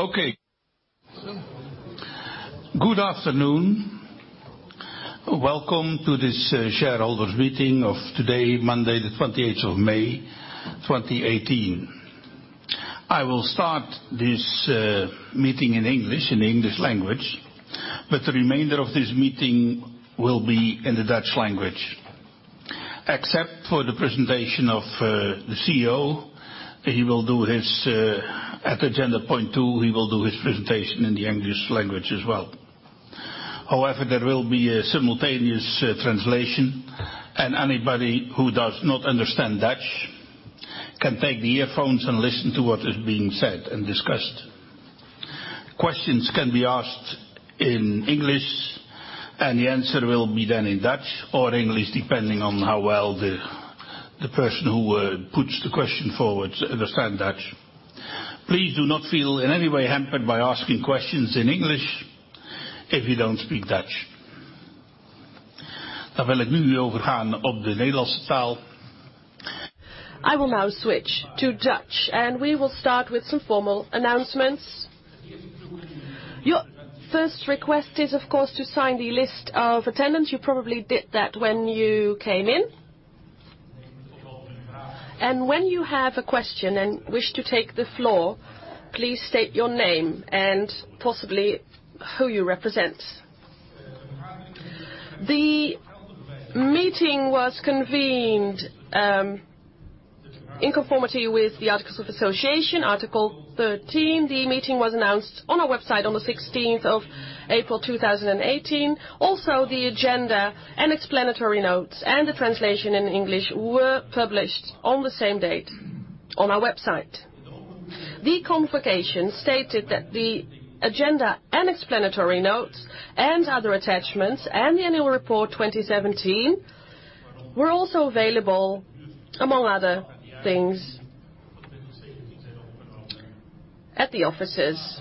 Okay. Good afternoon. Welcome to this shareholders' meeting of today, Monday the 28th of May, 2018. I will start this meeting in English, in the English language, the remainder of this meeting will be in the Dutch language, except for the presentation of the CEO. At agenda point two, he will do his presentation in the English language as well. However, there will be a simultaneous translation, and anybody who does not understand Dutch can take the earphones and listen to what is being said and discussed. Questions can be asked in English, and the answer will be then in Dutch or English, depending on how well the person who puts the question forward understands Dutch. Please do not feel in any way hampered by asking questions in English if you don't speak Dutch. I will now switch to Dutch, and we will start with some formal announcements. Your first request is, of course, to sign the list of attendance. You probably did that when you came in. When you have a question and wish to take the floor, please state your name and possibly who you represent. The meeting was convened in conformity with the Articles of Association, Article 13. The meeting was announced on our website on the 16th of April, 2018. Also, the agenda and explanatory notes and the translation in English were published on the same date on our website. The convocation stated that the agenda and explanatory notes and other attachments and the annual report 2017 were also available, among other things, at the offices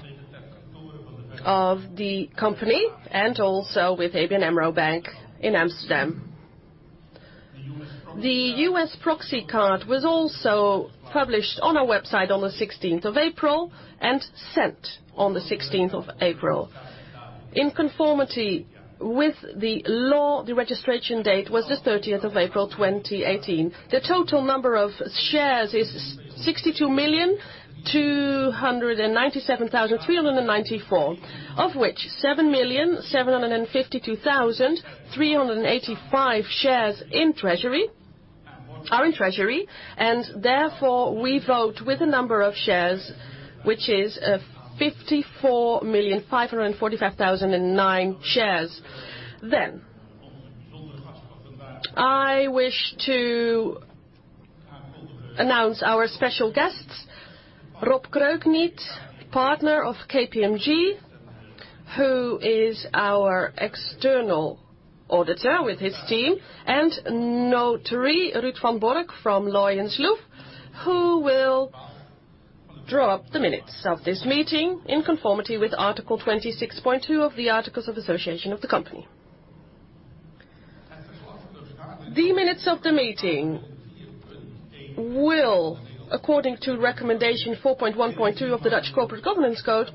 of the company and also with ABN AMRO Bank in Amsterdam. The U.S. proxy card was also published on our website on the 16th of April and sent on the 16th of April. In conformity with the law, the registration date was the 30th of April, 2018. The total number of shares is 62,297,394, of which 7,752,385 shares are in treasury, and therefore, we vote with a number of shares, which is 54,545,009 shares. I wish to announce our special guests, Rob Kroekniet, partner of KPMG, who is our external auditor with his team, and notary Ruud van Bork from Loyens & Loeff, who will draw up the minutes of this meeting in conformity with Article 26.2 of the Articles of Association of the company. The minutes of the meeting will, according to recommendation 4.1.2 of the Dutch Corporate Governance Code,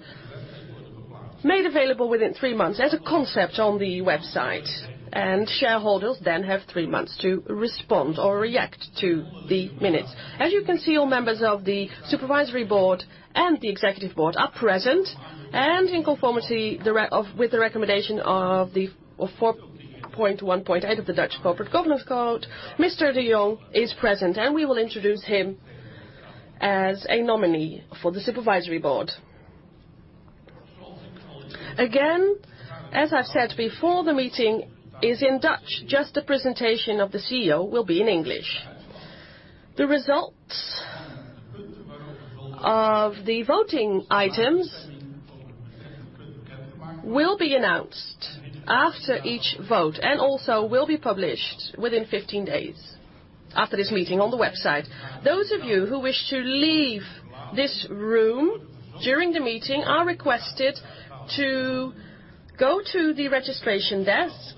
made available within three months as a concept on the website, and shareholders then have three months to respond or react to the minutes. As you can see, all members of the supervisory board and the executive board are present, and in conformity with the recommendation of the 4.1.8 of the Dutch Corporate Governance Code, Mr. De Jong is present, and we will introduce him as a nominee for the supervisory board. Again, as I've said before, the meeting is in Dutch, just the presentation of the CEO will be in English. The results of the voting items will be announced after each vote and also will be published within 15 days after this meeting on the website. Those of you who wish to leave this room during the meeting are requested to go to the registration desk.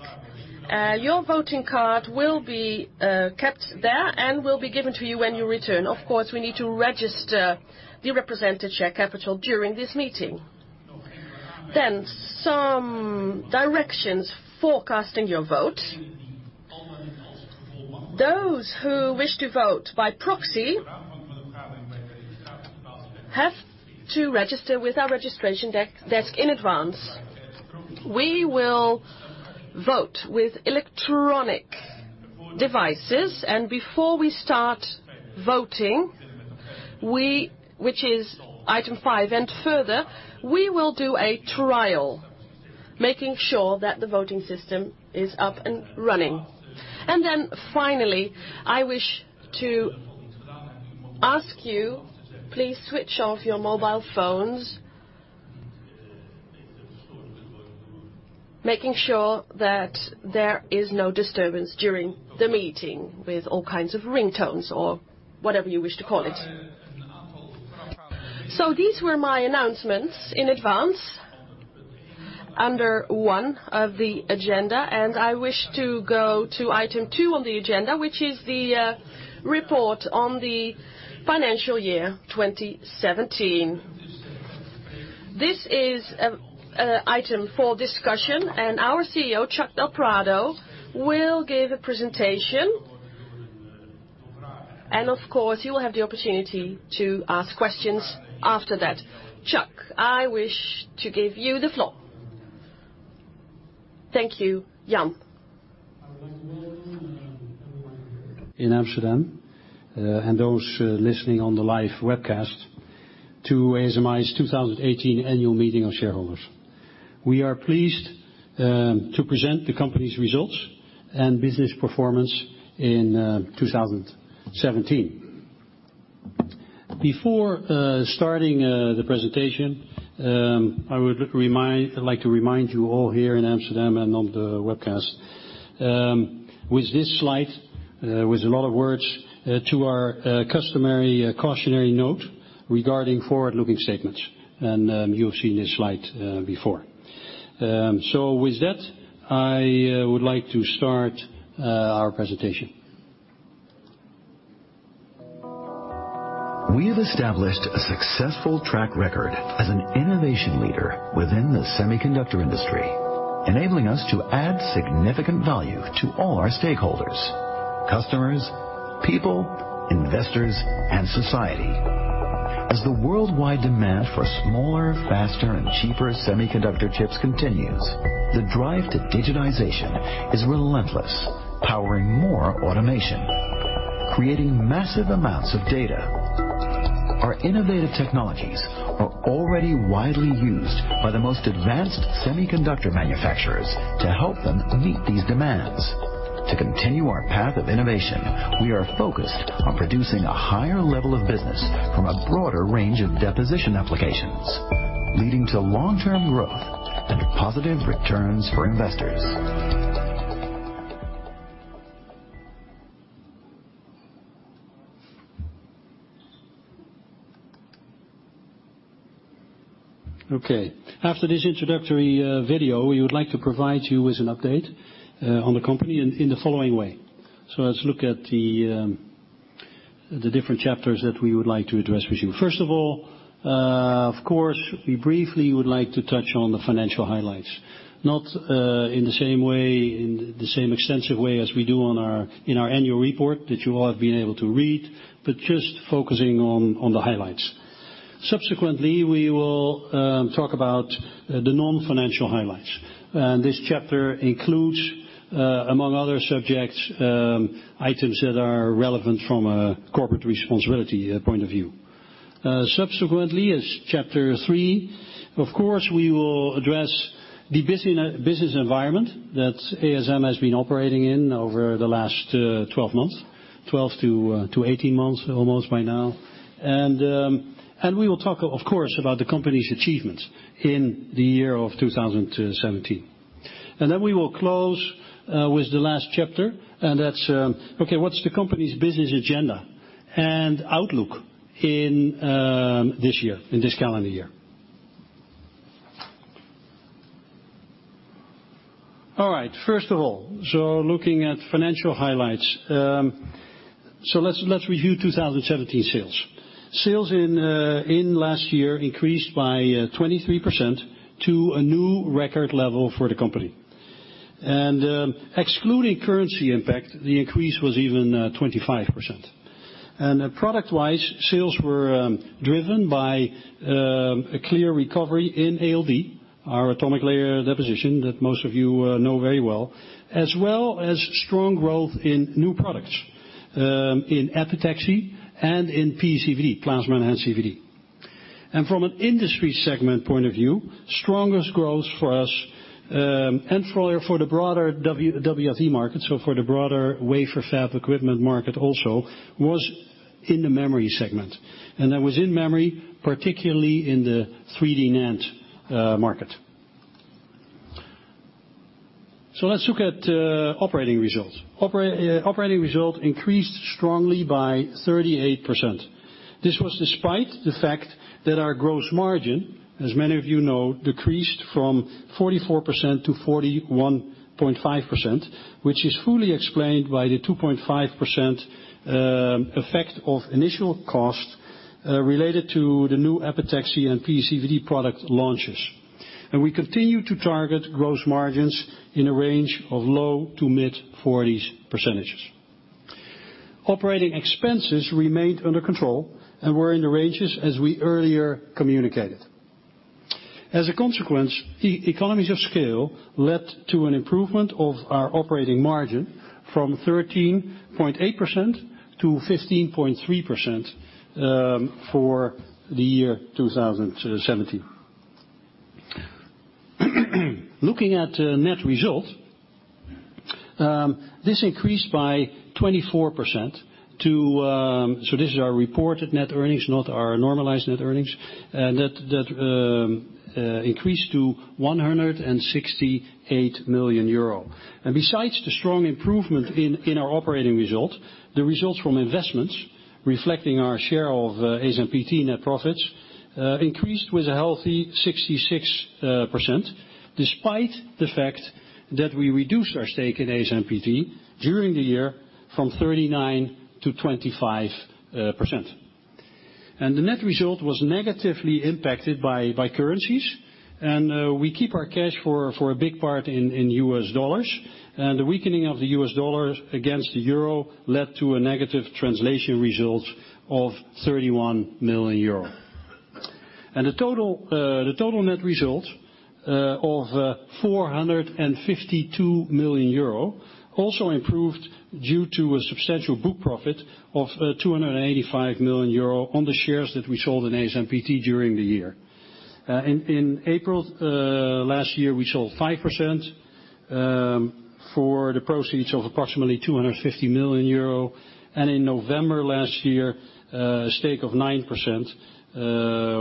Your voting card will be kept there and will be given to you when you return. Of course, we need to register the represented share capital during this meeting. Some directions for casting your vote. Those who wish to vote by proxy have to register with our registration desk in advance. We will vote with electronic devices, and before we start voting, which is item five and further, we will do a trial making sure that the voting system is up and running. Finally, I wish to ask you, please switch off your mobile phones, making sure that there is no disturbance during the meeting with all kinds of ringtones or whatever you wish to call it. These were my announcements in advance. Under 1 of the agenda, I wish to go to item two on the agenda, which is the report on the financial year 2017. This is an item for discussion, and our CEO, Chuck del Prado, will give a presentation. Of course, you will have the opportunity to ask questions after that. Chuck, I wish to give you the floor. Thank you. Jan. In Amsterdam and those listening on the live webcast to ASMI's 2018 Annual Meeting of Shareholders. We are pleased to present the company's results and business performance in 2017. Before starting the presentation, I would like to remind you all here in Amsterdam and on the webcast, with this slide, with a lot of words, to our customary cautionary note regarding forward-looking statements. You've seen this slide before. With that, I would like to start our presentation. We have established a successful track record as an innovation leader within the semiconductor industry, enabling us to add significant value to all our stakeholders, customers, people, investors, and society. As the worldwide demand for smaller, faster, and cheaper semiconductor chips continues, the drive to digitization is relentless, powering more automation, creating massive amounts of data. Our innovative technologies are already widely used by the most advanced semiconductor manufacturers to help them meet these demands. To continue our path of innovation, we are focused on producing a higher level of business from a broader range of deposition applications, leading to long-term growth and positive returns for investors. After this introductory video, we would like to provide you with an update on the company in the following way. Let's look at the different chapters that we would like to address with you. First of all, of course, we briefly would like to touch on the financial highlights. Not in the same extensive way as we do in our annual report that you all have been able to read, but just focusing on the highlights. Subsequently, we will talk about the non-financial highlights. This chapter includes, among other subjects, items that are relevant from a corporate responsibility point of view. Subsequently, as chapter 3, of course, we will address the business environment that ASM has been operating in over the last 12 months, 12-18 months almost by now. We will talk, of course, about the company's achievements in the year of 2017. We will close with the last chapter, what's the company's business agenda and outlook in this calendar year? First of all, looking at financial highlights. Let's review 2017 sales. Sales in last year increased by 23% to a new record level for the company. Excluding currency impact, the increase was even 25%. Product-wise, sales were driven by a clear recovery in ALD, our atomic layer deposition that most of you know very well, as well as strong growth in new products, in epitaxy and in PECVD, plasma-enhanced CVD. From an industry segment point of view, strongest growth for us and for the broader WFE market, for the broader wafer fab equipment market also, was in the memory segment. That was in memory, particularly in the 3D NAND market. Let's look at operating results. Operating result increased strongly by 38%. This was despite the fact that our gross margin, as many of you know, decreased from 44% to 41.5%, which is fully explained by the 2.5% effect of initial cost related to the new epitaxy and PECVD product launches. We continue to target gross margins in a range of low to mid 40s percentages. Operating expenses remained under control and were in the ranges as we earlier communicated. As a consequence, economies of scale led to an improvement of our operating margin from 13.8% to 15.3% for the year 2017. Looking at net result, this increased by 24%. This is our reported net earnings, not our normalized net earnings, that increased to 168 million euro. Besides the strong improvement in our operating result, the results from investments reflecting our share of ASMPT net profits increased with a healthy 66%. Despite the fact that we reduced our stake in ASMPT during the year from 39% to 25%. The net result was negatively impacted by currencies. We keep our cash for a big part in U.S. dollars. The weakening of the U.S. dollar against the euro led to a negative translation result of 31 million euro. The total net result of 452 million euro also improved due to a substantial book profit of 285 million euro on the shares that we sold in ASMPT during the year. In April last year, we sold 5% for the proceeds of approximately 250 million euro, and in November last year, a stake of 9%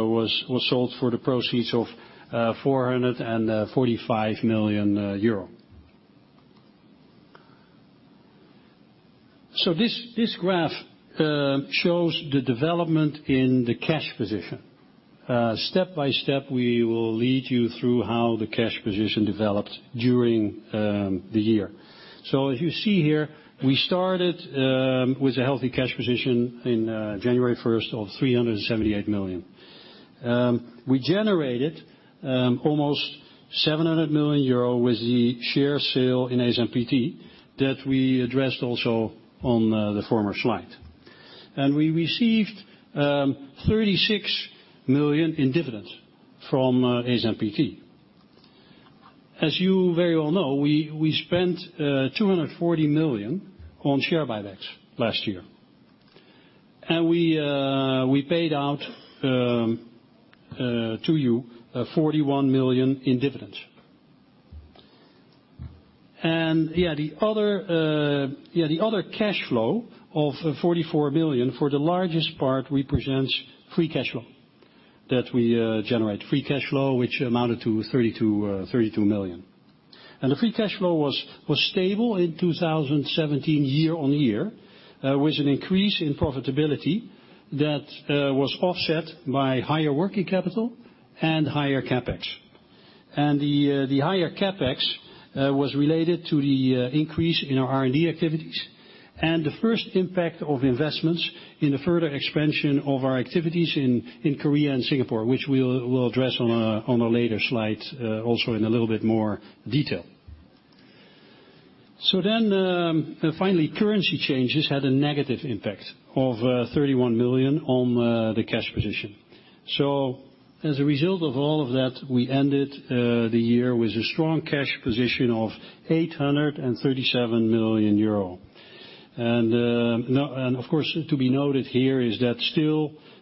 was sold for the proceeds of 445 million euro. This graph shows the development in the cash position. Step by step, we will lead you through how the cash position developed during the year. As you see here, we started with a healthy cash position in January 1st of 378 million. We generated almost 700 million euro with the share sale in ASMPT that we addressed also on the former slide. We received 36 million in dividends from ASMPT. As you very well know, we spent 240 million on share buybacks last year. We paid out to you 41 million in dividends. The other cash flow of 44 million for the largest part represents free cash flow that we generate. Free cash flow, which amounted to 32 million. The free cash flow was stable in 2017 year-over-year, with an increase in profitability that was offset by higher working capital and higher CapEx. The higher CapEx was related to the increase in our R&D activities and the first impact of investments in the further expansion of our activities in Korea and Singapore, which we'll address on a later slide, also in a little bit more detail. Finally, currency changes had a negative impact of 31 million on the cash position. As a result of all of that, we ended the year with a strong cash position of 837 million euro. Of course, to be noted here is that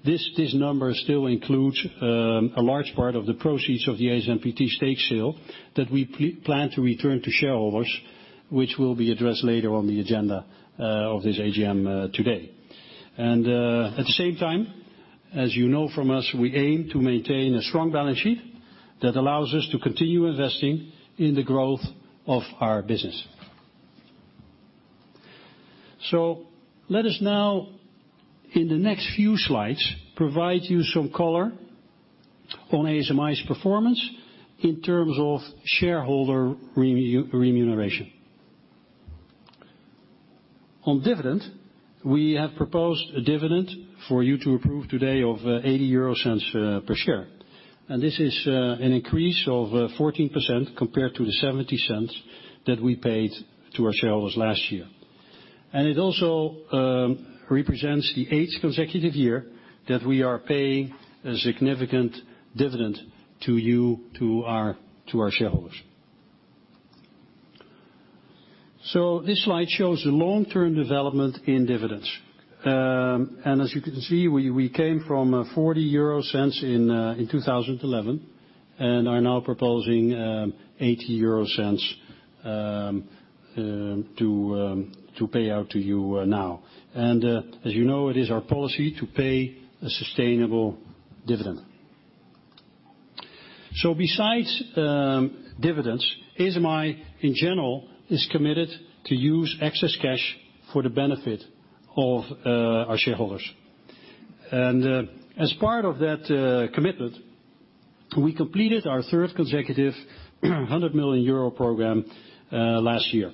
this number still includes a large part of the proceeds of the ASMPT stake sale that we plan to return to shareholders, which will be addressed later on the agenda of this AGM today. At the same time, as you know from us, we aim to maintain a strong balance sheet that allows us to continue investing in the growth of our business. Let us now, in the next few slides, provide you some color on ASMI's performance in terms of shareholder remuneration. On dividend, we have proposed a dividend for you to approve today of 0.80 per share. This is an increase of 14% compared to the 0.70 that we paid to our shareholders last year. It also represents the eighth consecutive year that we are paying a significant dividend to you, to our shareholders. This slide shows the long-term development in dividends. As you can see, we came from 0.40 in 2011 and are now proposing 0.80 to pay out to you now. As you know, it is our policy to pay a sustainable dividend. Besides dividends, ASMI in general is committed to use excess cash for the benefit of our shareholders. As part of that commitment, we completed our third consecutive 100 million euro program last year.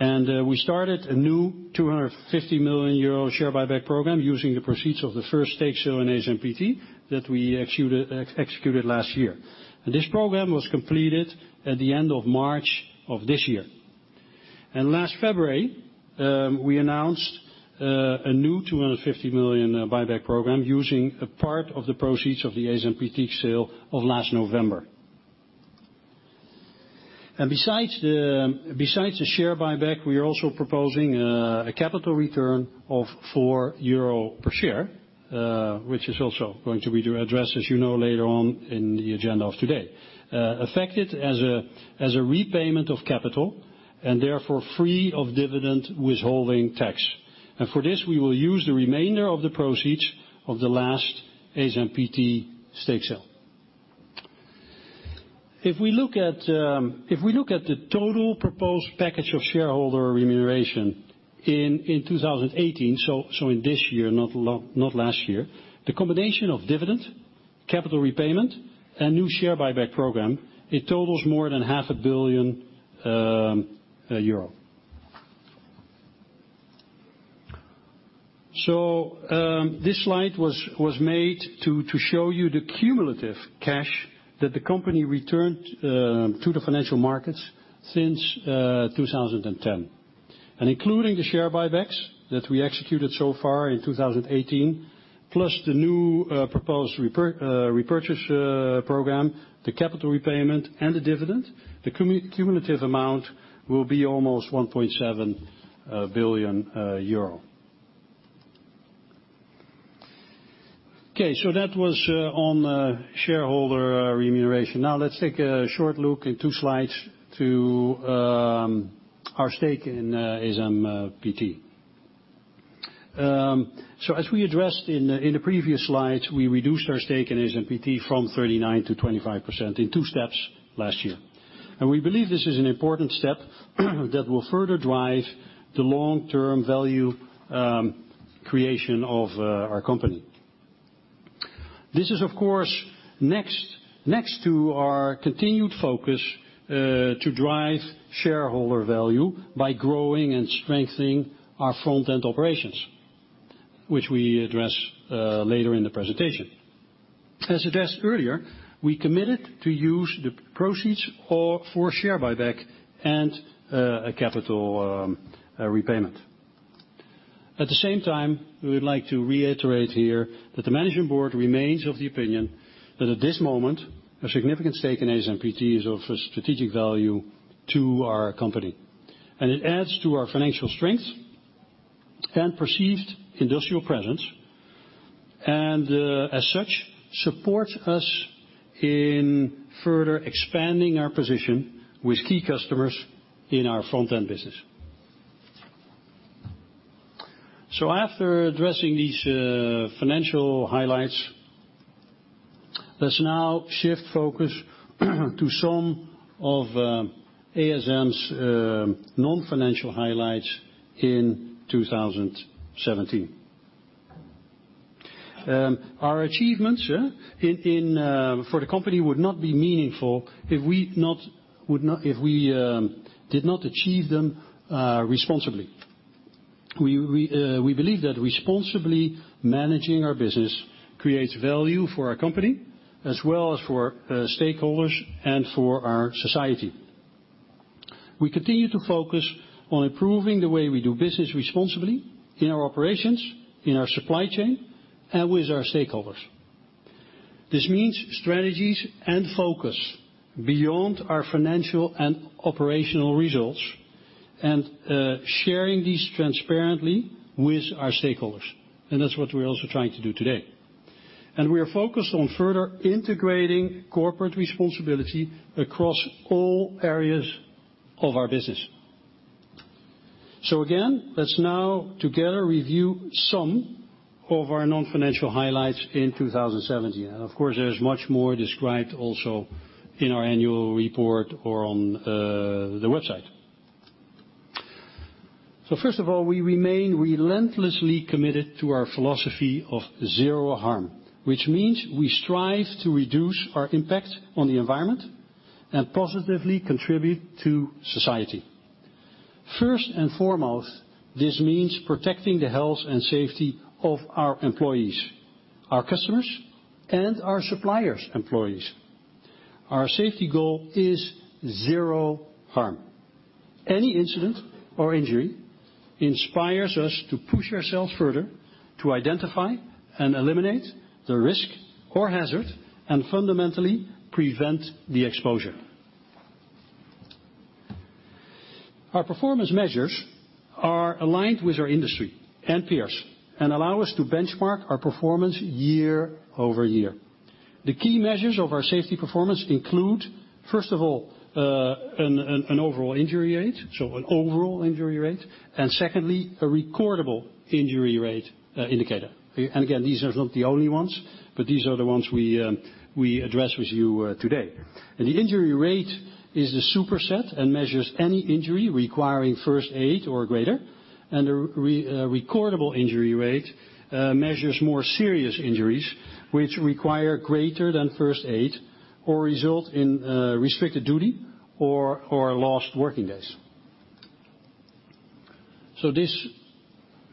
We started a new 250 million euro share buyback program using the proceeds of the first stake sale in ASMPT that we executed last year. This program was completed at the end of March of this year. Last February, we announced a new 250 million buyback program using a part of the proceeds of the ASMPT sale of last November. Besides the share buyback, we are also proposing a capital return of 4 euro per share, which is also going to be addressed, as you know, later on in the agenda of today. Affected as a repayment of capital, therefore free of dividend withholding tax. For this, we will use the remainder of the proceeds of the last ASMPT stake sale. If we look at the total proposed package of shareholder remuneration in 2018, so in this year, not last year, the combination of dividend, capital repayment, and new share buyback program, it totals more than half a billion euro. This slide was made to show you the cumulative cash that the company returned to the financial markets since 2010. Including the share buybacks that we executed so far in 2018, plus the new proposed repurchase program, the capital repayment, and the dividend, the cumulative amount will be almost 1.7 billion euro. Okay. That was on shareholder remuneration. Now let's take a short look in two slides to our stake in ASMPT. As we addressed in the previous slides, we reduced our stake in ASMPT from 39% to 25% in two steps last year. We believe this is an important step that will further drive the long-term value creation of our company. This is, of course, next to our continued focus to drive shareholder value by growing and strengthening our front-end operations, which we address later in the presentation. As addressed earlier, we committed to use the proceeds for share buyback and a capital repayment. At the same time, we would like to reiterate here that the management board remains of the opinion that at this moment, a significant stake in ASMPT is of a strategic value to our company, and it adds to our financial strength and perceived industrial presence, and, as such, supports us in further expanding our position with key customers in our front-end business. After addressing these financial highlights, let's now shift focus to some of ASM's non-financial highlights in 2017. Our achievements for the company would not be meaningful if we did not achieve them responsibly. We believe that responsibly managing our business creates value for our company as well as for our stakeholders and for our society. We continue to focus on improving the way we do business responsibly in our operations, in our supply chain, and with our stakeholders. This means strategies and focus beyond our financial and operational results and sharing these transparently with our stakeholders, and that's what we're also trying to do today. We are focused on further integrating corporate responsibility across all areas of our business. Again, let's now together review some of our non-financial highlights in 2017, and of course, there is much more described also in our annual report or on the website. First of all, we remain relentlessly committed to our philosophy of zero harm, which means we strive to reduce our impact on the environment and positively contribute to society. First and foremost, this means protecting the health and safety of our employees, our customers, and our suppliers' employees. Our safety goal is zero harm. Any incident or injury inspires us to push ourselves further to identify and eliminate the risk or hazard and fundamentally prevent the exposure. Our performance measures are aligned with our industry and peers and allow us to benchmark our performance year-over-year. The key measures of our safety performance include, first of all, an overall injury rate, and secondly, a recordable injury rate indicator. Again, these are not the only ones, but these are the ones we address with you today. The injury rate is the superset and measures any injury requiring first aid or greater, and the recordable injury rate measures more serious injuries which require greater than first aid or result in restricted duty or lost working days. This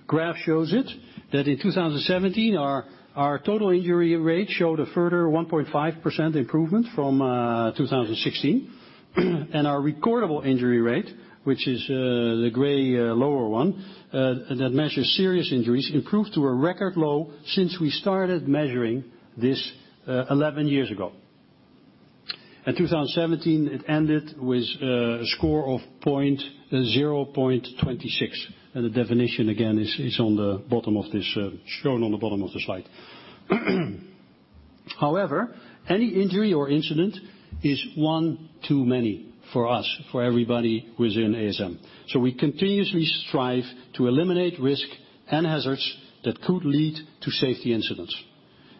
graph shows it, that in 2017, our total injury rate showed a further 1.5% improvement from 2016. Our recordable injury rate, which is the gray lower one that measures serious injuries, improved to a record low since we started measuring this 11 years ago. In 2017, it ended with a score of 0.26. The definition, again, is shown on the bottom of the slide. However, any injury or incident is one too many for us, for everybody within ASM, so we continuously strive to eliminate risk and hazards that could lead to safety incidents.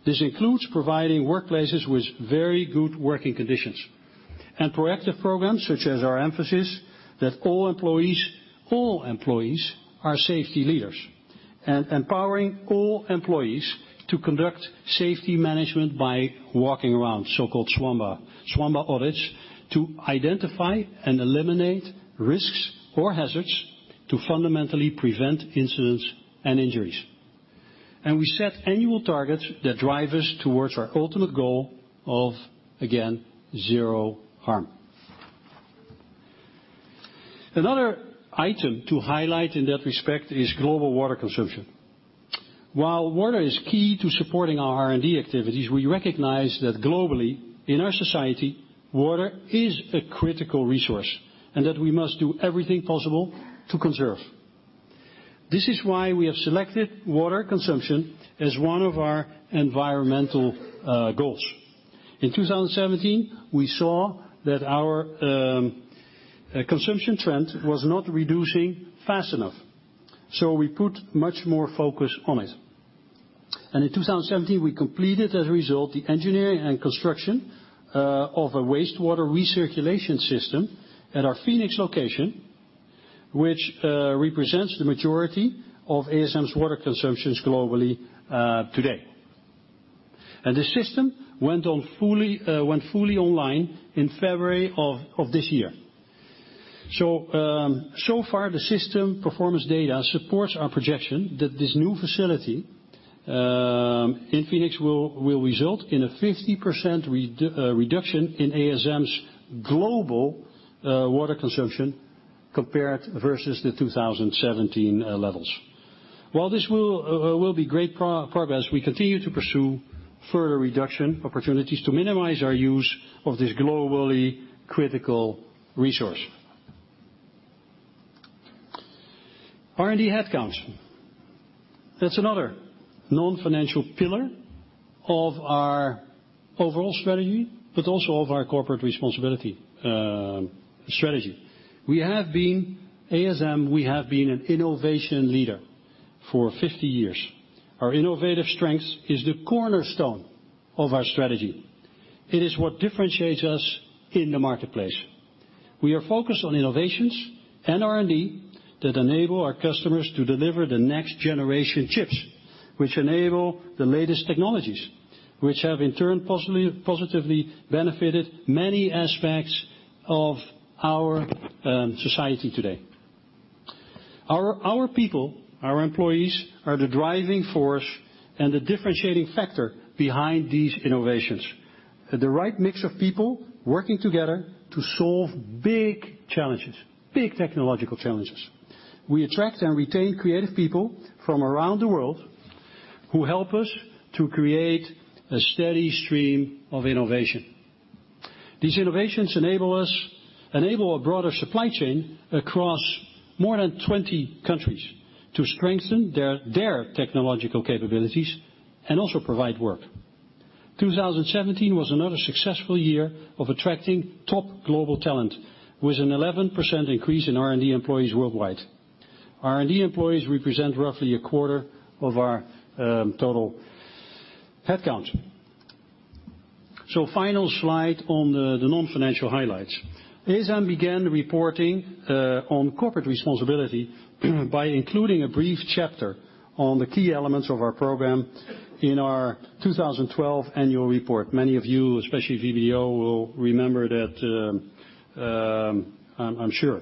This includes providing workplaces with very good working conditions. Proactive programs, such as our emphasis that all employees are safety leaders. Empowering all employees to conduct Safety Management By Walking Around, so-called SMBWA audits, to identify and eliminate risks or hazards to fundamentally prevent incidents and injuries. We set annual targets that drive us towards our ultimate goal of, again, zero harm. Another item to highlight in that respect is global water consumption. While water is key to supporting our R&D activities, we recognize that globally, in our society, water is a critical resource and that we must do everything possible to conserve. This is why we have selected water consumption as one of our environmental goals. In 2017, we saw that our consumption trend was not reducing fast enough, so we put much more focus on it. In 2017, we completed, as a result, the engineering and construction of a wastewater recirculation system at our Phoenix location, which represents the majority of ASM's water consumptions globally today. The system went fully online in February of this year. So far, the system performance data supports our projection that this new facility in Phoenix will result in a 50% reduction in ASM's global water consumption compared versus the 2017 levels. While this will be great progress, we continue to pursue further reduction opportunities to minimize our use of this globally critical resource. R&D headcount. That's another non-financial pillar of our overall strategy, but also of our corporate responsibility strategy. We have been ASM. We have been an innovation leader for 50 years. Our innovative strength is the cornerstone of our strategy. It is what differentiates us in the marketplace. We are focused on innovations and R&D that enable our customers to deliver the next generation chips, which enable the latest technologies, which have in turn positively benefited many aspects of our society today. Our people, our employees, are the driving force and the differentiating factor behind these innovations. The right mix of people working together to solve big challenges, big technological challenges. We attract and retain creative people from around the world who help us to create a steady stream of innovation. These innovations enable a broader supply chain across more than 20 countries to strengthen their technological capabilities and also provide work. 2017 was another successful year of attracting top global talent, with an 11% increase in R&D employees worldwide. R&D employees represent roughly a quarter of our total headcount. Final slide on the non-financial highlights. ASM began reporting on corporate responsibility by including a brief chapter on the key elements of our program in our 2012 annual report. Many of you, especially VEB, will remember that, I'm sure.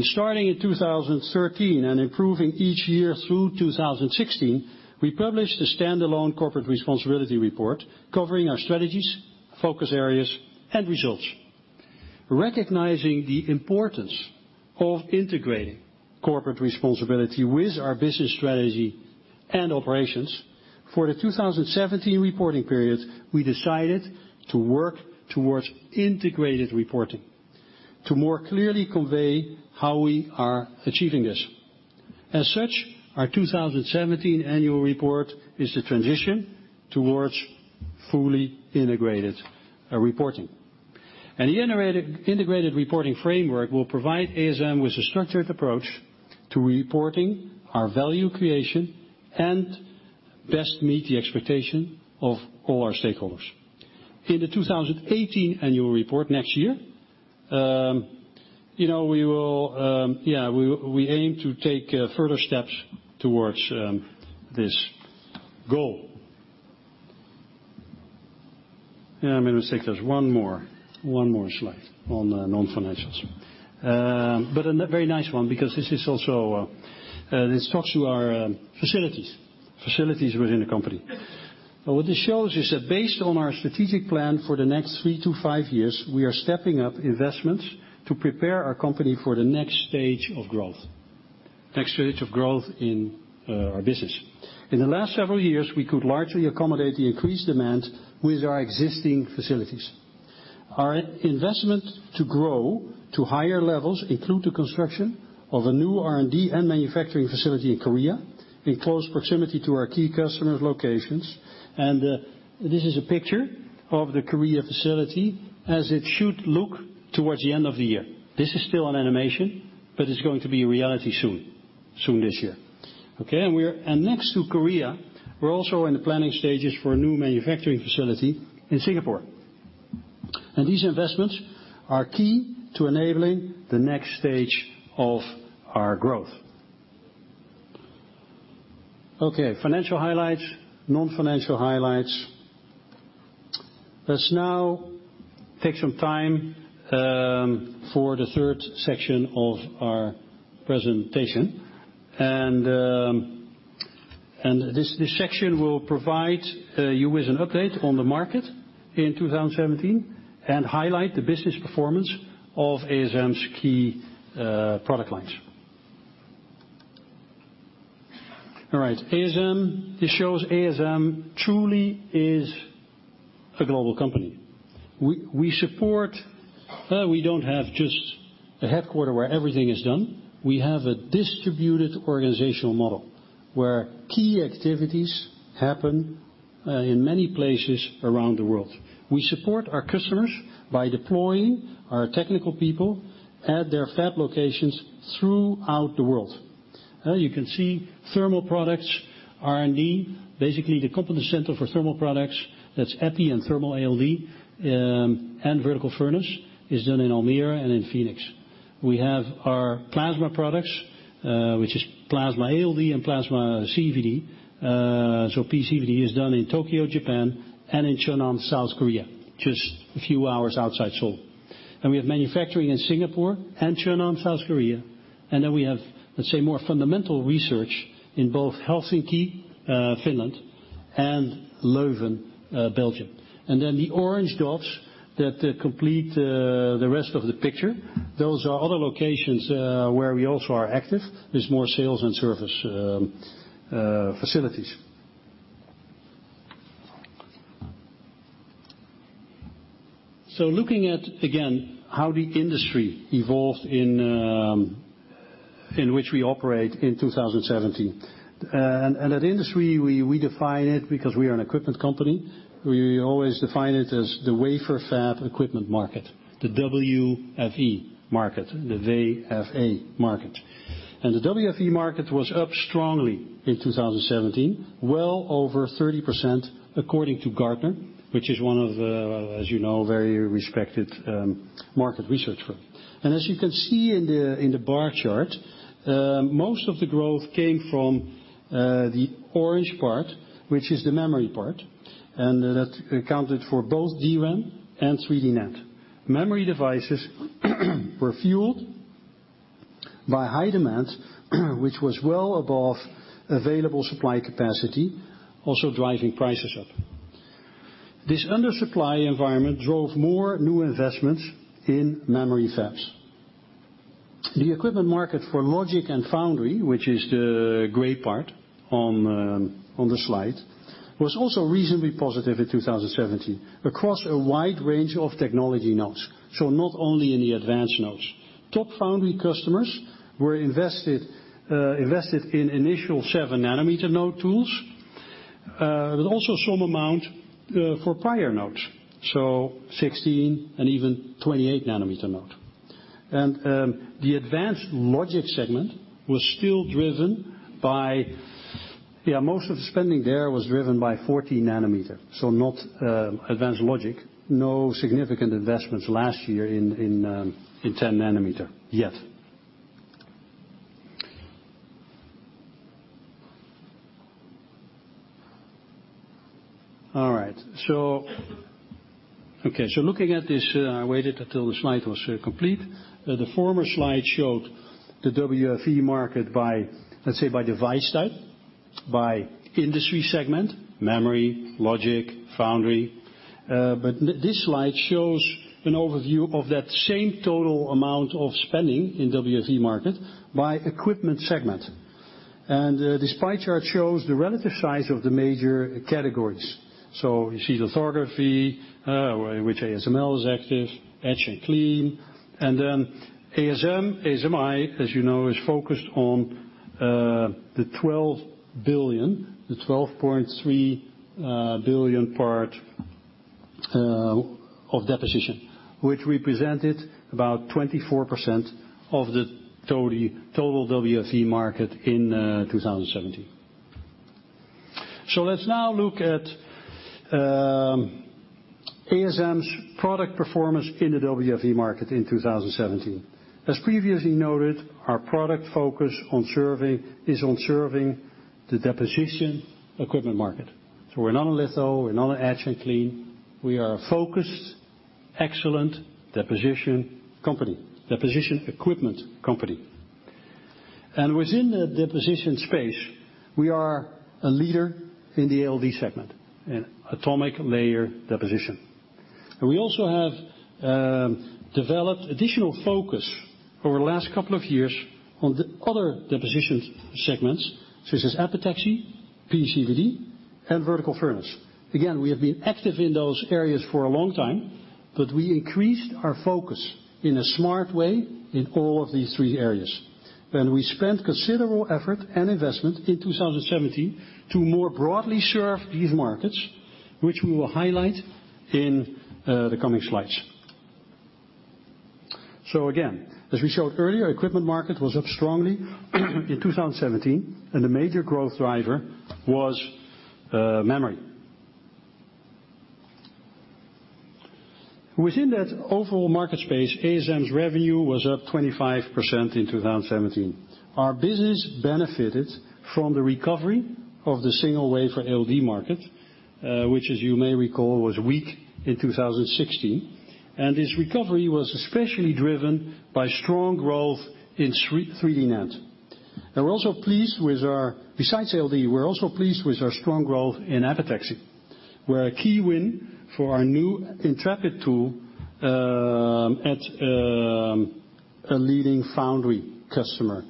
Starting in 2013 and improving each year through 2016, we published a standalone corporate responsibility report covering our strategies, focus areas, and results. Recognizing the importance of integrating corporate responsibility with our business strategy and operations, for the 2017 reporting period, we decided to work towards integrated reporting to more clearly convey how we are achieving this. As such, our 2017 annual report is the transition towards fully integrated reporting. The integrated reporting framework will provide ASM with a structured approach to reporting our value creation and best meet the expectation of all our stakeholders. In the 2018 annual report next year, we aim to take further steps towards this goal. Yeah, I made a mistake. There is one more slide on non-financials. A very nice one, because this talks to our facilities within the company. What this shows is that based on our strategic plan for the next three to five years, we are stepping up investments to prepare our company for the next stage of growth in our business. In the last several years, we could largely accommodate the increased demand with our existing facilities. Our investment to grow to higher levels include the construction of a new R&D and manufacturing facility in Korea, in close proximity to our key customers' locations. This is a picture of the Korea facility as it should look towards the end of the year. This is still an animation, but it's going to be a reality soon. Soon this year. Okay, next to Korea, we're also in the planning stages for a new manufacturing facility in Singapore. These investments are key to enabling the next stage of our growth. Okay. Financial highlights. Non-financial highlights. Let's now take some time for the third section of our presentation. This section will provide you with an update on the market in 2017 and highlight the business performance of ASM's key product lines. All right. This shows ASM truly is a global company. We don't have just a headquarter where everything is done. We have a distributed organizational model where key activities happen in many places around the world. We support our customers by deploying our technical people at their fab locations throughout the world. You can see thermal products, R&D, basically the competence center for thermal products. That's EPI and thermal ALD and vertical furnace is done in Almere and in Phoenix. We have our plasma products, which is plasma ALD and plasma CVD, PCVD is done in Tokyo, Japan, and in Cheonan, South Korea, just a few hours outside Seoul. We have manufacturing in Singapore and Cheonan, South Korea. Then we have, let's say, more fundamental research in both Helsinki, Finland and Leuven, Belgium. The orange dots that complete the rest of the picture, those are other locations where we also are active as ASMI sales and service facilities. Looking at, again, how the industry evolved in which we operate in 2017. That industry, we define it because we are an equipment company. We always define it as the wafer fab equipment market, the WFE market. The WFE market was up strongly in 2017, well over 30% according to Gartner, which is one of the, as you know, very respected market research firm. As you can see in the bar chart, most of the growth came from the orange part, which is the memory part. That accounted for both DRAM and 3D NAND. Memory devices were fueled by high demand, which was well above available supply capacity, also driving prices up. This undersupply environment drove more new investments in memory fabs. The equipment market for logic and foundry, which is the gray part on the slide, was also reasonably positive in 2017 across a wide range of technology nodes. Not only in the advanced nodes. Top foundry customers were invested in initial 7-nanometer node tools, but also some amount for prior nodes. 16 and even 28-nanometer node. The advanced logic segment, most of the spending there was driven by 14-nanometer, not advanced logic. No significant investments last year in 10-nanometer yet. All right. Looking at this, I waited until the slide was complete. The former slide showed the WFE market by device type, by industry segment, memory, logic, foundry. This slide shows an overview of that same total amount of spending in WFE market by equipment segment. This pie chart shows the relative size of the major categories. You see lithography, where ASM is active, etch and clean. ASMI, as you know, is focused on the 12.3 billion part of deposition, which represented about 24% of the total WFE market in 2017. Let's now look at ASM's product performance in the WFE market in 2017. As previously noted, our product focus is on serving the deposition equipment market. We're not on litho, we're not on etch and clean. We are a focused, excellent deposition equipment company. Within the deposition space, we are a leader in the ALD segment, atomic layer deposition. We also have developed additional focus over the last couple of years on the other deposition segments such as epitaxy, PCVD, and vertical furnace. Again, we have been active in those areas for a long time, but we increased our focus in a smart way in all of these three areas. We spent considerable effort and investment in 2017 to more broadly serve these markets, which we will highlight in the coming slides. Again, as we showed earlier, equipment market was up strongly in 2017, and the major growth driver was memory. Within that overall market space, ASM's revenue was up 25% in 2017. Our business benefited from the recovery of the single-wafer ALD market, which as you may recall, was weak in 2016. This recovery was especially driven by strong growth in 3D NAND. Besides ALD, we're also pleased with our strong growth in epitaxy, where a key win for our new Intrepid tool at a leading foundry customer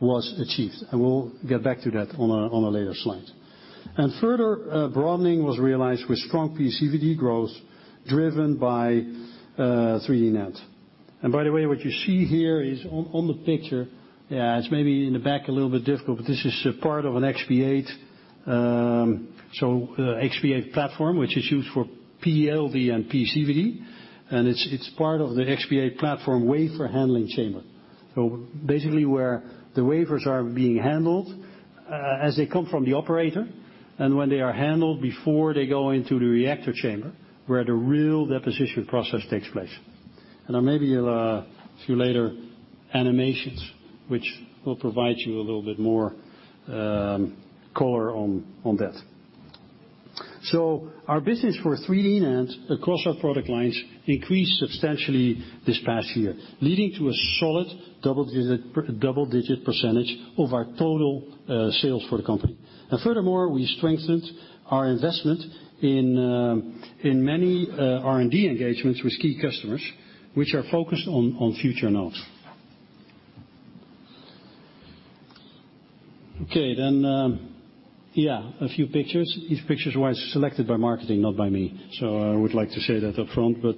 was achieved, we'll get back to that on a later slide. Further broadening was realized with strong PCVD growth driven by 3D NAND. By the way, what you see here is on the picture, it's maybe in the back a little bit difficult, but this is a part of an XP8 platform, which is used for PEALD and PCVD, and it's part of the XP8 platform wafer handling chamber. Basically where the wafers are being handled as they come from the operator, and when they are handled before they go into the reactor chamber, where the real deposition process takes place. There may be a few later animations, which will provide you a little bit more color on that. Our business for 3D NAND across our product lines increased substantially this past year, leading to a solid double-digit % of our total sales for the company. Furthermore, we strengthened our investment in many R&D engagements with key customers, which are focused on future nodes. Okay. Then, yeah, a few pictures. These pictures were selected by marketing, not by me. I would like to say that up front, but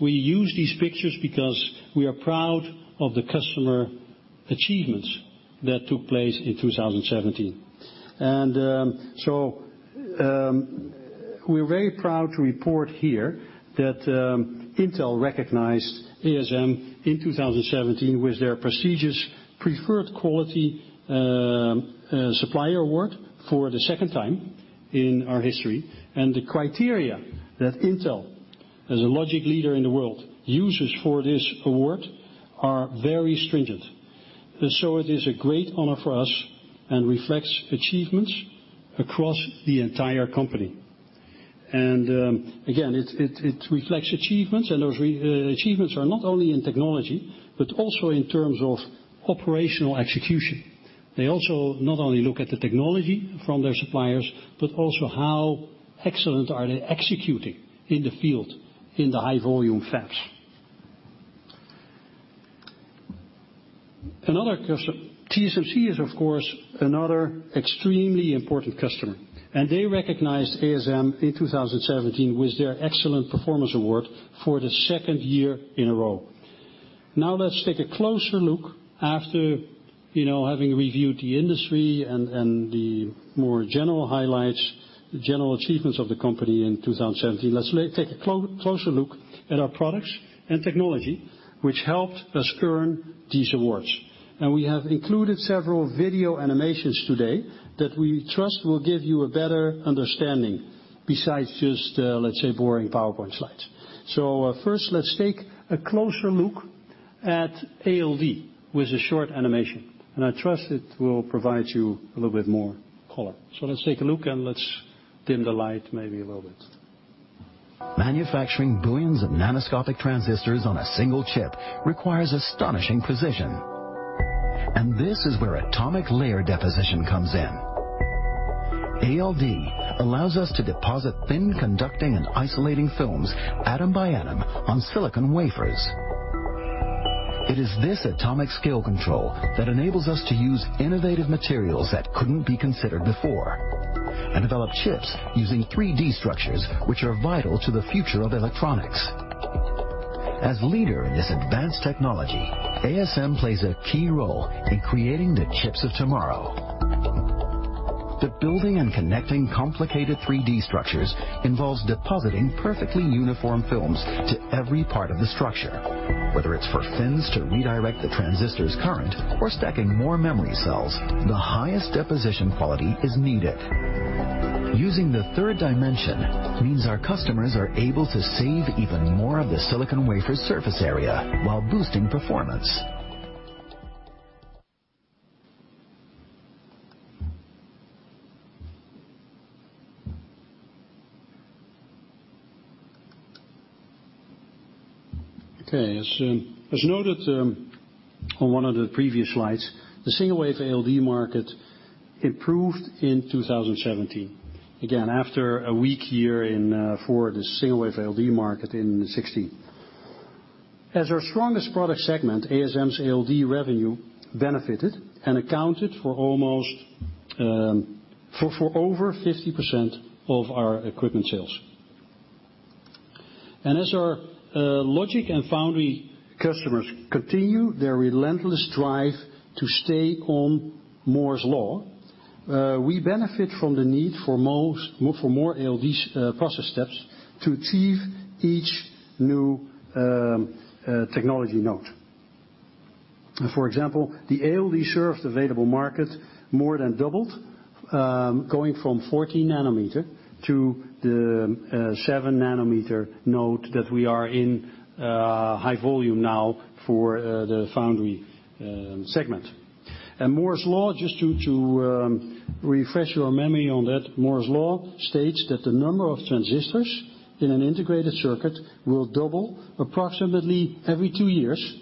we use these pictures because we are proud of the customer achievements that took place in 2017. We're very proud to report here that Intel recognized ASM in 2017 with their prestigious Preferred Quality Supplier Award for the second time in our history. The criteria that Intel, as a logic leader in the world, uses for this award are very stringent. It is a great honor for us and reflects achievements across the entire company. Again, it reflects achievements, and those achievements are not only in technology, but also in terms of operational execution. They also not only look at the technology from their suppliers, but also how excellent are they executing in the field in the high volume fabs. TSMC is, of course, another extremely important customer, and they recognized ASM in 2017 with their Excellent Performance Award for the second year in a row. Let's take a closer look after having reviewed the industry and the more general highlights, the general achievements of the company in 2017. Let's take a closer look at our products and technology, which helped us earn these awards. We have included several video animations today that we trust will give you a better understanding besides just, let's say, boring PowerPoint slides. First, let's take a closer look at ALD, with a short animation. I trust it will provide you a little bit more color. Let's take a look, and let's dim the light maybe a little bit. Manufacturing billions of nanoscopic transistors on a single chip requires astonishing precision. This is where atomic layer deposition comes in. ALD allows us to deposit thin conducting and isolating films atom by atom on silicon wafers. It is this atomic-scale control that enables us to use innovative materials that couldn't be considered before and develop chips using 3D structures, which are vital to the future of electronics. As leader in this advanced technology, ASM plays a key role in creating the chips of tomorrow. Building and connecting complicated 3D structures involves depositing perfectly uniform films to every part of the structure. Whether it's for fins to redirect the transistor's current or stacking more memory cells, the highest deposition quality is needed. Using the third dimension means our customers are able to save even more of the silicon wafer surface area while boosting performance. Okay, as noted on one of the previous slides, the single-wafer ALD market improved in 2017, again, after a weak year for the single-wafer ALD market in 2016. As our strongest product segment, ASM's ALD revenue benefited and accounted for over 50% of our equipment sales. As our logic and foundry customers continue their relentless drive to stay on Moore's Law. We benefit from the need for more ALD process steps to achieve each new technology node. For example, the ALD served available market more than doubled, going from 40 nanometer to the 7 nanometer node that we are in high volume now for the foundry segment. Moore's Law, just to refresh your memory on that, Moore's Law states that the number of transistors in an integrated circuit will double approximately every two years,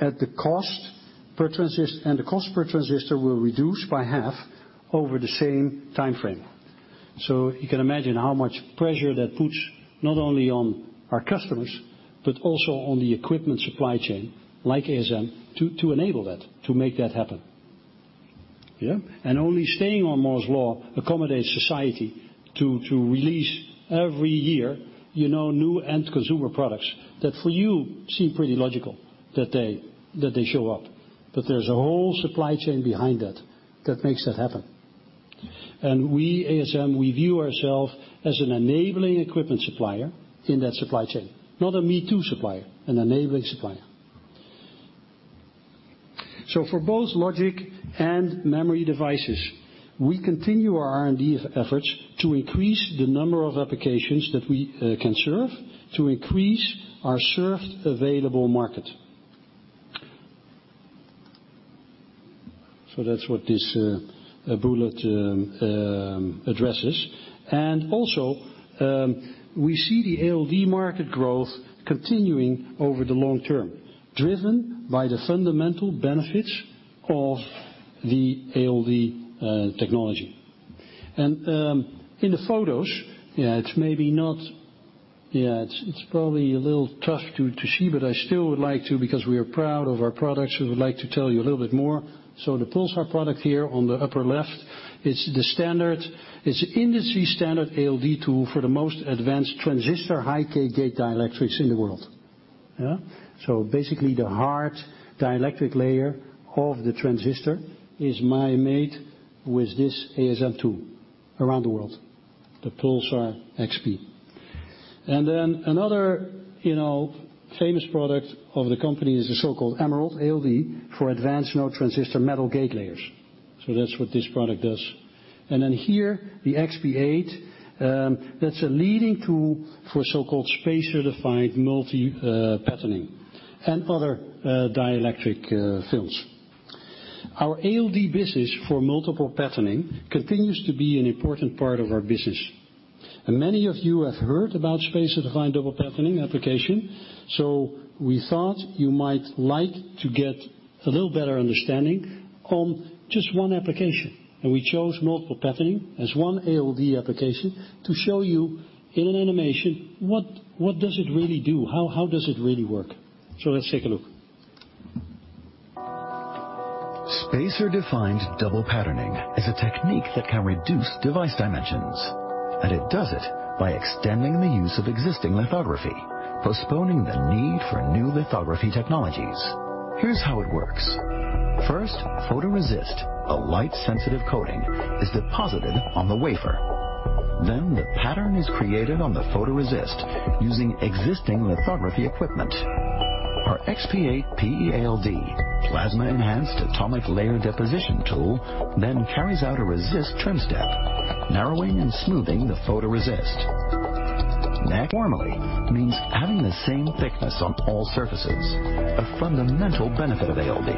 and the cost per transistor will reduce by half over the same timeframe. You can imagine how much pressure that puts not only on our customers, but also on the equipment supply chain, like ASM, to enable that, to make that happen. Yeah? Only staying on Moore's Law accommodates society to release every year new end consumer products that for you seem pretty logical that they show up. There's a whole supply chain behind that that makes that happen. We, ASM, we view ourselves as an enabling equipment supplier in that supply chain. Not a me-too supplier, an enabling supplier. For both logic and memory devices, we continue our R&D efforts to increase the number of applications that we can serve to increase our served available market. That's what this bullet addresses. Also, we see the ALD market growth continuing over the long term, driven by the fundamental benefits of the ALD technology. In the photos, it's probably a little tough to see, but I still would like to because we are proud of our products, we would like to tell you a little bit more. The Pulsar product here on the upper left, it's the industry standard ALD tool for the most advanced transistor high-k gate dielectrics in the world. Yeah? Basically the heart dielectric layer of the transistor is manmade with this ASM tool around the world, the Pulsar XP. Another famous product of the company is the so-called EmerALD ALD for advanced node transistor metal gate layers. That's what this product does. Here, the XP8, that's a leading tool for so-called spacer-defined multi-patterning and other dielectric films. Our ALD business for multiple patterning continues to be an important part of our business, and many of you have heard about spacer defined double patterning application. We thought you might like to get a little better understanding on just one application, and we chose multiple patterning as one ALD application to show you in an animation what does it really do? How does it really work? Let's take a look. Spacer defined double patterning is a technique that can reduce device dimensions, and it does it by extending the use of existing lithography, postponing the need for new lithography technologies. Here's how it works. First, photoresist, a light-sensitive coating, is deposited on the wafer. The pattern is created on the photoresist using existing lithography equipment. Our XP8 PEALD, plasma-enhanced atomic layer deposition tool, then carries out a resist trim step, narrowing and smoothing the photoresist. Conformally means having the same thickness on all surfaces, a fundamental benefit of ALD.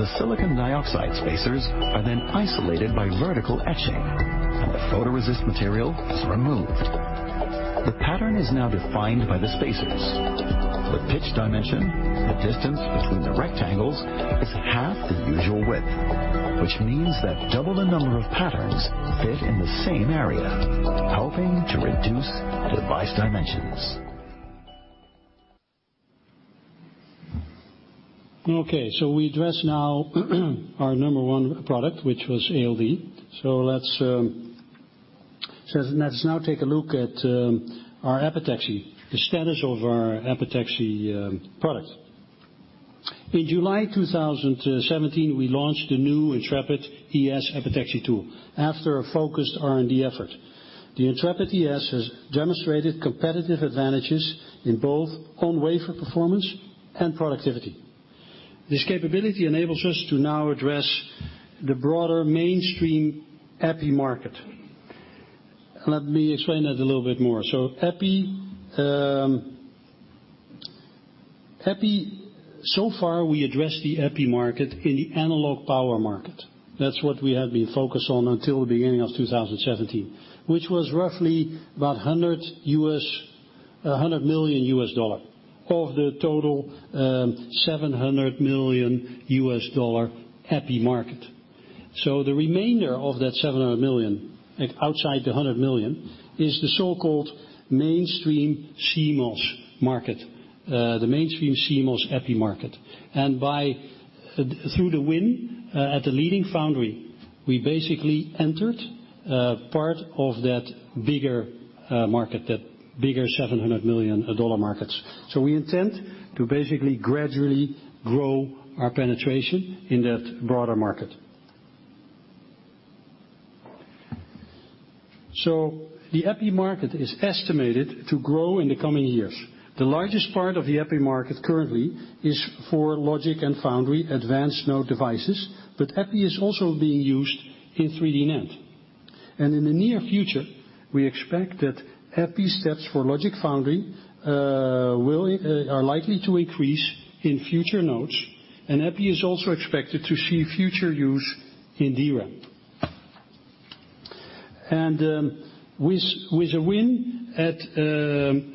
The silicon dioxide spacers are then isolated by vertical etching, and the photoresist material is removed. The pattern is now defined by the spacers. The pitch dimension, the distance between the rectangles, is half the usual width, which means that double the number of patterns fit in the same area, helping to reduce device dimensions. We address now our number 1 product, which was ALD. Let's now take a look at our epitaxy, the status of our epitaxy product. In July 2017, we launched the new Intrepid ES epitaxy tool after a focused R&D effort. The Intrepid ES has demonstrated competitive advantages in both on-wafer performance and productivity. This capability enables us to now address the broader mainstream EPI market. Let me explain that a little bit more. So far, we addressed the EPI market in the analog power market. That's what we have been focused on until the beginning of 2017, which was roughly about $100 million of the total $700 million EPI market. The remainder of that $700 million, outside the $100 million, is the so-called mainstream CMOS market, the mainstream CMOS EPI market. Through the win at the leading foundry, we basically entered part of that bigger market, that bigger $700 million markets. We intend to basically gradually grow our penetration in that broader market. The EPI market is estimated to grow in the coming years. The largest part of the EPI market currently is for logic and foundry advanced node devices, but EPI is also being used in 3D NAND. In the near future, we expect that EPI steps for logic foundry are likely to increase in future nodes, and EPI is also expected to see future use in DRAM. With a win at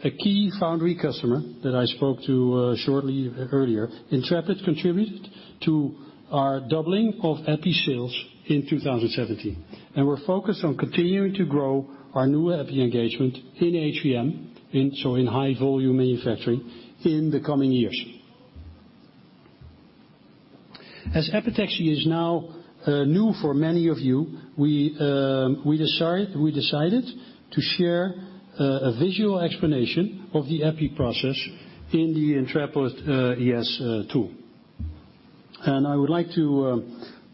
a key foundry customer that I spoke to shortly earlier, Intrepid contributed to our doubling of EPI sales in 2017. We're focused on continuing to grow our new EPI engagement in HVM, so in high volume manufacturing, in the coming years. As epitaxy is now new for many of you, we decided to share a visual explanation of the EPI process in the Intrepid ES tool. I would like to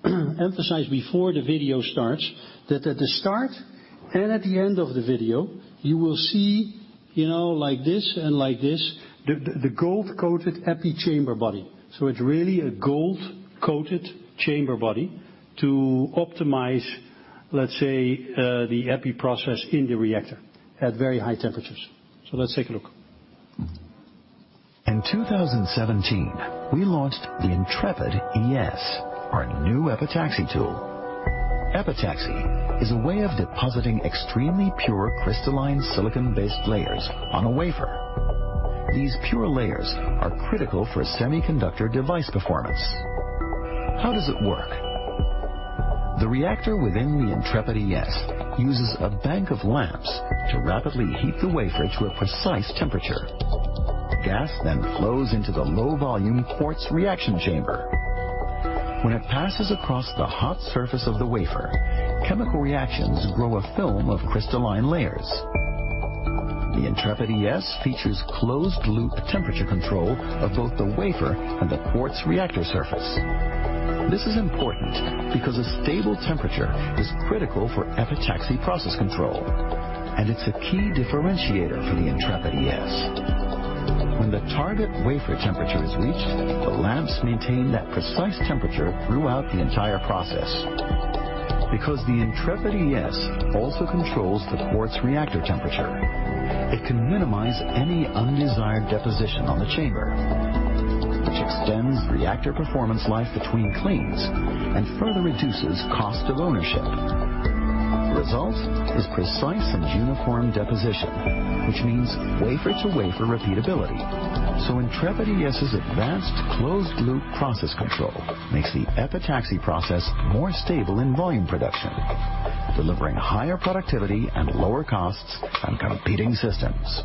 emphasize before the video starts that at the start and at the end of the video, you will see like this and like this, the gold-coated EPI chamber body. It is really a gold-coated chamber body to optimize, let's say, the EPI process in the reactor at very high temperatures. Let's take a look. In 2017, we launched the Intrepid ES, our new epitaxy tool. Epitaxy is a way of depositing extremely pure crystalline silicon-based layers on a wafer. These pure layers are critical for semiconductor device performance. How does it work? The reactor within the Intrepid ES uses a bank of lamps to rapidly heat the wafer to a precise temperature. Gas then flows into the low volume quartz reaction chamber. When it passes across the hot surface of the wafer, chemical reactions grow a film of crystalline layers. The Intrepid ES features closed loop temperature control of both the wafer and the quartz reactor surface. This is important because a stable temperature is critical for epitaxy process control. It is a key differentiator for the Intrepid ES. When the target wafer temperature is reached, the lamps maintain that precise temperature throughout the entire process. Because the Intrepid ES also controls the quartz reactor temperature, it can minimize any undesired deposition on the chamber, which extends reactor performance life between cleans and further reduces cost of ownership. The result is precise and uniform deposition, which means wafer-to-wafer repeatability. Intrepid ES's advanced closed loop process control makes the epitaxy process more stable in volume production, delivering higher productivity and lower costs than competing systems.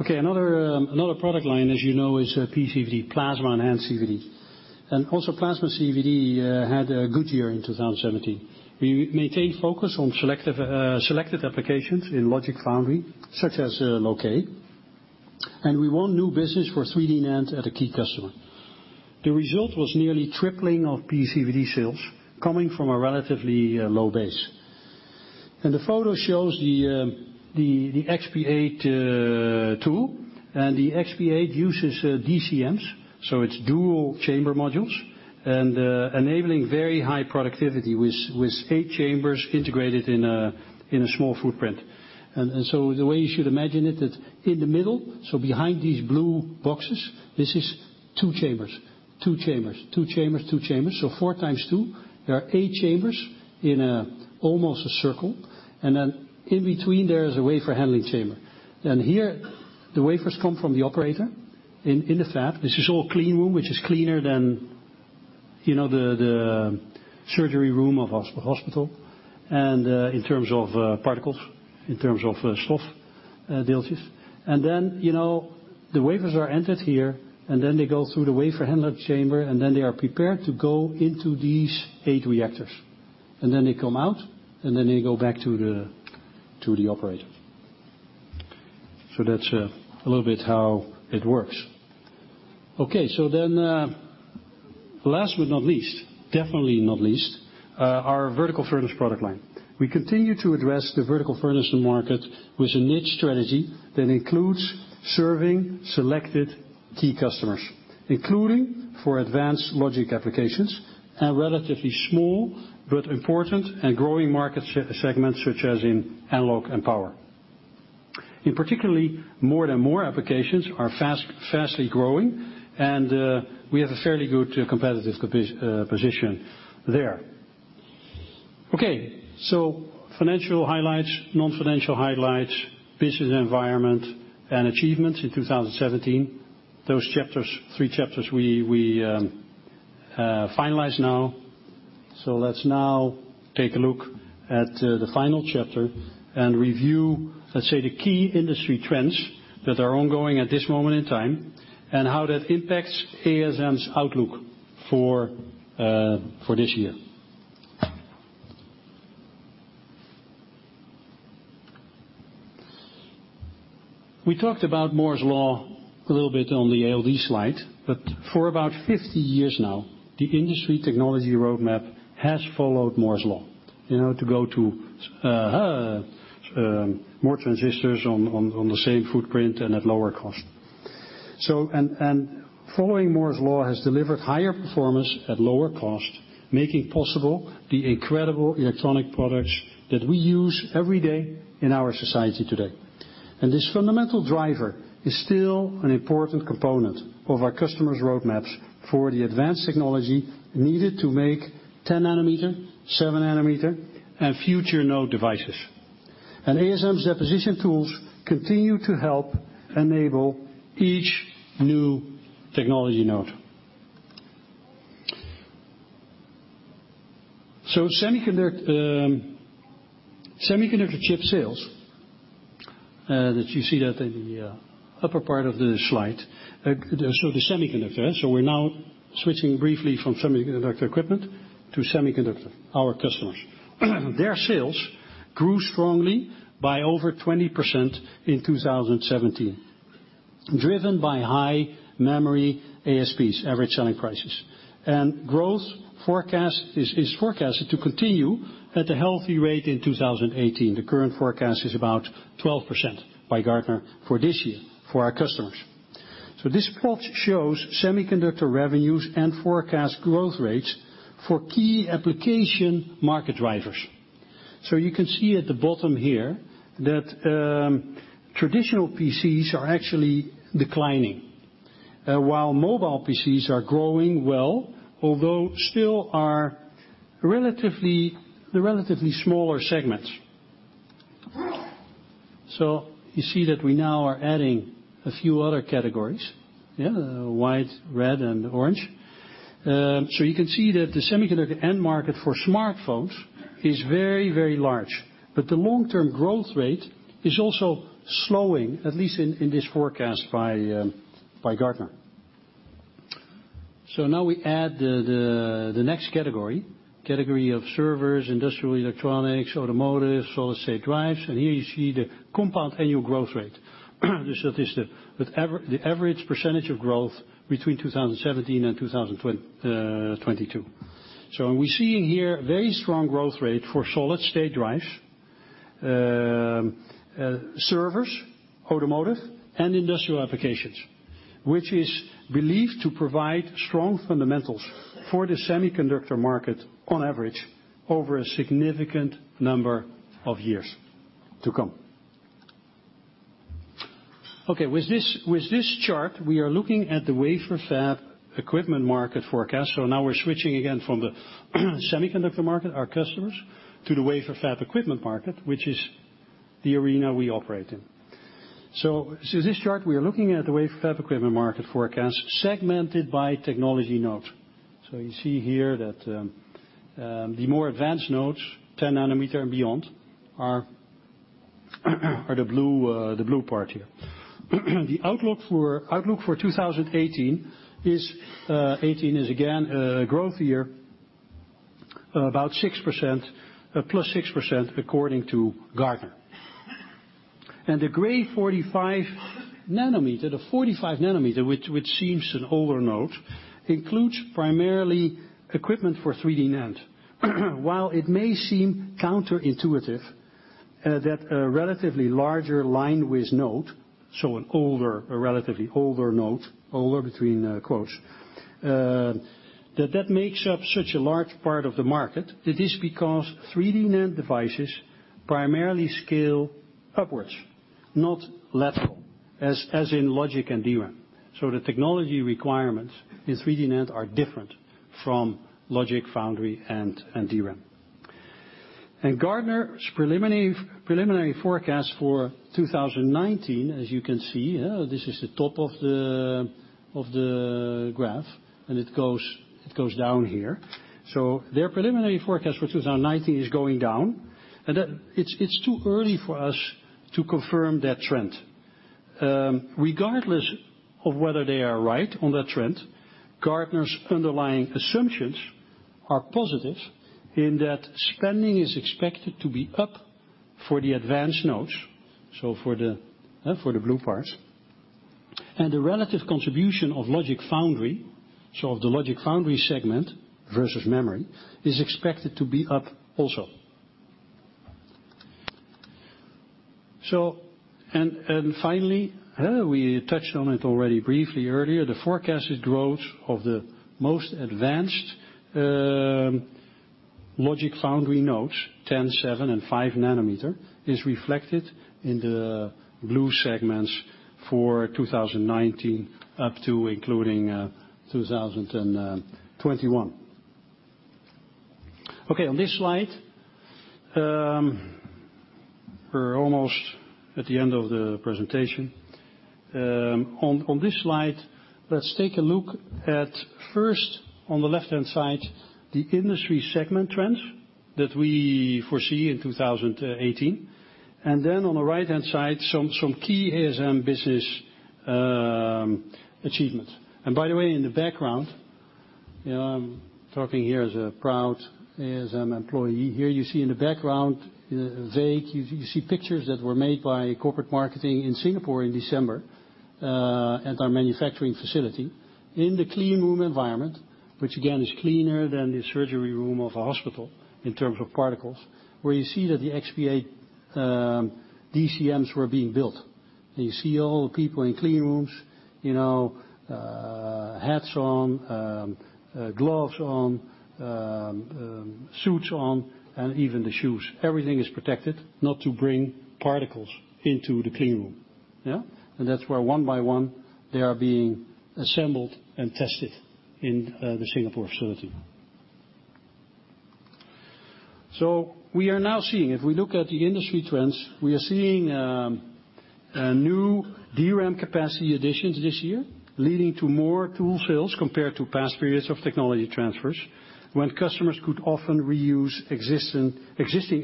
Okay. Another product line as you know is PCVD, plasma-enhanced CVD. Also plasma CVD had a good year in 2017. We maintained focus on selected applications in logic foundry such as low-k. We won new business for 3D NAND at a key customer. The result was nearly tripling of PCVD sales coming from a relatively low base. The photo shows the XP8 tool. The XP8 uses DCMs, so it's Dual Chamber Modules, enabling very high productivity with 8 chambers integrated in a small footprint. The way you should imagine it, that in the middle, so behind these blue boxes, this is 2 chambers, 2 chambers, 2 chambers, 2 chambers. 4 times 2. There are 8 chambers in almost a circle. Then in between there is a wafer handling chamber. Here, the wafers come from the operator in the fab. This is all clean room, which is cleaner than the surgery room of hospital in terms of particles, in terms of stuff, particles. The wafers are entered here, then they go through the wafer handler chamber, and then they are prepared to go into these eight reactors. Then they come out, and then they go back to the operator. That's a little bit how it works. Okay. Last but not least, definitely not least, our vertical furnace product line. We continue to address the vertical furnace market with a niche strategy that includes serving selected key customers, including for advanced logic applications and relatively small but important and growing market segments such as in analog and power. In particularly, more and more applications are fastly growing, and we have a fairly good competitive position there. Okay. Financial highlights, non-financial highlights, business environment and achievements in 2017. Those three chapters we finalized now. Let's now take a look at the final chapter and review, let's say, the key industry trends that are ongoing at this moment in time and how that impacts ASM's outlook for this year. We talked about Moore's Law a little bit on the ALD slide, for about 50 years now, the industry technology roadmap has followed Moore's Law to go to more transistors on the same footprint and at lower cost. Following Moore's Law has delivered higher performance at lower cost, making possible the incredible electronic products that we use every day in our society today. This fundamental driver is still an important component of our customers' roadmaps for the advanced technology needed to make 10 nanometer, 7 nanometer, and future node devices. ASM's deposition tools continue to help enable each new technology node. Semiconductor chip sales, that you see that in the upper part of the slide. We're now switching briefly from semiconductor equipment to semiconductor, our customers. Their sales grew strongly by over 20% in 2017, driven by high memory ASPs, average selling prices. Growth is forecasted to continue at a healthy rate in 2018. The current forecast is about 12% by Gartner for this year for our customers. This plot shows semiconductor revenues and forecast growth rates for key application market drivers. You can see at the bottom here that traditional PCs are actually declining. While mobile PCs are growing well, although still are relatively smaller segments. You see that we now are adding a few other categories. Yeah, white, red, and orange. You can see that the semiconductor end market for smartphones is very large. The long-term growth rate is also slowing, at least in this forecast by Gartner. Now we add the next category of servers, industrial electronics, automotive, solid state drives, and here you see the compound annual growth rate, the statistic. The average percentage of growth between 2017 and 2022. We're seeing here very strong growth rate for solid state drives, servers, automotive, and industrial applications, which is believed to provide strong fundamentals for the semiconductor market on average over a significant number of years to come. Okay. With this chart, we are looking at the wafer fab equipment market forecast. Now we're switching again from the semiconductor market, our customers, to the wafer fab equipment market, which is the arena we operate in. This chart, we are looking at the wafer fab equipment market forecast segmented by technology node. You see here that the more advanced nodes, 10 nanometer and beyond, are the blue part here. The outlook for 2018 is again a growth year, about +6% according to Gartner. The gray 45 nanometer, the 45 nanometer, which seems an older node, includes primarily equipment for 3D NAND. While it may seem counterintuitive that a relatively larger line with node, an older, a relatively older node, older between quotes, that makes up such a large part of the market, it is because 3D NAND devices primarily scale upwards, not lateral as in logic and DRAM. The technology requirements in 3D NAND are different from logic foundry and DRAM. Gartner's preliminary forecast for 2019, as you can see, this is the top of the graph, and it goes down here. Their preliminary forecast for 2019 is going down, and it's too early for us to confirm that trend. Regardless of whether they are right on that trend, Gartner's underlying assumptions are positive in that spending is expected to be up for the advanced nodes, for the blue part. The relative contribution of logic foundry, of the logic foundry segment versus memory, is expected to be up also. Finally, we touched on it already briefly earlier, the forecasted growth of the most advanced logic foundry nodes, 10, 7, and 5 nanometer, is reflected in the blue segments for 2019 up to including 2021. On this slide, we're almost at the end of the presentation. On this slide, let's take a look at first, on the left-hand side, the industry segment trends that we foresee in 2018, and then on the right-hand side, some key ASM business achievements. By the way, in the background, talking here as a proud ASM employee, here you see in the background, vague, you see pictures that were made by corporate marketing in Singapore in December, at our manufacturing facility. In the clean room environment, which again is cleaner than the surgery room of a hospital in terms of particles, where you see that the XP8 DCMs were being built. You see all the people in clean rooms, hats on, gloves on, suits on, and even the shoes. Everything is protected not to bring particles into the clean room. Yeah. That's where one by one, they are being assembled and tested in the Singapore facility. We are now seeing, if we look at the industry trends, we are seeing new DRAM capacity additions this year leading to more tool sales compared to past periods of technology transfers, when customers could often reuse existing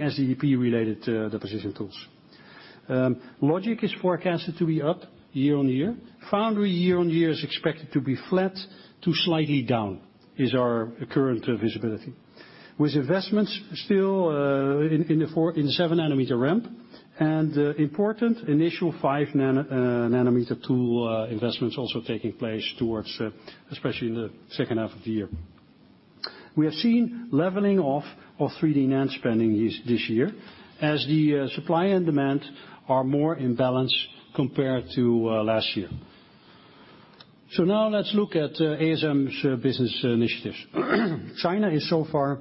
EPI-related deposition tools. Logic is forecasted to be up year-over-year. Foundry year-over-year is expected to be flat to slightly down, is our current visibility. With investments still in the 7 nanometer ramp, and important initial 5 nanometer tool investments also taking place towards, especially in the second half of the year. We have seen leveling off of 3D NAND spending this year as the supply and demand are more in balance compared to last year. Now let's look at ASM's business initiatives. China is so far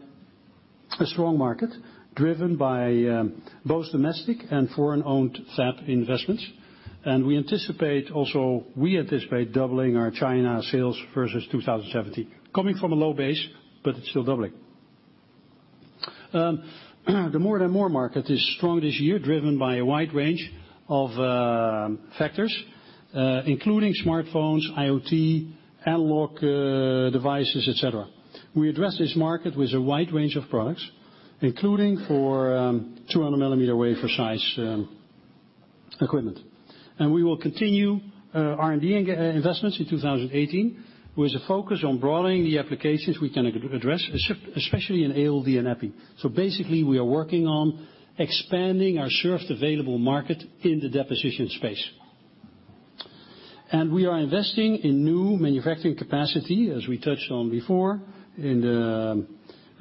a strong market driven by both domestic and foreign-owned fab investments. We anticipate doubling our China sales versus 2017. Coming from a low base, it's still doubling. The More-than-Moore market is strong this year, driven by a wide range of factors, including smartphones, IoT, analog devices, et cetera. We address this market with a wide range of products, including for 200 mm wafer size equipment. We will continue R&D investments in 2018, with a focus on broadening the applications we can address, especially in ALD and EPI. Basically, we are working on expanding our served available market in the deposition space. We are investing in new manufacturing capacity, as we touched on before in the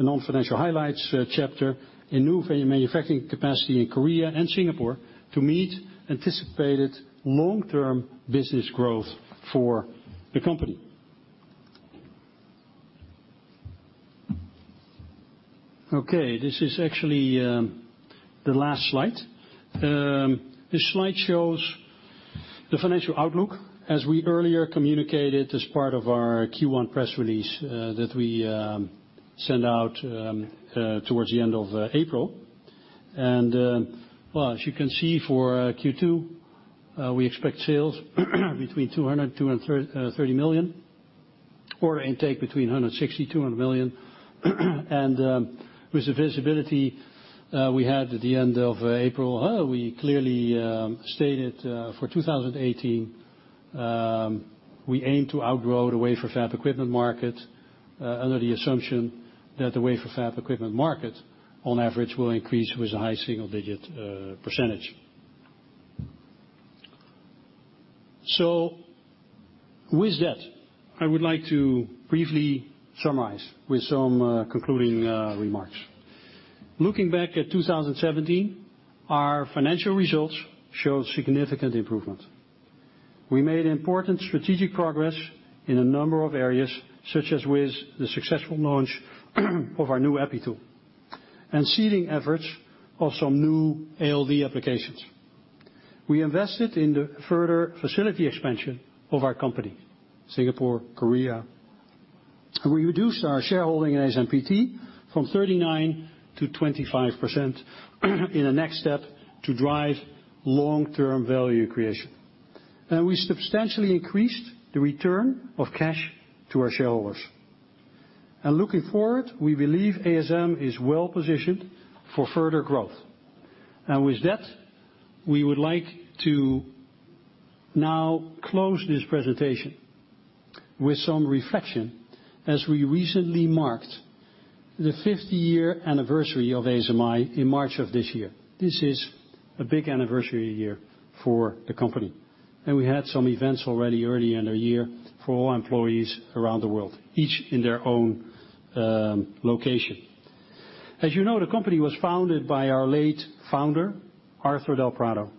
non-financial highlights chapter, in new manufacturing capacity in Korea and Singapore to meet anticipated long-term business growth for the company. Okay. This is actually the last slide. This slide shows the financial outlook as we earlier communicated as part of our Q1 press release that we sent out towards the end of April. As you can see for Q2, we expect sales between 200 million-230 million. Order intake between 160 million-200 million. With the visibility we had at the end of April, we clearly stated for 2018, we aim to outgrow the wafer fab equipment market, under the assumption that the wafer fab equipment market, on average, will increase with a high single-digit percentage. With that, I would like to briefly summarize with some concluding remarks. Looking back at 2017, our financial results show significant improvement. We made important strategic progress in a number of areas, such as with the successful launch of our new EPI tool, and seeding efforts of some new ALD applications. We invested in the further facility expansion of our company, Singapore, Korea. We reduced our shareholding in ASMPT from 39% to 25% in a next step to drive long-term value creation. We substantially increased the return of cash to our shareholders. Looking forward, we believe ASM is well-positioned for further growth. With that, we would like to now close this presentation with some reflection, as we recently marked the 50-year anniversary of ASMI in March of this year. This is a big anniversary year for the company, and we had some events already early in the year for all employees around the world, each in their own location. As you know, the company was founded by our late founder, Arthur del Prado,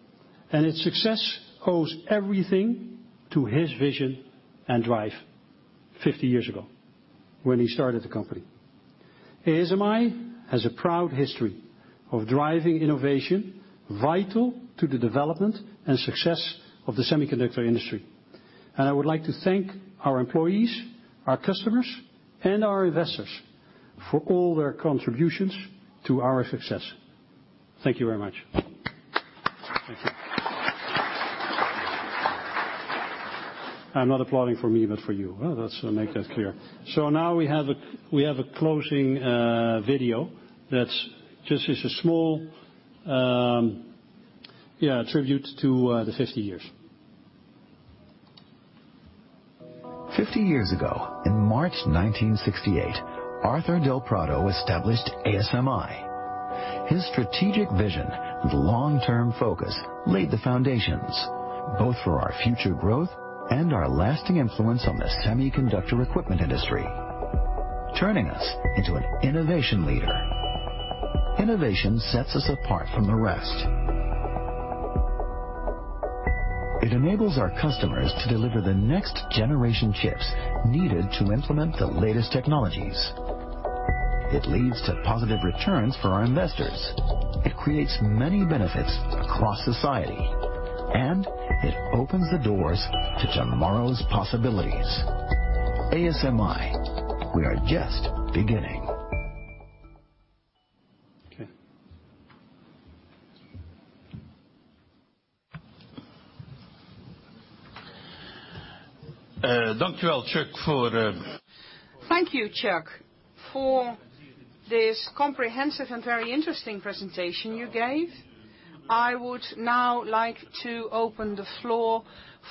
and its success owes everything to his vision and drive 50 years ago when he started the company. ASMI has a proud history of driving innovation vital to the development and success of the semiconductor industry. I would like to thank our employees, our customers, and our investors for all their contributions to our success. Thank you very much. Thank you. I'm not applauding for me, but for you. Let's make that clear. Now we have a closing video that's just a small tribute to the 50 years. 50 years ago, in March 1968, Arthur del Prado established ASMI. His strategic vision with long-term focus laid the foundations, both for our future growth and our lasting influence on the semiconductor equipment industry, turning us into an innovation leader. Innovation sets us apart from the rest. It enables our customers to deliver the next generation chips needed to implement the latest technologies. It leads to positive returns for our investors. It creates many benefits across society, it opens the doors to tomorrow's possibilities. ASMI, we are just beginning. Okay. Thank you, Chuck, for this comprehensive and very interesting presentation you gave. I would now like to open the floor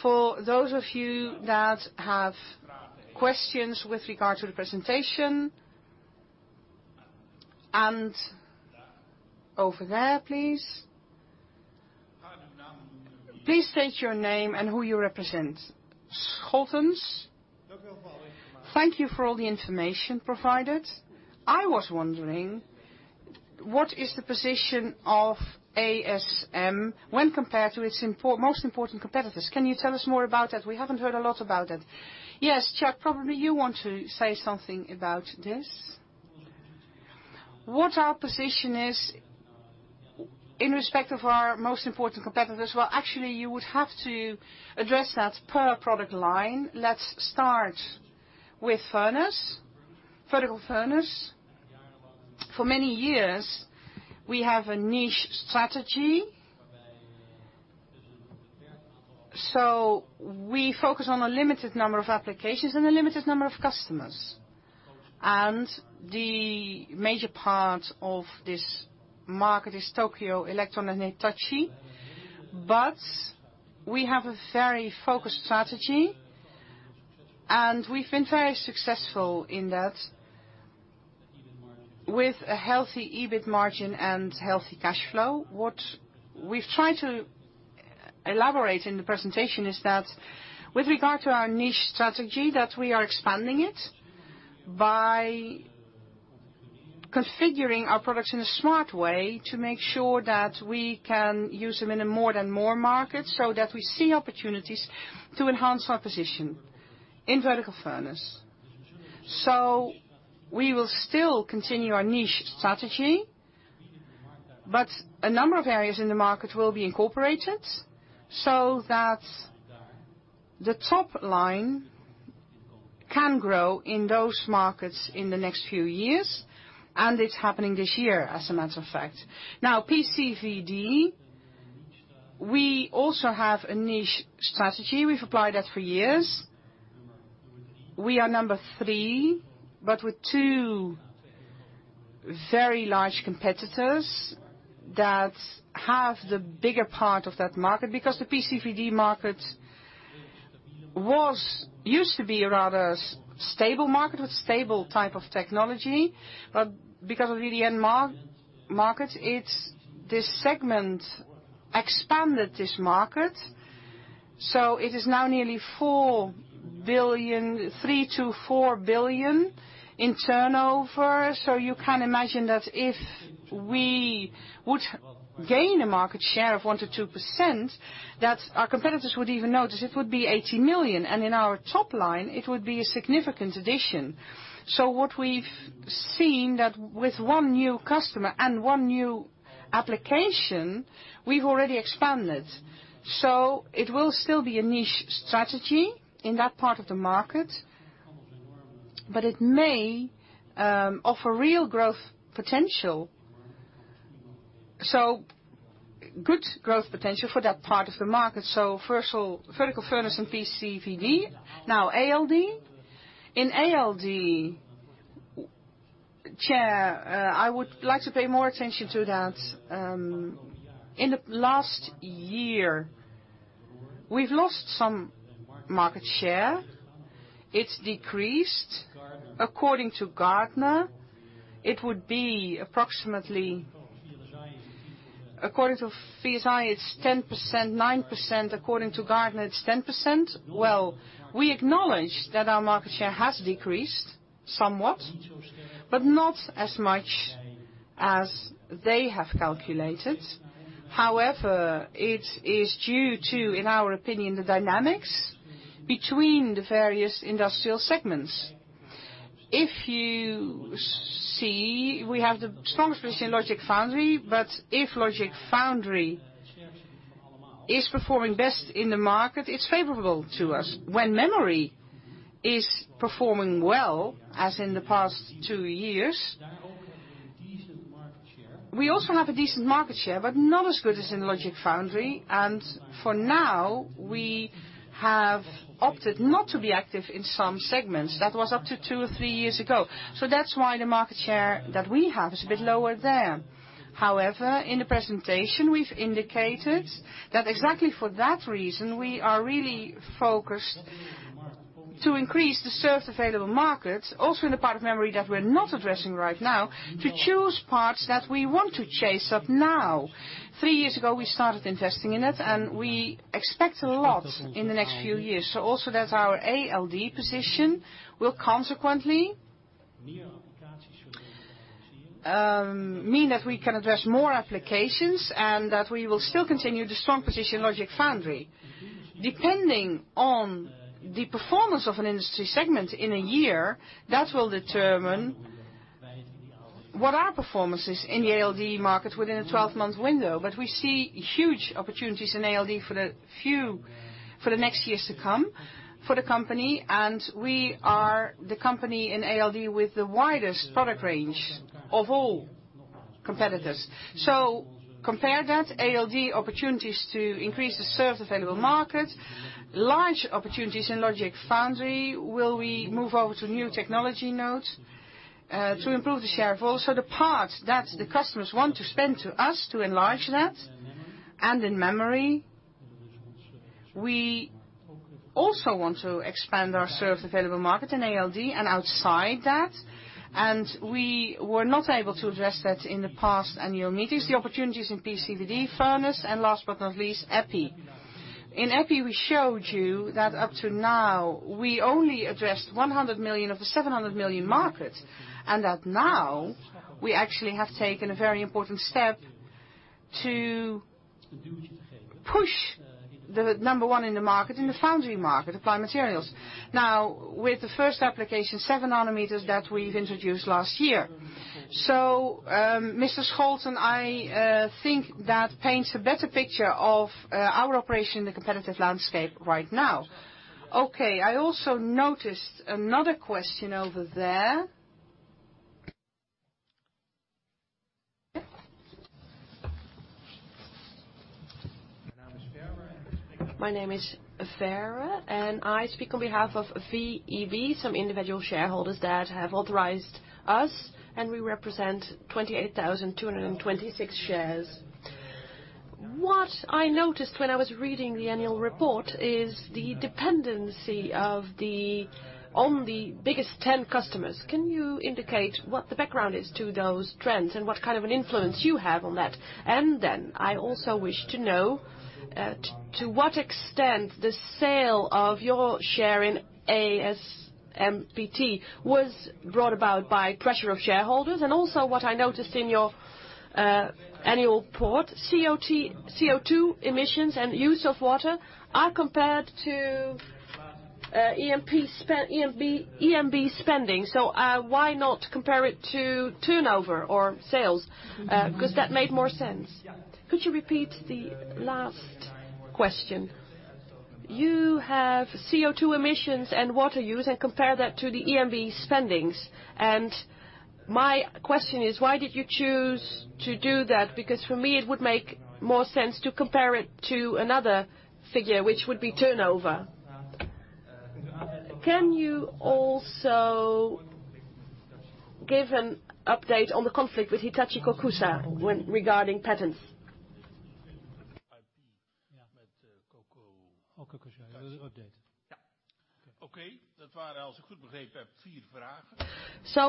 for those of you that have questions with regard to the presentation. Over there, please. Please state your name and who you represent. Scholtens. Thank you for all the information provided. I was wondering, what is the position of ASM when compared to its most important competitors? Can you tell us more about that? We haven't heard a lot about that. Yes, Chuck, probably you want to say something about this. What our position is in respect of our most important competitors. Well, actually, you would have to address that per product line. Let's start with furnace, vertical furnace. For many years, we have a niche strategy. We focus on a limited number of applications and a limited number of customers. The major part of this market is Tokyo Electron and Hitachi, but we have a very focused strategy, and we've been very successful in that with a healthy EBIT margin and healthy cash flow. What we've tried to elaborate in the presentation is that with regard to our niche strategy, that we are expanding it by configuring our products in a smart way to make sure that we can use them in a more than more market, that we see opportunities to enhance our position in vertical furnace. We will still continue our niche strategy, but a number of areas in the market will be incorporated that the top line can grow in those markets in the next few years, and it's happening this year, as a matter of fact. Now, PCVD, we also have a niche strategy. We've applied that for years. We are number three, but with two very large competitors that have the bigger part of that market because the PCVD market used to be a rather stable market with stable type of technology. Because of the end market, this segment expanded this market. It is now nearly 3 billion-4 billion in turnover. You can imagine that if we would gain a market share of 1%-2%, that our competitors would even notice it would be 80 million. In our top line, it would be a significant addition. What we've seen that with one new customer and one new application, we've already expanded. It will still be a niche strategy in that part of the market, but it may offer real growth potential. Good growth potential for that part of the market. Vertical furnace and PCVD. Now ALD. In ALD, Chair, I would like to pay more attention to that. In the last year, we've lost some market share. It's decreased. According to Gartner, it would be approximately. According to VSI, it's 10%, 9%. According to Gartner, it's 10%. Well, we acknowledge that our market share has decreased somewhat, but not as much as they have calculated. However, it is due to, in our opinion, the dynamics between the various industrial segments. If you see, we have the strongest position in Logic Foundry, but if Logic Foundry is performing best in the market, it's favorable to us. When memory is performing well, as in the past two years, we also have a decent market share, but not as good as in Logic Foundry. For now, we have opted not to be active in some segments. That was up to two or three years ago. That's why the market share that we have is a bit lower there. However, in the presentation, we've indicated that exactly for that reason, we are really focused to increase the served available markets, also in the part of memory that we're not addressing right now, to choose parts that we want to chase up now. Three years ago, we started investing in it, and we expect a lot in the next few years. Also that our ALD position will consequently mean that we can address more applications and that we will still continue the strong position Logic Foundry. Depending on the performance of an industry segment in a year, that will determine what our performance is in the ALD market within a 12-month window. We see huge opportunities in ALD for the next years to come for the company, and we are the company in ALD with the widest product range of all competitors. Compare that, ALD opportunities to increase the served available market, large opportunities in Logic Foundry. Will we move over to new technology nodes to improve the share of also the parts that the customers want to spend to us to enlarge that? In memory, we also want to expand our served available market in ALD and outside that, and we were not able to address that in the past annual meetings, the opportunities in PECVD, furnace, and last but not least, EPI. In EPI, we showed you that up to now, we only addressed $100 million of the $700 million market, and that now we actually have taken a very important step to push the number one in the market, in the foundry market, Applied Materials. Now with the first application, seven nanometers that we've introduced last year. Mr. Scholten, I think that paints a better picture of our operation in the competitive landscape right now. I also noticed another question over there. My name is Vera. I speak on behalf of VEB, some individual shareholders that have authorized us, and we represent 28,226 shares. What I noticed when I was reading the annual report is the dependency on the biggest 10 customers. Can you indicate what the background is to those trends and what kind of an influence you have on that? I also wish to know to what extent the sale of your share in ASMPT was brought about by pressure of shareholders. Also, what I noticed in your annual report, CO2 emissions and use of water are compared to R&D spending. Why not compare it to turnover or sales? That made more sense. Could you repeat the last question? You have CO2 emissions and water use and compare that to the R&D spendings. My question is, why did you choose to do that? For me, it would make more sense to compare it to another figure, which would be turnover. Can you also give an update on the conflict with Hitachi Kokusai regarding patents?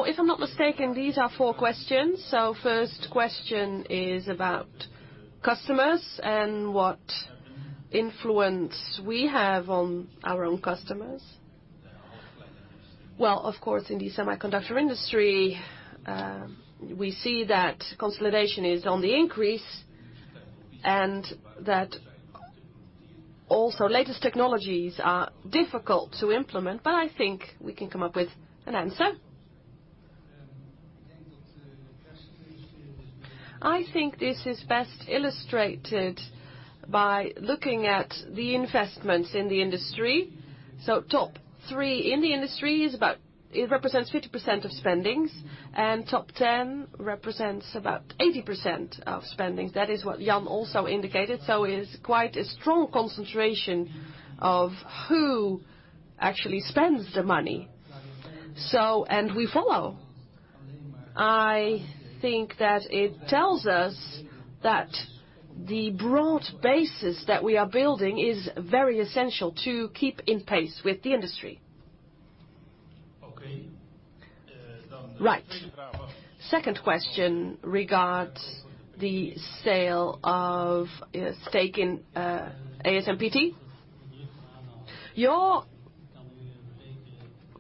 If I'm not mistaken, these are four questions. First question is about customers and what influence we have on our own customers. Well, of course, in the semiconductor industry, we see that consolidation is on the increase and that also latest technologies are difficult to implement, but I think we can come up with an answer. I think this is best illustrated by looking at the investments in the industry. Top three in the industry, it represents 50% of spendings, and top 10 represents about 80% of spendings. That is what Jan also indicated. It's quite a strong concentration of who actually spends the money. We follow. I think that it tells us that the broad basis that we are building is very essential to keep in pace with the industry. Right. Second question regards the sale of a stake in ASMPT. Your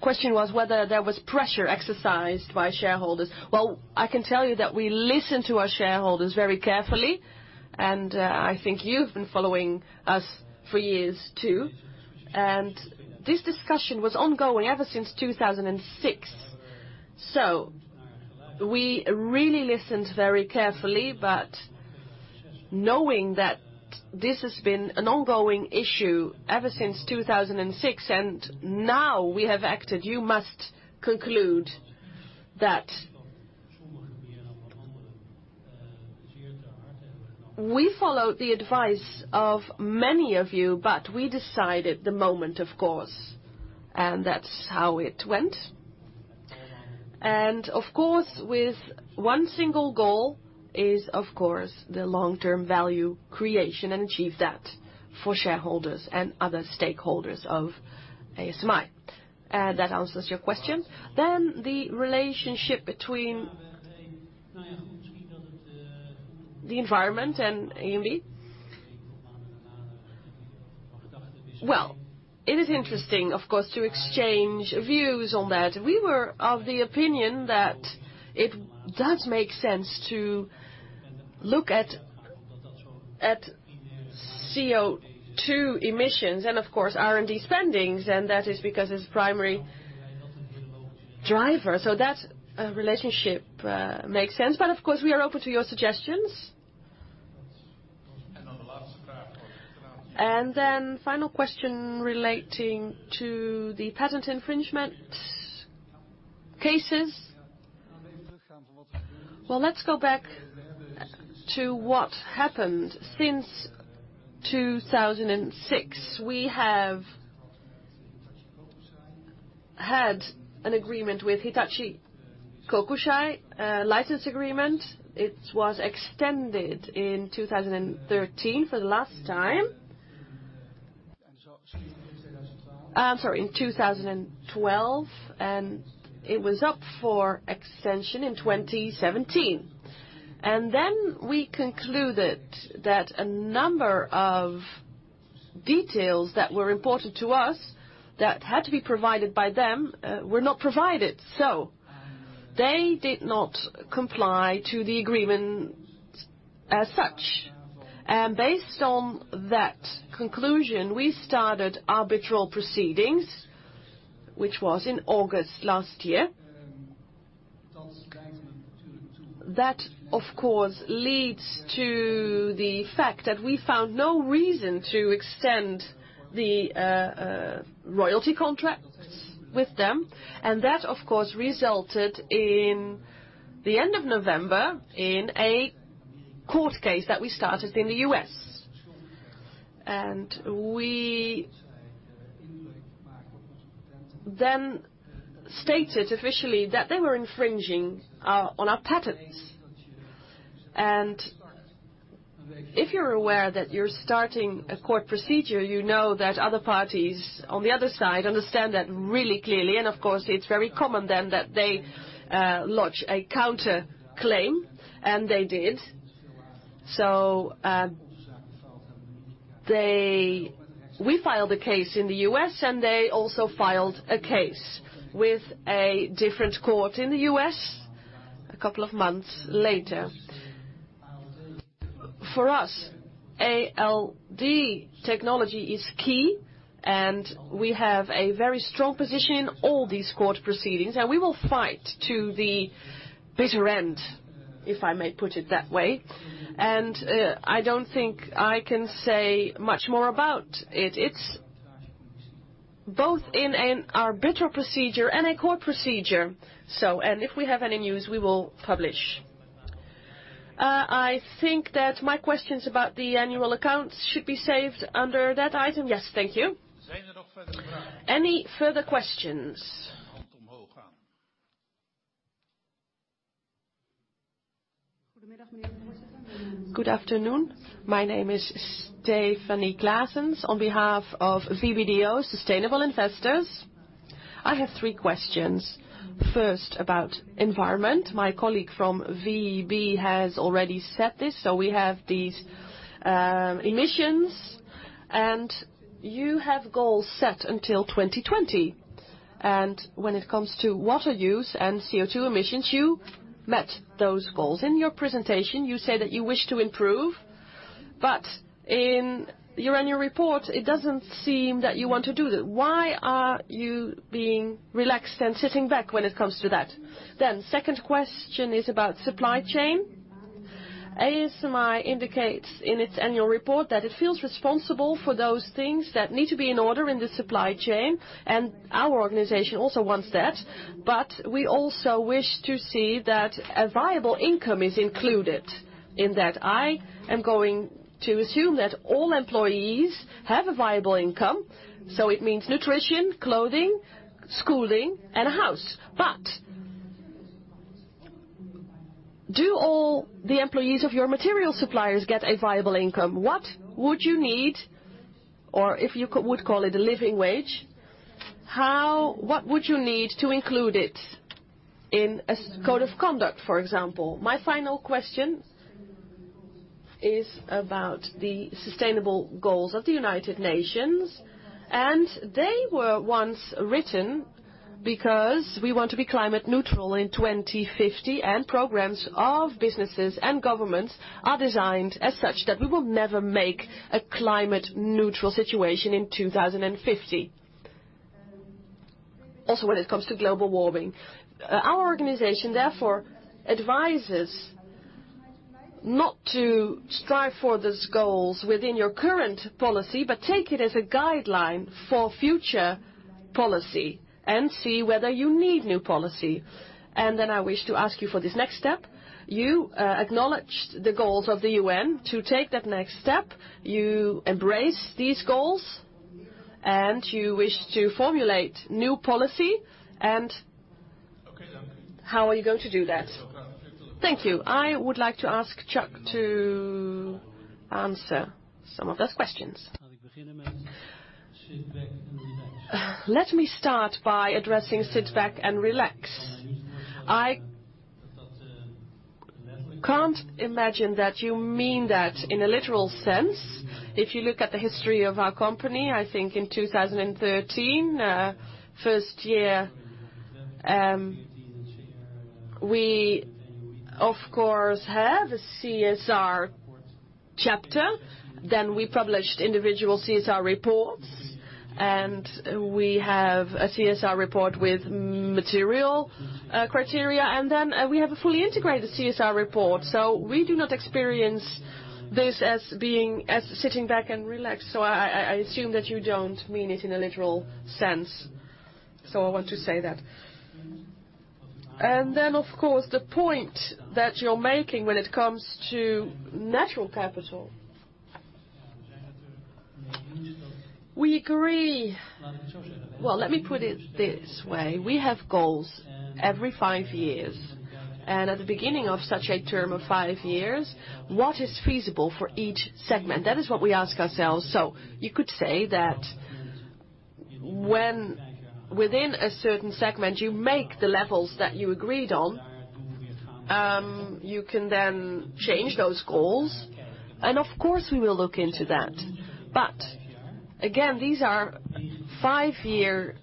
question was whether there was pressure exercised by shareholders. Well, I can tell you that we listen to our shareholders very carefully, and I think you've been following us for years, too. This discussion was ongoing ever since 2006. We really listened very carefully, but knowing that this has been an ongoing issue ever since 2006, and now we have acted, you must conclude that we followed the advice of many of you, but we decided the moment, of course. That's how it went. With one single goal is, of course, the long-term value creation, and achieve that for shareholders and other stakeholders of ASMI. That answers your question. The relationship between the environment and R&D. Well, it is interesting, of course, to exchange views on that. We were of the opinion that it does make sense to look at CO2 emissions and, of course, R&D spendings, and that is because it's primary driver. That relationship makes sense. Of course, we are open to your suggestions. Then final question relating to the patent infringement cases. Well, let's go back to what happened since 2006. We have had an agreement with Hitachi Kokusai, a license agreement. It was extended in 2013 for the last time. I'm sorry, in 2012, and it was up for extension in 2017. Then we concluded that a number of details that were important to us that had to be provided by them were not provided, so they did not comply to the agreement as such. Based on that conclusion, we started arbitral proceedings, which was in August last year. That, of course, leads to the fact that we found no reason to extend the royalty contracts with them. That, of course, resulted in the end of November in a court case that we started in the U.S. We then stated officially that they were infringing on our patents. If you're aware that you're starting a court procedure, you know that other parties on the other side understand that really clearly. Of course, it's very common then that they lodge a counter-claim, and they did. We filed a case in the U.S., and they also filed a case with a different court in the U.S. a couple of months later. For us, ALD technology is key, and we have a very strong position in all these court proceedings, and we will fight to the bitter end, if I may put it that way. I don't think I can say much more about it. It's both in an arbitral procedure and a court procedure. If we have any news, we will publish. I think that my questions about the annual accounts should be saved under that item. Yes, thank you. Any further questions? Any further questions? Good afternoon. My name is Stefanie Claessens, on behalf of VBDO Sustainable Investors. I have three questions. First, about environment. My colleague from VBDO has already said this, so we have these emissions, and you have goals set until 2020. When it comes to water use and CO2 emissions, you met those goals. In your presentation, you say that you wish to improve, but in your annual report, it doesn't seem that you want to do that. Why are you being relaxed and sitting back when it comes to that? Second question is about supply chain. ASMI indicates in its annual report that it feels responsible for those things that need to be in order in the supply chain, and our organization also wants that. We also wish to see that a viable income is included in that. I am going to assume that all employees have a viable income, so it means nutrition, clothing, schooling, and a house. Do all the employees of your material suppliers get a viable income? What would you need, or if you would call it a living wage, what would you need to include it in a code of conduct, for example? My final question is about the sustainable goals of the United Nations. They were once written because we want to be climate neutral in 2050, and programs of businesses and governments are designed as such that we will never make a climate neutral situation in 2050. Also when it comes to global warming. Our organization therefore advises not to strive for these goals within your current policy, but take it as a guideline for future policy and see whether you need new policy. Then I wish to ask you for this next step. You acknowledged the goals of the UN to take that next step. You embrace these goals and you wish to formulate new policy, and how are you going to do that? Thank you. I would like to ask Chuck to answer some of those questions. Let me start by addressing sit back and relax. I can't imagine that you mean that in a literal sense. If you look at the history of our company, I think in 2013, first year, we of course have a CSR chapter. We published individual CSR reports, and we have a CSR report with material criteria. Then we have a fully integrated CSR report. We do not experience this as sitting back and relax. I assume that you don't mean it in a literal sense. I want to say that. Of course, the point that you're making when it comes to natural capital. Well, let me put it this way. We have goals every five years, and at the beginning of such a term of five years, what is feasible for each segment? That is what we ask ourselves. You could say that when within a certain segment you make the levels that you agreed on, you can then change those goals. Of course, we will look into that. Again, these are five-year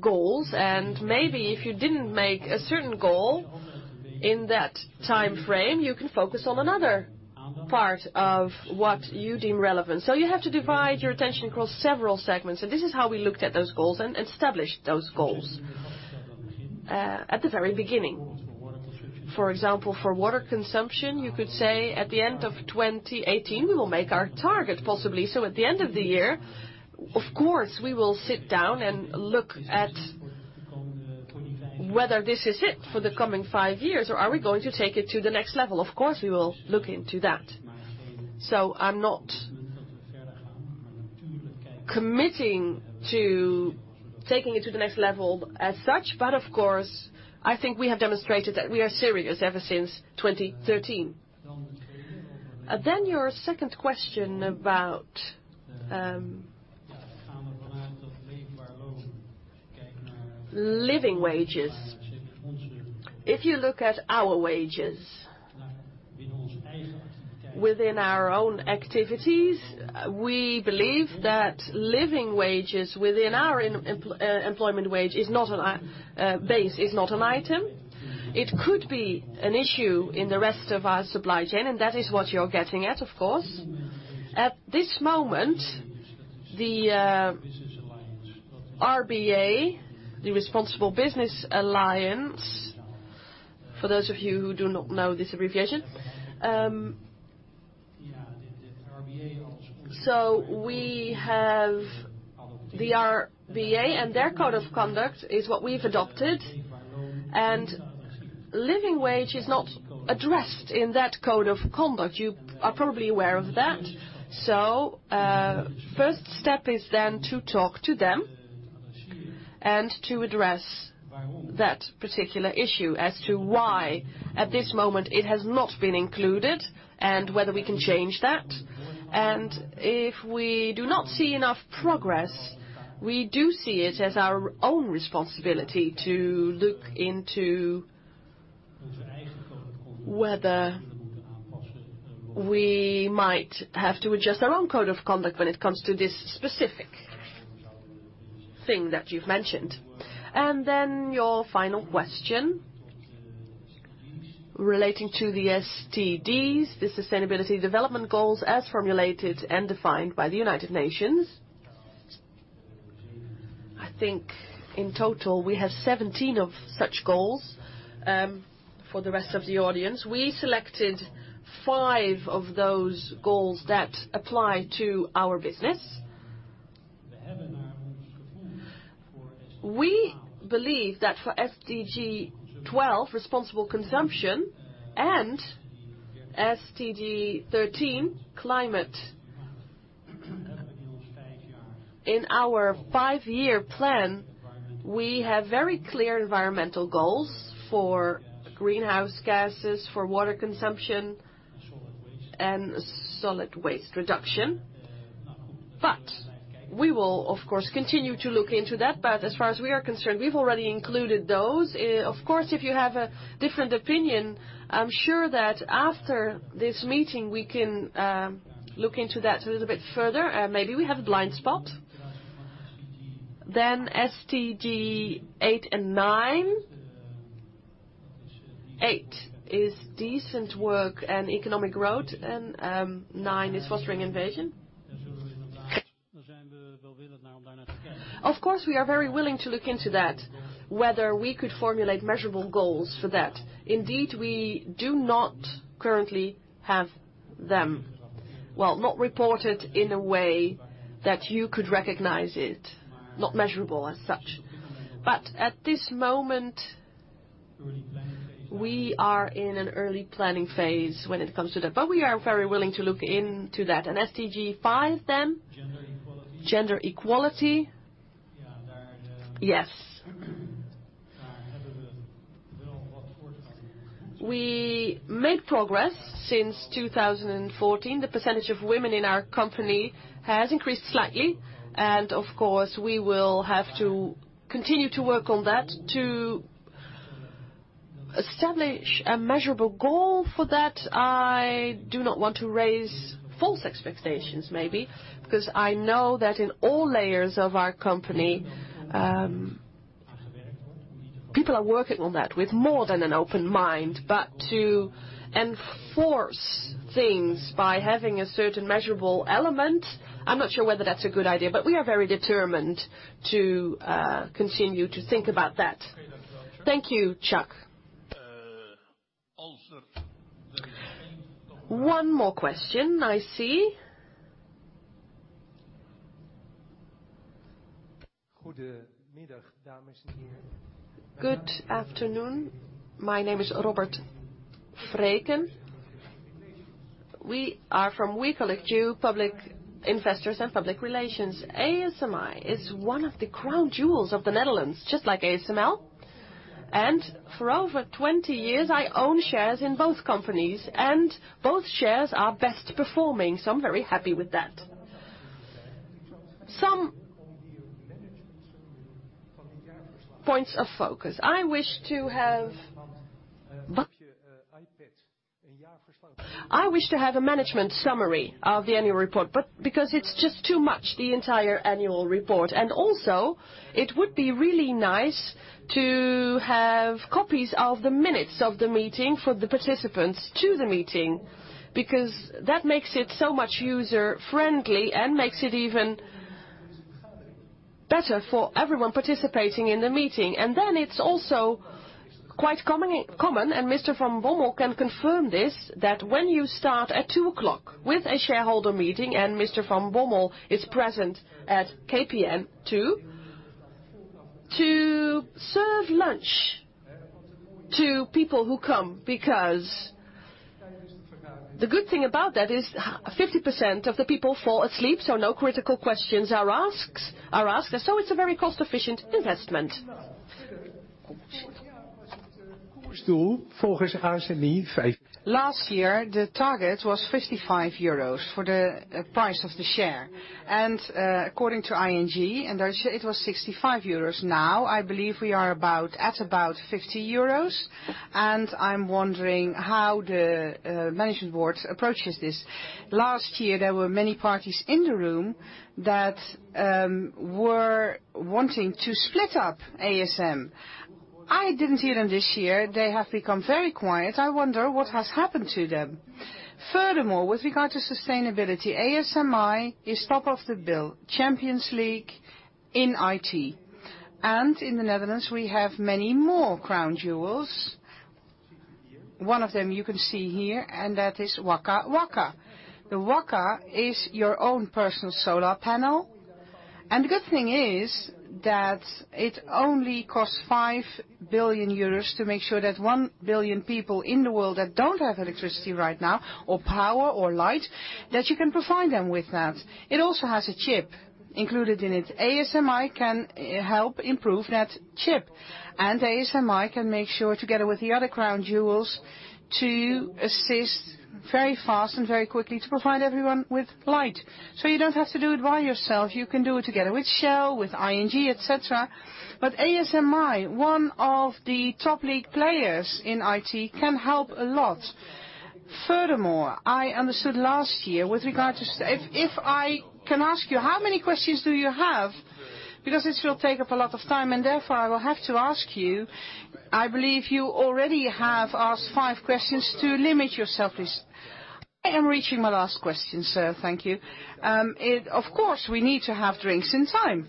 goals, and maybe if you didn't make a certain goal in that time frame, you can focus on another part of what you deem relevant. You have to divide your attention across several segments. This is how we looked at those goals and established those goals at the very beginning. For example, for water consumption, you could say at the end of 2018, we will make our target possibly. At the end of the year, of course, we will sit down and look at whether this is it for the coming five years, or are we going to take it to the next level? Of course, we will look into that. I'm not committing to taking it to the next level as such, but of course, I think we have demonstrated that we are serious ever since 2013. Your second question about living wages. If you look at our wages within our own activities, we believe that living wages within our employment wage base is not an item. It could be an issue in the rest of our supply chain, and that is what you're getting at, of course. At this moment, the RBA, the Responsible Business Alliance, for those of you who do not know this abbreviation. We have the RBA, and their code of conduct is what we've adopted, and living wage is not addressed in that code of conduct. You are probably aware of that. First step is then to talk to them and to address that particular issue as to why at this moment it has not been included and whether we can change that. If we do not see enough progress, we do see it as our own responsibility to look into whether we might have to adjust our own code of conduct when it comes to this specific thing that you've mentioned. Your final question relating to the SDGs, the Sustainable Development Goals as formulated and defined by the United Nations. I think in total we have 17 of such goals for the rest of the audience. We selected five of those goals that apply to our business. We believe that for SDG 12, responsible consumption, and SDG 13, climate. In our five-year plan, we have very clear environmental goals for greenhouse gases, for water consumption, and solid waste reduction. We will of course, continue to look into that. As far as we are concerned, we've already included those. Of course, if you have a different opinion, I'm sure that after this meeting we can look into that a little bit further. Maybe we have a blind spot. SDG eight and nine. Eight is decent work and economic growth, and nine is fostering innovation. We are very willing to look into that, whether we could formulate measurable goals for that. Indeed, we do not currently have them. Well, not reported in a way that you could recognize it, not measurable as such. At this moment, we are in an early planning phase when it comes to that. We are very willing to look into that. SDG 5 then? Gender equality. Gender equality. Yes. We made progress since 2014. The percentage of women in our company has increased slightly, of course, we will have to continue to work on that to establish a measurable goal for that. I do not want to raise false expectations, maybe. I know that in all layers of our company, people are working on that with more than an open mind, to enforce things by having a certain measurable element, I'm not sure whether that's a good idea. We are very determined to continue to think about that. Thank you, Chuck. One more question, I see. Good afternoon. My name is Robert Fregen. We are from WeCollectYou, public investors and public relations. ASMI is one of the crown jewels of the Netherlands, just like ASML. For over 20 years, I own shares in both companies, both shares are best performing, I'm very happy with that. Some points of focus. I wish to have a management summary of the annual report, because it's just too much, the entire annual report. Also, it would be really nice to have copies of the minutes of the meeting for the participants to the meeting, because that makes it so much user-friendly and makes it even better for everyone participating in the meeting. It's also quite common, and Mr. Van Bommel can confirm this, that when you start at 2:00 with a shareholder meeting and Mr. Van Bommel is present at KPMG, too, to serve lunch to people who come, because the good thing about that is 50% of the people fall asleep, so no critical questions are asked. It's a very cost-efficient investment. Last year, the target was 55 euros for the price of the share. According to ING, it was 65 euros. Now, I believe we are at about 50 euros. I'm wondering how the management board approaches this. Last year, there were many parties in the room that were wanting to split up ASM. I didn't hear them this year. They have become very quiet. I wonder what has happened to them. With regard to sustainability, ASMI is top of the bill, Champions League in IT. In the Netherlands, we have many more crown jewels. One of them you can see here, and that is WakaWaka. The Waka is your own personal solar panel, and the good thing is that it only costs 5 billion euros to make sure that 1 billion people in the world that don't have electricity right now or power or light, that you can provide them with that. It also has a chip included in it. ASMI can help improve that chip, and ASMI can make sure, together with the other crown jewels, to assist very fast and very quickly to provide everyone with light. You don't have to do it by yourself. You can do it together with Shell, with ING, et cetera. ASMI, one of the top league players in IT, can help a lot. I understood last year with regard to-- If I can ask you, how many questions do you have? This will take up a lot of time, and therefore, I will have to ask you, I believe you already have asked five questions, to limit yourself, please. I am reaching my last question, sir. Thank you. Of course, we need to have drinks in time.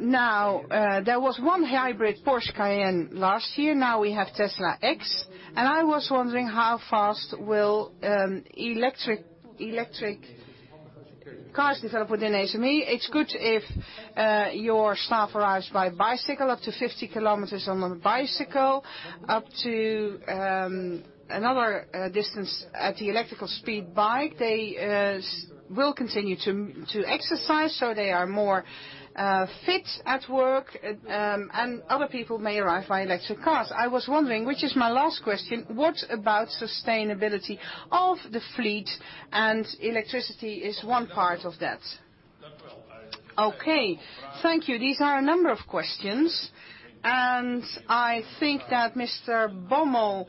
There was one hybrid Porsche Cayenne last year. Now we have Tesla X, and I was wondering how fast will electric cars develop within ASMI. It's good if your staff arrives by bicycle, up to 50 km on a bicycle, up to another distance at the electrical speed bike. They will continue to exercise, so they are more fit at work, and other people may arrive by electric cars. I was wondering, which is my last question, what about sustainability of the fleet, and electricity is one part of that. Okay. Thank you. These are a number of questions. I think that Mr. Van Bommel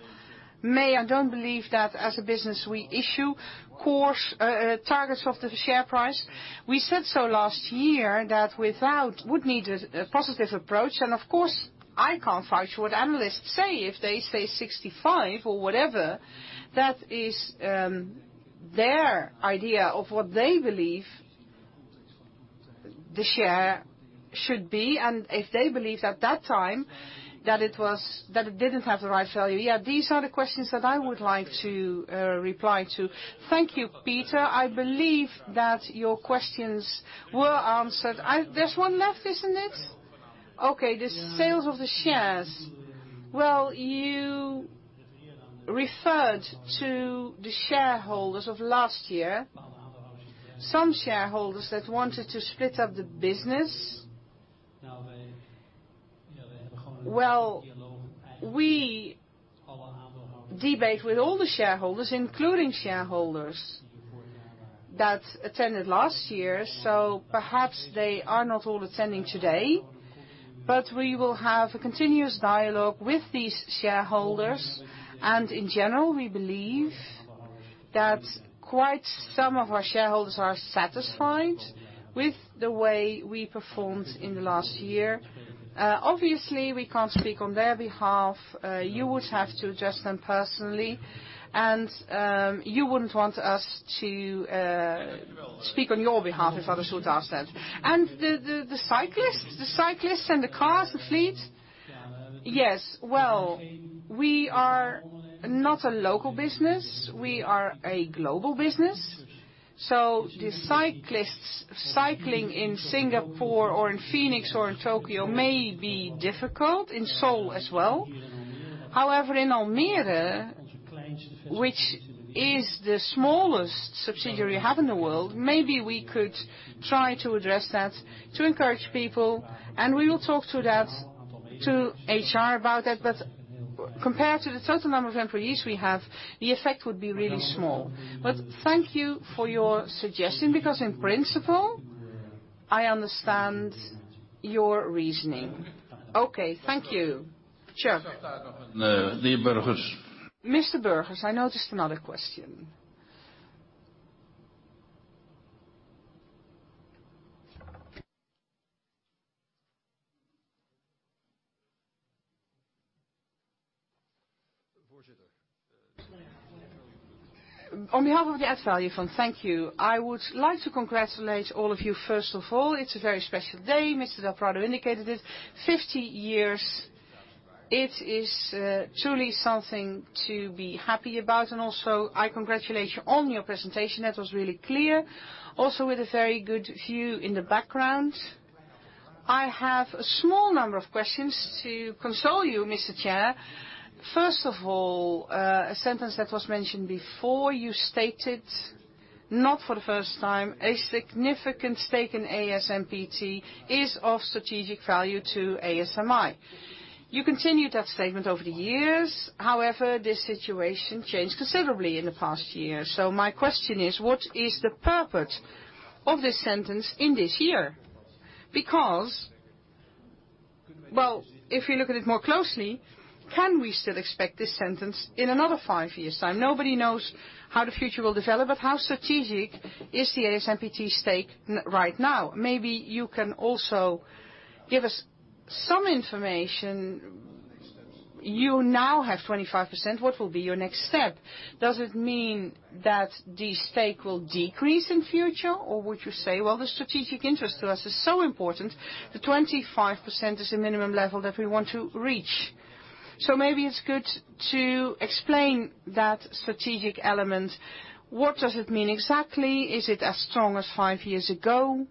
May I don't believe that as a business we issue targets of the share price. We said so last year that would need a positive approach. Of course, I can't vouch what analysts say. If they say 65 or whatever, that is their idea of what they believe the share should be. If they believed at that time that it didn't have the right value. Yeah, these are the questions that I would like to reply to. Thank you, Pieter. I believe that your questions were answered. There's one left, isn't it? Okay, the sales of the shares. Well, you referred to the shareholders of last year. Some shareholders that wanted to split up the business. Well, we debate with all the shareholders, including shareholders that attended last year, perhaps they are not all attending today. We will have a continuous dialogue with these shareholders. In general, we believe that quite some of our shareholders are satisfied with the way we performed in the last year. Obviously, we can't speak on their behalf. You would have to address them personally. You wouldn't want us to speak on your behalf if other shares are sent. The cyclists and the cars, the fleet. Yes. Well, we are not a local business. We are a global business. The cyclists cycling in Singapore or in Phoenix or in Tokyo may be difficult, in Seoul as well. However, in Almere, which is the smallest subsidiary we have in the world, maybe we could try to address that to encourage people. We will talk to HR about that. Compared to the total number of employees we have, the effect would be really small. Thank you for your suggestion because in principle, I understand your reasoning. Okay. Thank you, Chuck. The Burgers. Mr. Burgers, I noticed another question. On behalf of the Add Value Fund, thank you. I would like to congratulate all of you first of all. It's a very special day. Mr. del Prado indicated it. 50 years, it is truly something to be happy about, and also, I congratulate you on your presentation. That was really clear. Also with a very good view in the background. I have a small number of questions to console you, Mr. Chair. First of all, a sentence that was mentioned before, you stated, not for the first time, a significant stake in ASMPT is of strategic value to ASMI. You continued that statement over the years. However, the situation changed considerably in the past year. My question is, what is the purpose of this sentence in this year? Well, if you look at it more closely, can we still expect this sentence in another 5 years' time? Nobody knows how the future will develop, but how strategic is the ASMPT stake right now? Maybe you can also give us some information. You now have 25%. What will be your next step? Does it mean that the stake will decrease in future, or would you say, "Well, the strategic interest to us is so important, the 25% is the minimum level that we want to reach." Maybe it's good to explain that strategic element. What does it mean exactly? Is it as strong as 5 years ago?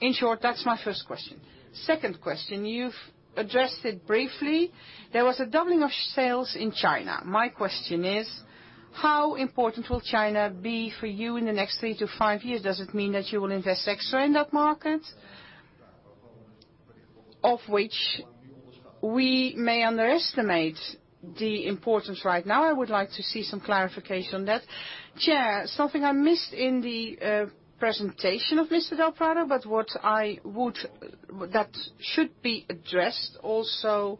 In short, that's my first question. Second question, you've addressed it briefly. There was a doubling of sales in China. My question is, how important will China be for you in the next 3 to 5 years? Does it mean that you will invest extra in that market? Of which we may underestimate the importance right now. I would like to see some clarification on that. Chair, something I missed in the presentation of Mr. del Prado, but that should be addressed also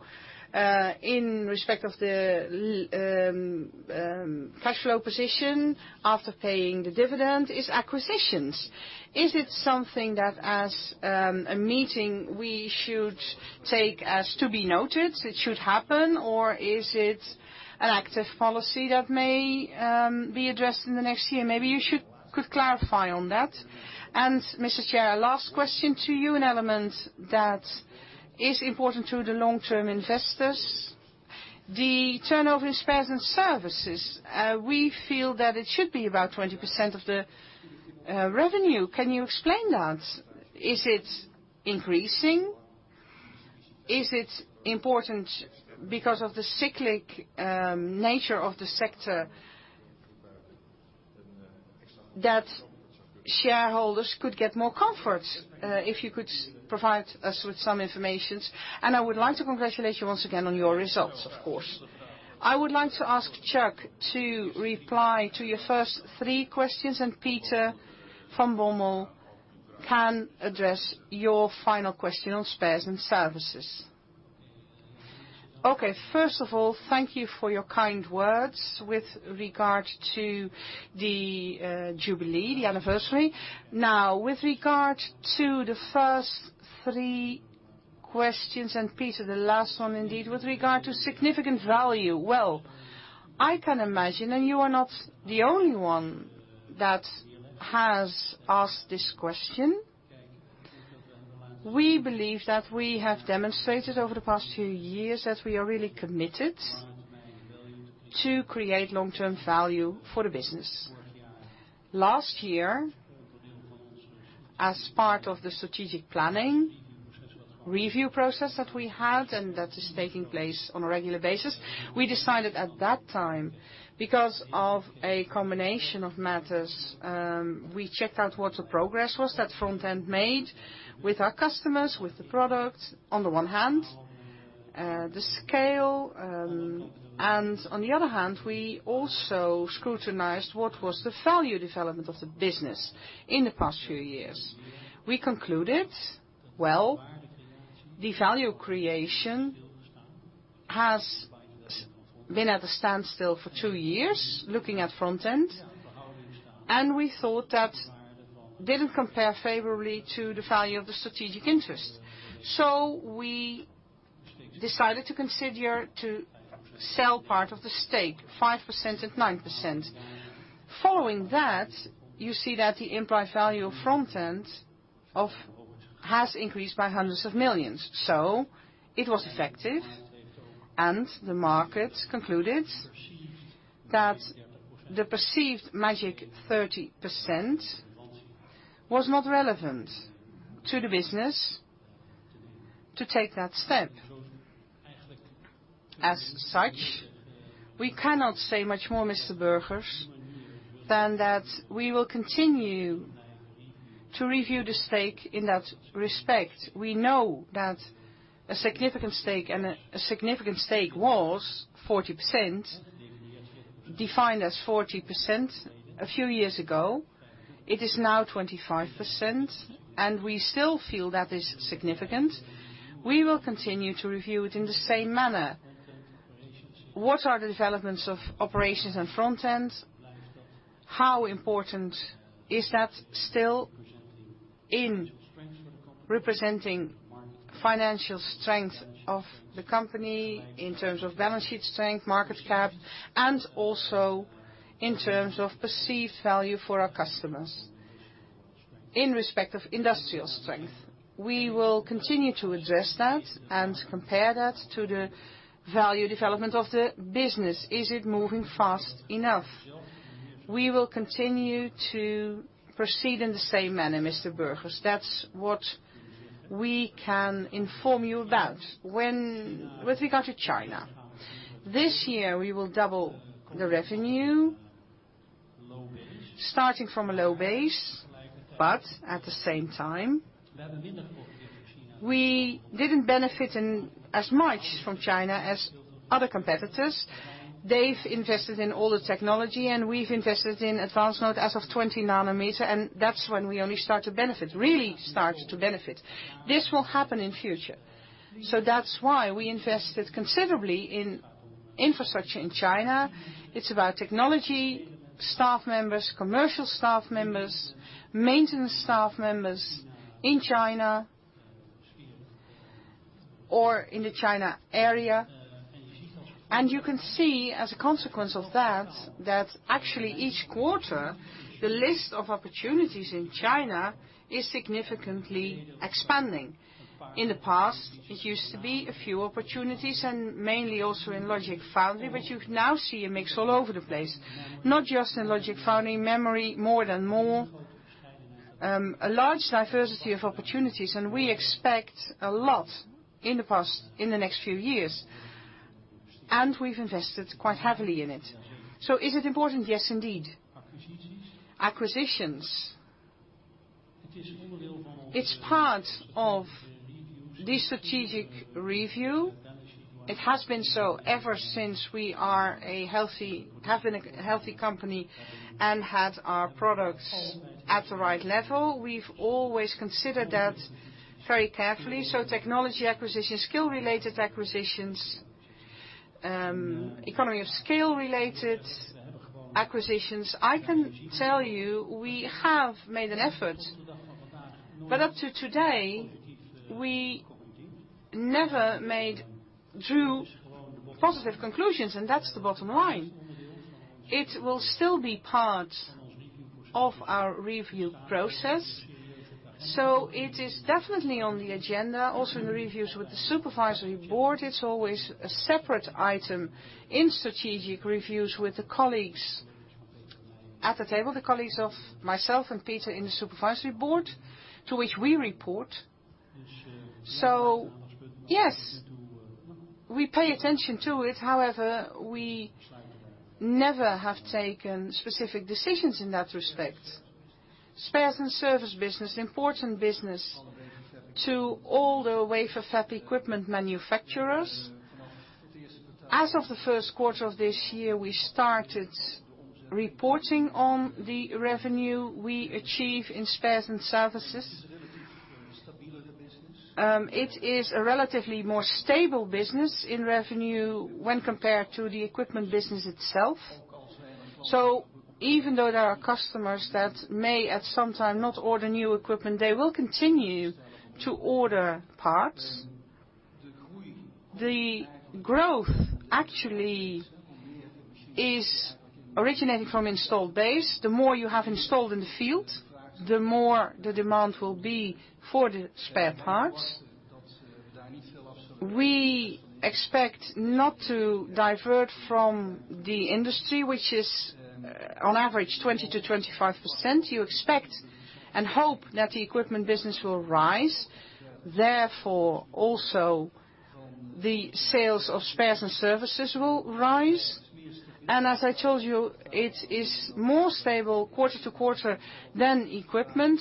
in respect of the cash flow position after paying the dividend, is acquisitions. Is it something that as a meeting, we should take as to be noted, it should happen, or is it an active policy that may be addressed in the next year? Maybe you could clarify on that. Mr. Chair, last question to you, an element that is important to the long-term investors, the turnover in spares and services. We feel that it should be about 20% of the revenue. Can you explain that? Is it increasing? Is it important because of the cyclic nature of the sector that shareholders could get more comfort? If you could provide us with some information, I would like to congratulate you once again on your results, of course. I would like to ask Chuck to reply to your first three questions, and Pieter Van Bommel can address your final question on spares and services. Okay. First of all, thank you for your kind words with regard to the jubilee, the anniversary. With regard to the first three questions, and Pieter, the last one indeed, with regard to significant value. Well, I can imagine, and you are not the only one that has asked this question. We believe that we have demonstrated over the past few years that we are really committed to create long-term value for the business. Last year, as part of the strategic planning review process that we had, that is taking place on a regular basis, we decided at that time, because of a combination of matters, we checked out what the progress was that Front-end made with our customers, with the product, on the one hand, the scale. On the other hand, we also scrutinized what was the value development of the business in the past few years. We concluded, well, the value creation has been at a standstill for two years looking at Front-end. We thought that didn't compare favorably to the value of the strategic interest. We decided to consider to sell part of the stake, 5% and 9%. Following that, you see that the implied value of Front-end has increased by hundreds of millions. It was effective, the market concluded that the perceived magic 30% was not relevant to the business to take that step. As such, we cannot say much more, Mr. Burgers, than that we will continue to review the stake in that respect. We know that a significant stake was 40%, defined as 40% a few years ago. It is now 25%, and we still feel that is significant. We will continue to review it in the same manner. What are the developments of operations and Front-end? How important is that still in representing financial strength of the company in terms of balance sheet strength, market cap, and also in terms of perceived value for our customers in respect of industrial strength? We will continue to address that and compare that to the value development of the business. Is it moving fast enough? We will continue to proceed in the same manner, Mr. Burgers. That's what we can inform you about. With regard to China, this year, we will double the revenue, starting from a low base, at the same time, we didn't benefit as much from China as other competitors. They've invested in all the technology, we've invested in advanced node as of 20 nanometer, that's when we only start to benefit, really start to benefit. This will happen in future. That's why we invested considerably in infrastructure in China. It's about technology, staff members, commercial staff members, maintenance staff members in China or in the China area. You can see as a consequence of that actually each quarter, the list of opportunities in China is significantly expanding. In the past, it used to be a few opportunities and mainly also in logic foundry, but you now see a mix all over the place, not just in logic foundry, memory, more and more, a large diversity of opportunities, we expect a lot in the next few years, and we've invested quite heavily in it. Is it important? Yes, indeed. Acquisitions. It's part of the strategic review. It has been so ever since we are a healthy company and had our products at the right level. We've always considered that very carefully. Technology acquisition, skill-related acquisitions, economy of scale related acquisitions. I can tell you we have made an effort, up to today, we never made two positive conclusions, and that's the bottom line. It will still be part of our review process. It is definitely on the agenda. In the reviews with the Supervisory Board, it's always a separate item in strategic reviews with the colleagues at the table, the colleagues of myself and Peter in the Supervisory Board to which we report. Yes, we pay attention to it. We never have taken specific decisions in that respect. Spares and service business, important business to all the wafer fab equipment manufacturers. As of the first quarter of this year, we started reporting on the revenue we achieve in spares and services. It is a relatively more stable business in revenue when compared to the equipment business itself. Even though there are customers that may, at some time, not order new equipment, they will continue to order parts. The growth actually is originating from installed base. The more you have installed in the field, the more the demand will be for the spare parts. We expect not to divert from the industry, which is on average 20%-25%. You expect and hope that the equipment business will rise. Also the sales of spares and services will rise. As I told you, it is more stable quarter to quarter than equipment.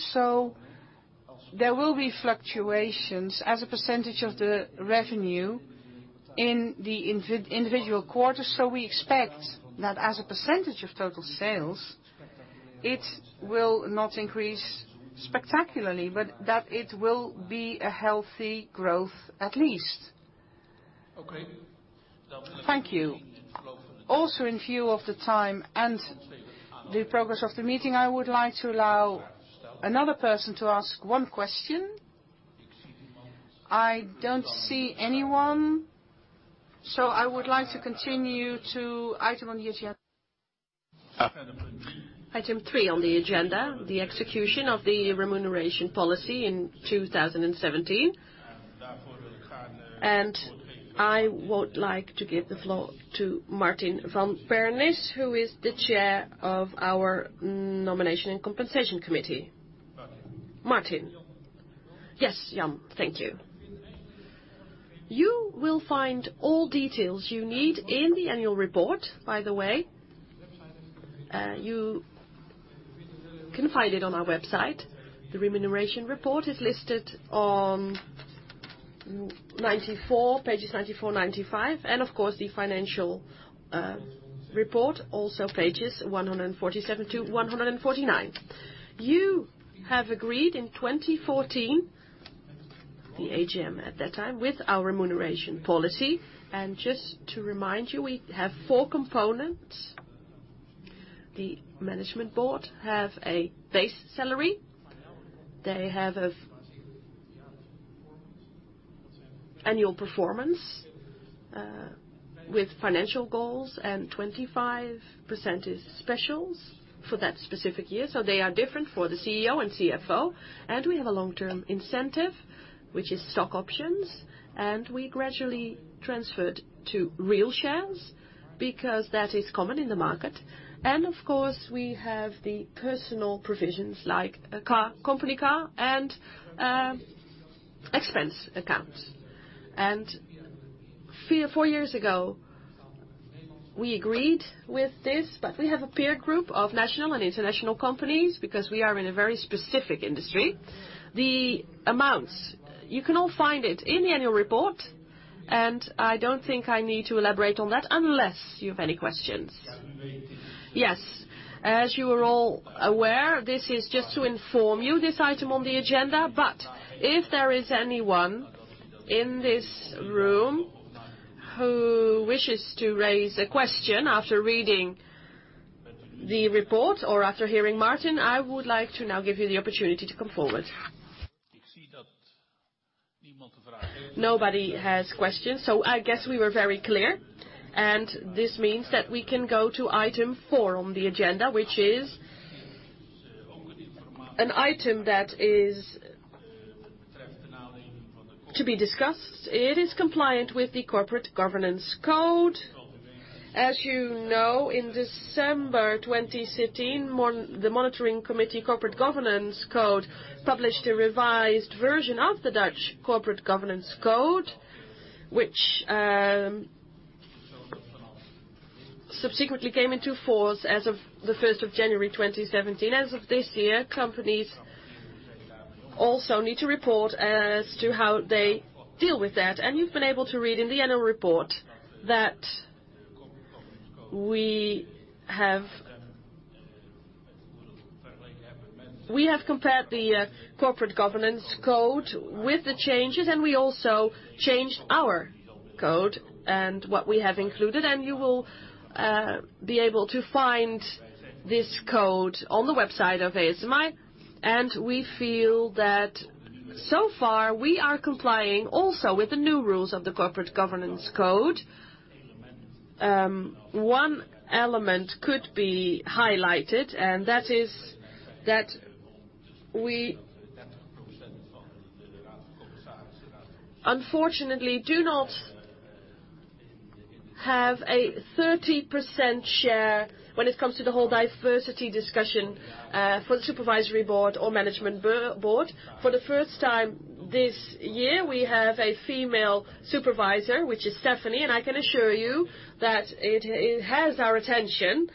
There will be fluctuations as a percentage of the revenue in the individual quarters. We expect that as a percentage of total sales, it will not increase spectacularly, but that it will be a healthy growth, at least. Okay. Thank you. Also in view of the time and the progress of the meeting, I would like to allow another person to ask one question. I don't see anyone, I would like to continue to item on the agenda. Item three on the agenda, the execution of the remuneration policy in 2017. I would like to give the floor to Martin van Pernis, who is the Chair of our Nomination and Compensation Committee. Martin. Yes, Jan. Thank you. You will find all details you need in the annual report, by the way. You can find it on our website. The remuneration report is listed on pages 94, 95, and of course, the financial report also pages 147-149. You have agreed in 2014, the AGM at that time, with our remuneration policy. Just to remind you, we have four components. The Management Board have a base salary. They have annual performance with financial goals, and 25% is specials for that specific year. They are different for the CEO and CFO. We have a long-term incentive, which is stock options, and we gradually transferred to real shares because that is common in the market. Of course, we have the personal provisions like a company car and expense account. Four years ago, we agreed with this. We have a peer group of national and international companies because we are in a very specific industry. The amounts, you can all find it in the annual report. I don't think I need to elaborate on that unless you have any questions. Yes. As you are all aware, this is just to inform you this item on the agenda. If there is anyone in this room who wishes to raise a question after reading the report or after hearing Martin, I would like to now give you the opportunity to come forward. Nobody has questions. I guess we were very clear. This means that we can go to item 4 on the agenda, which is an item that is to be discussed. It is compliant with the corporate governance code. As you know, in December 2016, the Monitoring Committee Corporate Governance Code published a revised version of the Dutch Corporate Governance Code. It subsequently came into force as of the 1st of January 2017. As of this year, companies also need to report as to how they deal with that. You've been able to read in the annual report that we have compared the corporate governance code with the changes. We also changed our code and what we have included. You will be able to find this code on the website of ASMI. We feel that so far we are complying also with the new rules of the corporate governance code. One element could be highlighted, and that is that we unfortunately, do not have a 30% share when it comes to the whole diversity discussion for the Supervisory Board or Management Board. For the first time this year, we have a female supervisor, which is Stefanie. I can assure you that it has our attention.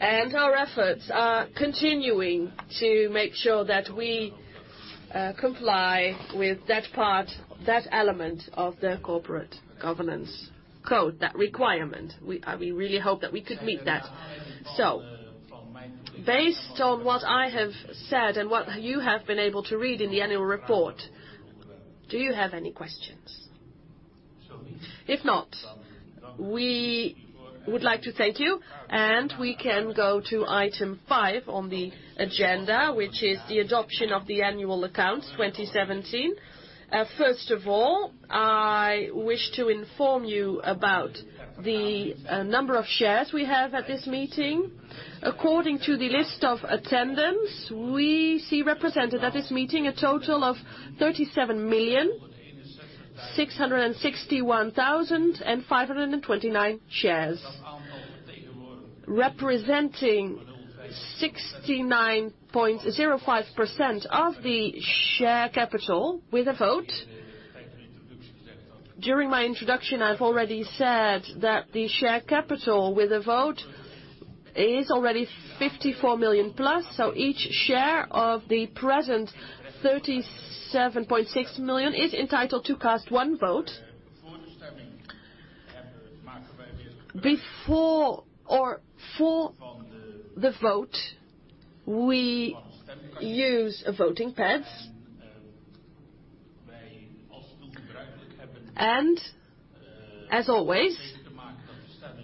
Our efforts are continuing to make sure that we comply with that part, that element of the corporate governance code, that requirement. We really hope that we could meet that. Based on what I have said and what you have been able to read in the annual report, do you have any questions? If not, we would like to thank you. We can go to item 5 on the agenda, which is the adoption of the annual account 2017. First of all, I wish to inform you about the number of shares we have at this meeting. According to the list of attendance, we see represented at this meeting a total of 37,661,529 shares, representing 69.05% of the share capital with a vote. During my introduction, I've already said that the share capital with the vote is already 54 million plus. Each share of the present 37.6 million is entitled to cast one vote. Before or for the vote, we use a voting pad. As always,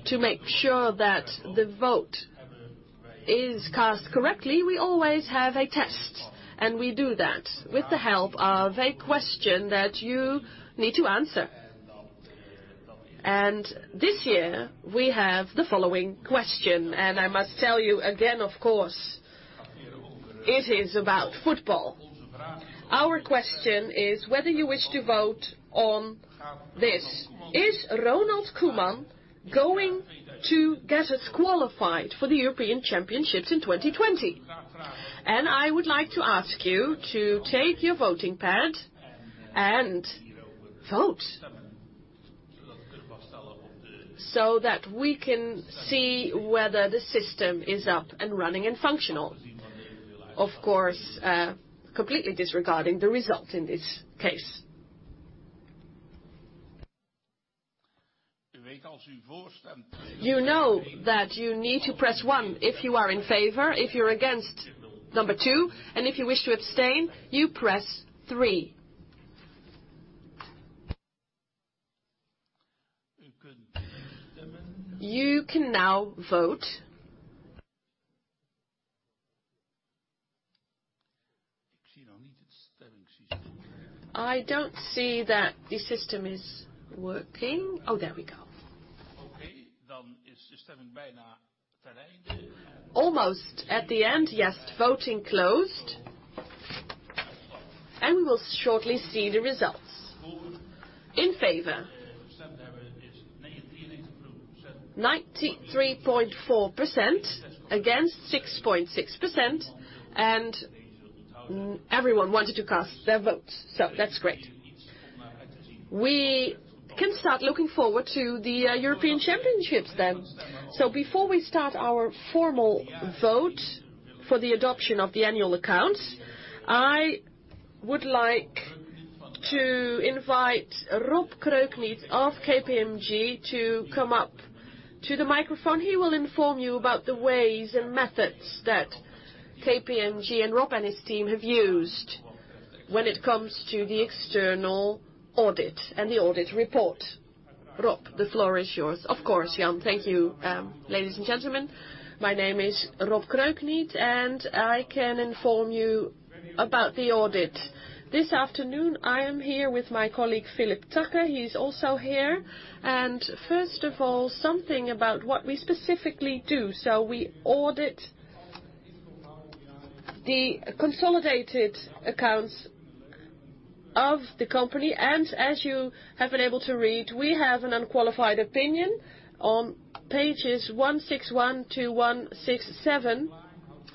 to make sure that the vote is cast correctly, we always have a test, and we do that with the help of a question that you need to answer. This year, we have the following question, and I must tell you again, of course, it is about football. Our question is whether you wish to vote on this. Is Ronald Koeman going to get us qualified for the European Championships in 2020? I would like to ask you to take your voting pad and vote so that we can see whether the system is up and running and functional. Of course, completely disregarding the results in this case. You know that you need to press one if you are in favor, if you're against, number two, and if you wish to abstain, you press three. You can now vote. I don't see that the system is working. Oh, there we go. Almost at the end. Voting closed, and we'll shortly see the results. In favor, 93.4%, against 6.6%, and everyone wanted to cast their votes, so that's great. We can start looking forward to the European Championships then. Before we start our formal vote for the adoption of the annual account, I would like to invite Rob Kroekniet of KPMG to come up to the microphone. He will inform you about the ways and methods that KPMG and Rob and his team have used when it comes to the external audit and the audit report. Rob, the floor is yours. Of course, Jan. Thank you. Ladies and gentlemen, my name is Rob Kroekniet, I can inform you about the audit. This afternoon, I am here with my colleague, Philip Tucker. He's also here. First of all, something about what we specifically do. We audit the consolidated accounts of the company, as you have been able to read, we have an unqualified opinion on pages 161 to 167.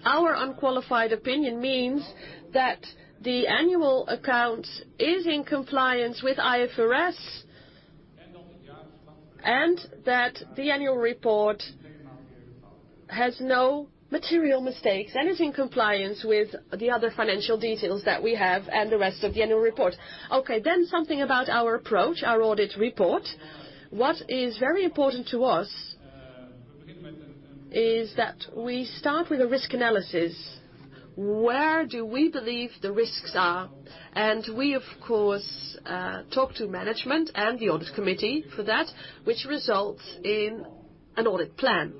Our unqualified opinion means that the annual account is in compliance with IFRS and that the annual report has no material mistakes and is in compliance with the other financial details that we have and the rest of the annual report. Something about our approach, our audit report. What is very important to us is that we start with a risk analysis. Where do we believe the risks are? We, of course, talk to management and the audit committee for that, which results in an audit plan.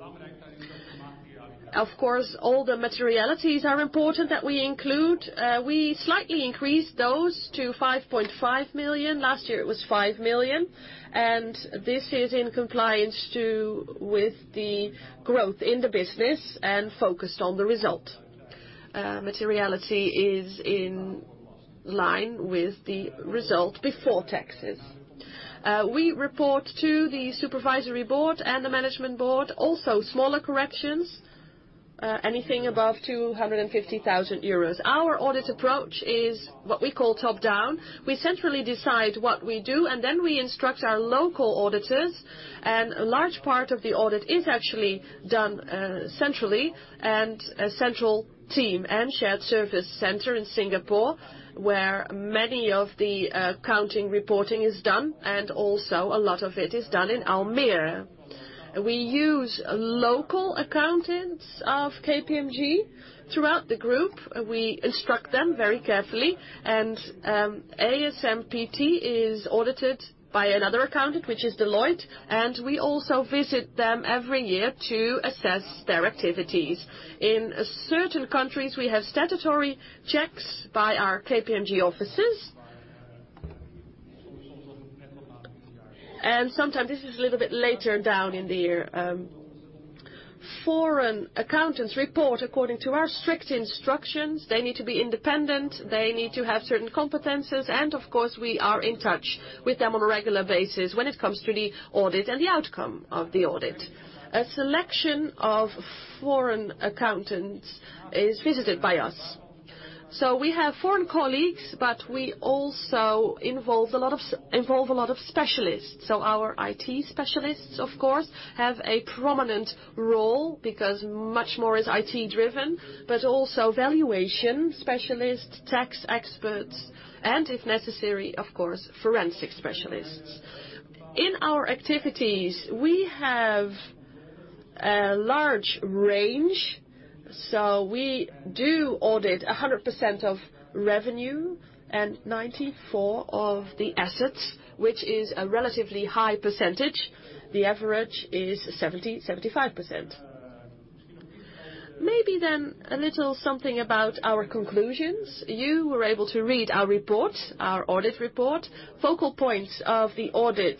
Of course, all the materialities are important that we include. We slightly increased those to 5.5 million. Last year, it was 5 million, this is in compliance with the growth in the business and focused on the result. Materiality is in line with the result before taxes. We report to the supervisory board and the management board also smaller corrections. Anything above 250,000 euros. Our audit approach is what we call top-down. We centrally decide what we do, then we instruct our local auditors. A large part of the audit is actually done centrally and a central team and shared service center in Singapore, where many of the accounting reporting is done, and also a lot of it is done in Almere. We use local accountants of KPMG throughout the group. We instruct them very carefully. ASMPT is audited by another accountant, which is Deloitte, and we also visit them every year to assess their activities. In certain countries, we have statutory checks by our KPMG offices. Sometimes this is a little bit later down in the year. Foreign accountants report according to our strict instructions. They need to be independent. They need to have certain competencies. Of course, we are in touch with them on a regular basis when it comes to the audit and the outcome of the audit. A selection of foreign accountants is visited by us. We have foreign colleagues, but we also involve a lot of specialists. Our IT specialists, of course, have a prominent role because much more is IT-driven, but also valuation specialists, tax experts, and if necessary, of course, forensic specialists. In our activities, we have a large range. We do audit 100% of revenue and 94% of the assets, which is a relatively high percentage. The average is 70%-75%. Maybe a little something about our conclusions. You were able to read our report, our audit report. Focal points of the audit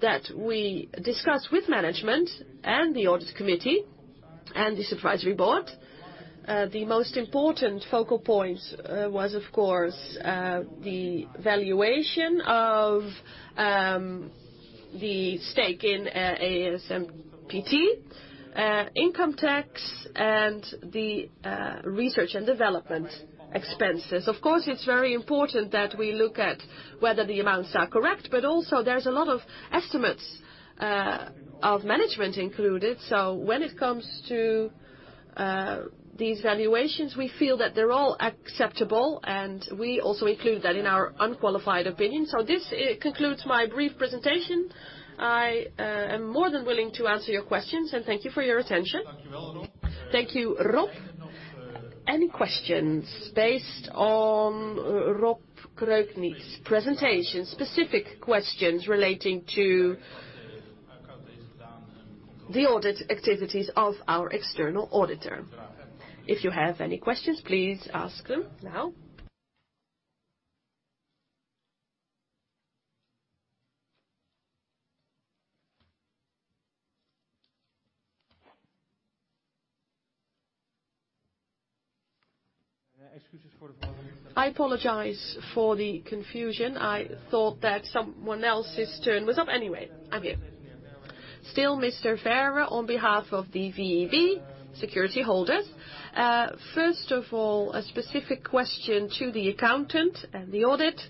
that we discussed with management and the audit committee and the supervisory board. The most important focal point was, of course, the valuation of the stake in ASMPT, income tax, and the research and development expenses. Of course, it's very important that we look at whether the amounts are correct, but also there's a lot of estimates of management included. When it comes to these valuations, we feel that they're all acceptable, and we also include that in our unqualified opinion. This concludes my brief presentation. I am more than willing to answer your questions, thank you for your attention. Thank you, Rob. Any questions based on Rob Kroekniet's presentation, specific questions relating to the audit activities of our external auditor? If you have any questions, please ask them now. I apologize for the confusion. I thought that someone else's turn was up. Anyway, I'm here. Still Vera on behalf of the VEB security holders. First of all, a specific question to the accountant and the audit.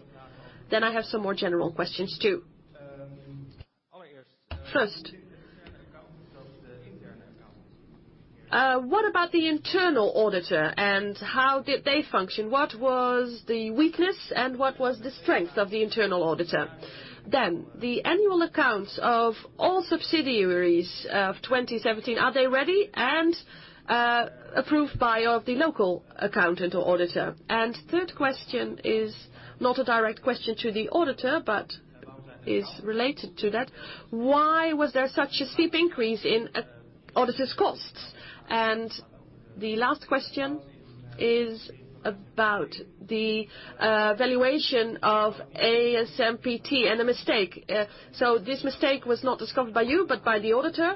I have some more general questions, too. First, what about the internal auditor and how did they function? What was the weakness and what was the strength of the internal auditor? The annual accounts of all subsidiaries of 2017, are they ready and approved by the local accountant or auditor? Third question is not a direct question to the auditor, but is related to that. Why was there such a steep increase in auditors' costs? The last question is about the valuation of ASMPT and a mistake. This mistake was not discovered by you, but by the auditor.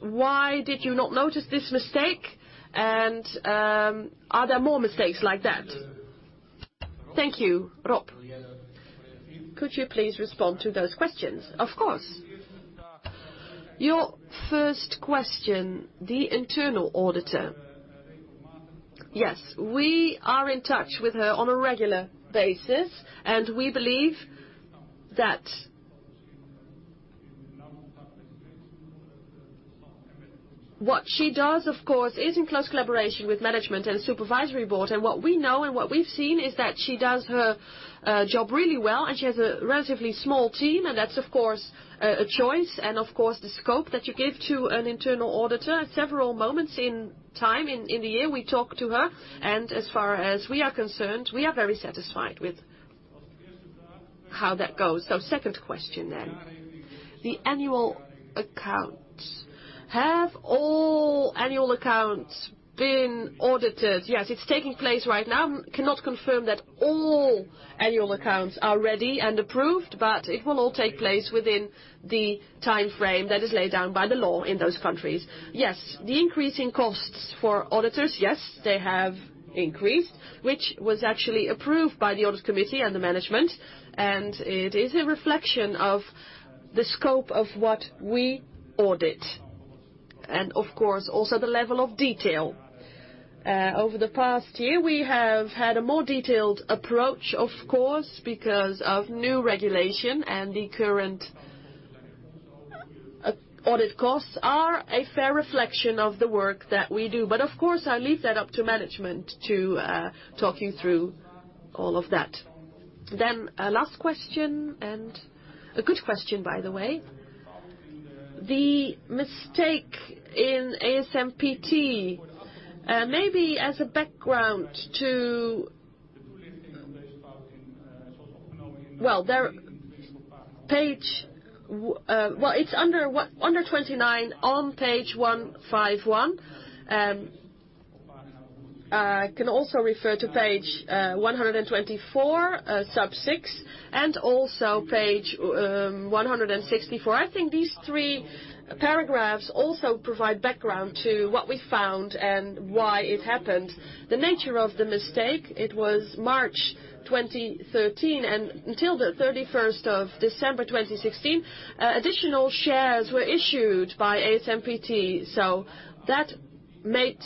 Why did you not notice this mistake? Are there more mistakes like that? Thank you. Rob, could you please respond to those questions? Of course. Your first question, the internal auditor. Yes, we are in touch with her on a regular basis, and we believe that what she does, of course, is in close collaboration with management and supervisory board. What we know and what we've seen is that she does her job really well, she has a relatively small team, and that's of course a choice. Of course, the scope that you give to an internal auditor at several moments in time in the year, we talk to her. As far as we are concerned, we are very satisfied with how that goes. Second question then. The annual accounts. Have all annual accounts been audited? Yes, it's taking place right now. I cannot confirm that all annual accounts are ready and approved, it will all take place within the time frame that is laid down by the law in those countries. Yes, the increase in costs for auditors. Yes, they have increased, which was actually approved by the audit committee and the management. It is a reflection of the scope of what we audit. Of course, also the level of detail. Over the past year, we have had a more detailed approach, of course, because of new regulation, the current audit costs are a fair reflection of the work that we do. Of course, I leave that up to management to talk you through all of that. A last question, and a good question, by the way. The mistake in ASMPT, maybe as a background to Well, it's under 29 on page 151. I can also refer to page 124, sub six, and also page 164. I think these three paragraphs also provide background to what we found and why it happened. The nature of the mistake, it was March 2013, and until the 31st of December 2016, additional shares were issued by ASMPT. That meant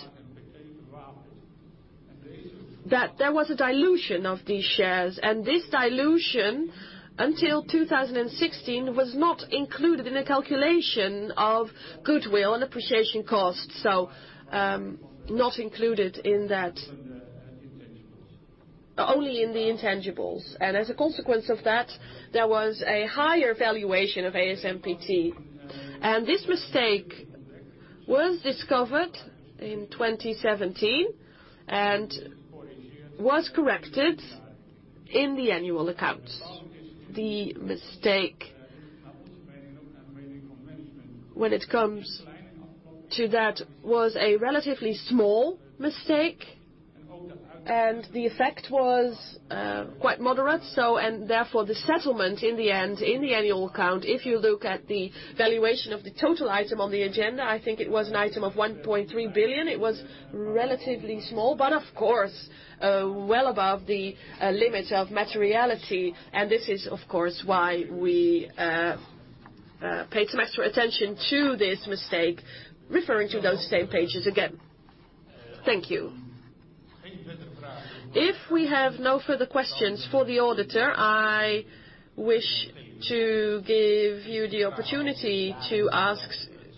that there was a dilution of these shares, and this dilution, until 2016, was not included in the calculation of goodwill and appreciation costs. Not included in that. Only in the intangibles. As a consequence of that, there was a higher valuation of ASMPT. This mistake was discovered in 2017 and was corrected in the annual accounts. The mistake, when it comes to that, was a relatively small mistake, and the effect was quite moderate, and therefore the settlement in the end, in the annual account, if you look at the valuation of the total item on the agenda, I think it was an item of 1.3 billion. It was relatively small, but of course, well above the limit of materiality. This is, of course, why we paid some extra attention to this mistake, referring to those same pages again. Thank you. If we have no further questions for the auditor, I wish to give you the opportunity to ask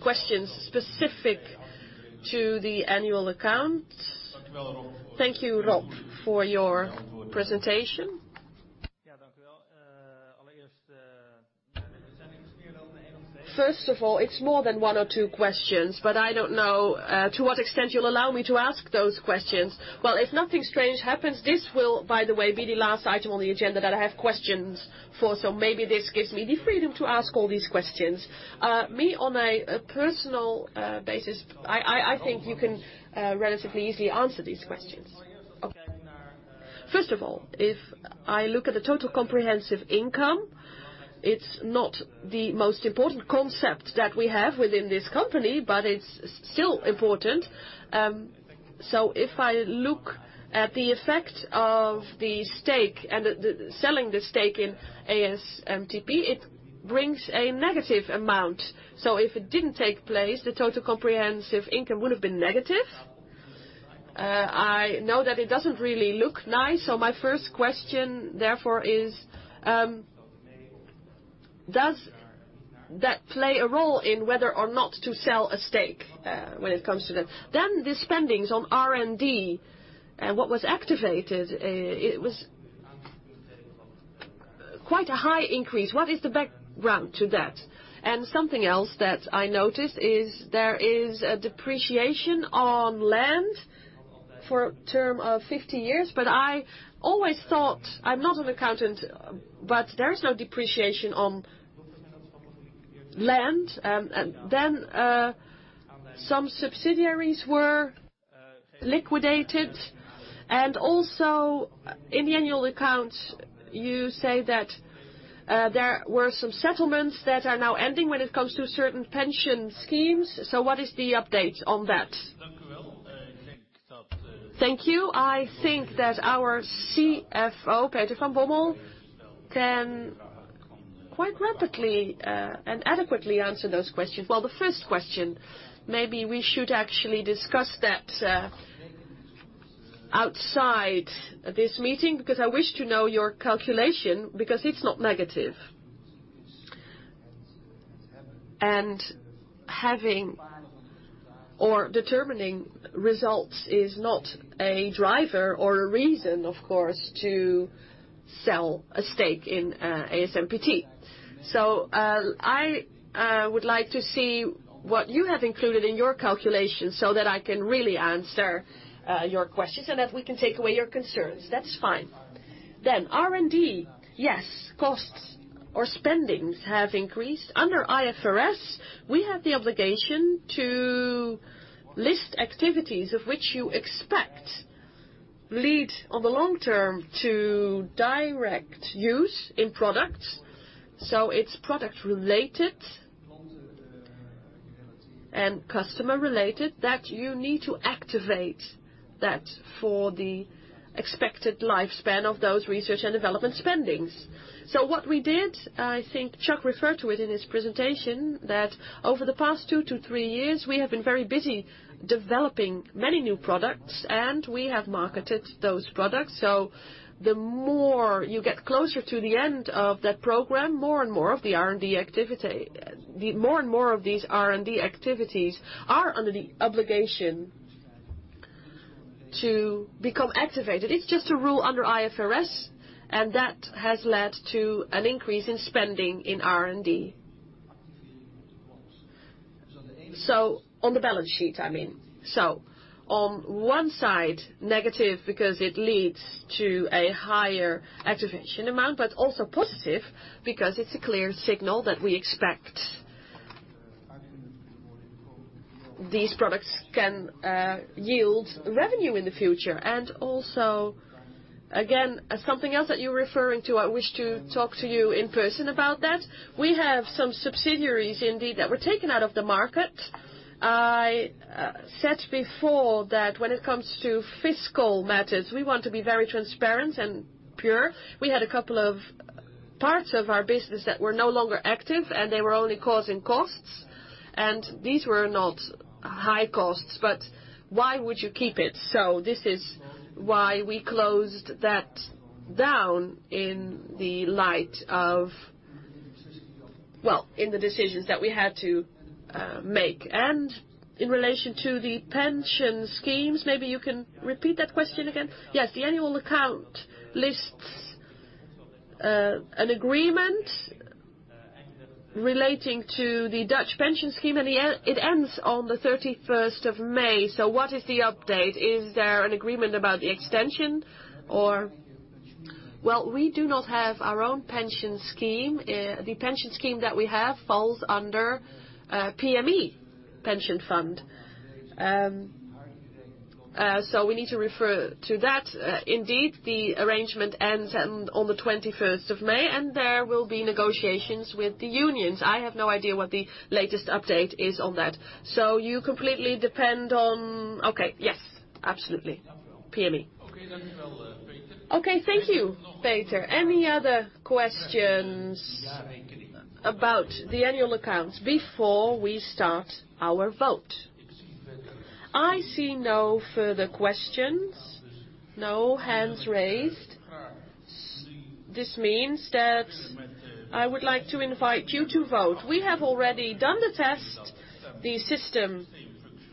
questions specific to the annual accounts. Thank you, Rob, for your presentation. First of all, it's more than one or two questions, I don't know to what extent you'll allow me to ask those questions. Well, if nothing strange happens, this will, by the way, be the last item on the agenda that I have questions for. Maybe this gives me the freedom to ask all these questions. Me, on a personal basis, I think you can relatively easily answer these questions. Okay. First of all, if I look at the total comprehensive income, it's not the most important concept that we have within this company, but it's still important. If I look at the effect of the stake and selling the stake in ASMPT, it brings a negative amount. If it didn't take place, the total comprehensive income would have been negative. I know that it doesn't really look nice, my first question, therefore, is does that play a role in whether or not to sell a stake when it comes to that? The spendings on R&D and what was activated, it was quite a high increase. What is the background to that? Something else that I noticed is there is a depreciation on land for a term of 50 years, I always thought, I'm not an accountant, there is no depreciation on land. Some subsidiaries were liquidated, and also in the annual accounts, you say that there were some settlements that are now ending when it comes to certain pension schemes. What is the update on that? Thank you. I think that our CFO, Peter van Bommel, can quite rapidly and adequately answer those questions. The first question, maybe we should actually discuss that outside this meeting, because I wish to know your calculation, because it's not negative. Having or determining results is not a driver or a reason, of course, to sell a stake in ASMPT. I would like to see what you have included in your calculation so that I can really answer your questions and that we can take away your concerns. That's fine. R&D. Yes, costs or spendings have increased. Under IFRS, we have the obligation to list activities of which you expect lead on the long term to direct use in products. It's product-related and customer-related that you need to activate for the expected lifespan of those research and development spendings. What we did, I think Chuck referred to it in his presentation, that over the past two to three years, we have been very busy developing many new products, and we have marketed those products. The more you get closer to the end of that program, more and more of these R&D activities are under the obligation to become activated. It's just a rule under IFRS, and that has led to an increase in spending in R&D. On the balance sheet, I mean. On one side, negative because it leads to a higher activation amount, but also positive because it's a clear signal that we expect these products can yield revenue in the future. Also, again, something else that you're referring to, I wish to talk to you in person about that. We have some subsidiaries indeed, that were taken out of the market. I said before that when it comes to fiscal matters, we want to be very transparent and pure. We had a couple of parts of our business that were no longer active, and they were only causing costs, and these were not high costs, but why would you keep it? This is why we closed that down in the decisions that we had to make. In relation to the pension schemes, maybe you can repeat that question again? Yes. The annual account lists an agreement relating to the Dutch pension scheme, and it ends on the 31st of May. What is the update? Is there an agreement about the extension or? We do not have our own pension scheme. The pension scheme that we have falls under PME pension fund. We need to refer to that. Indeed, the arrangement ends on the 21st of May, and there will be negotiations with the unions. I have no idea what the latest update is on that. You completely depend on-- okay. Yes, absolutely. PME. Okay. Thank you, Peter. Any other questions about the annual accounts before we start our vote? I see no further questions, no hands raised. This means that I would like to invite you to vote. We have already done the test. The system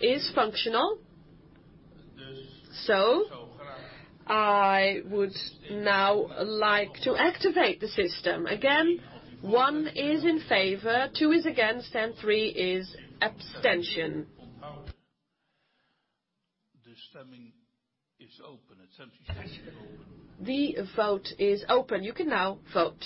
is functional. I would now like to activate the system. Again, one is in favor, two is against, and three is abstention. The vote is open. You can now vote.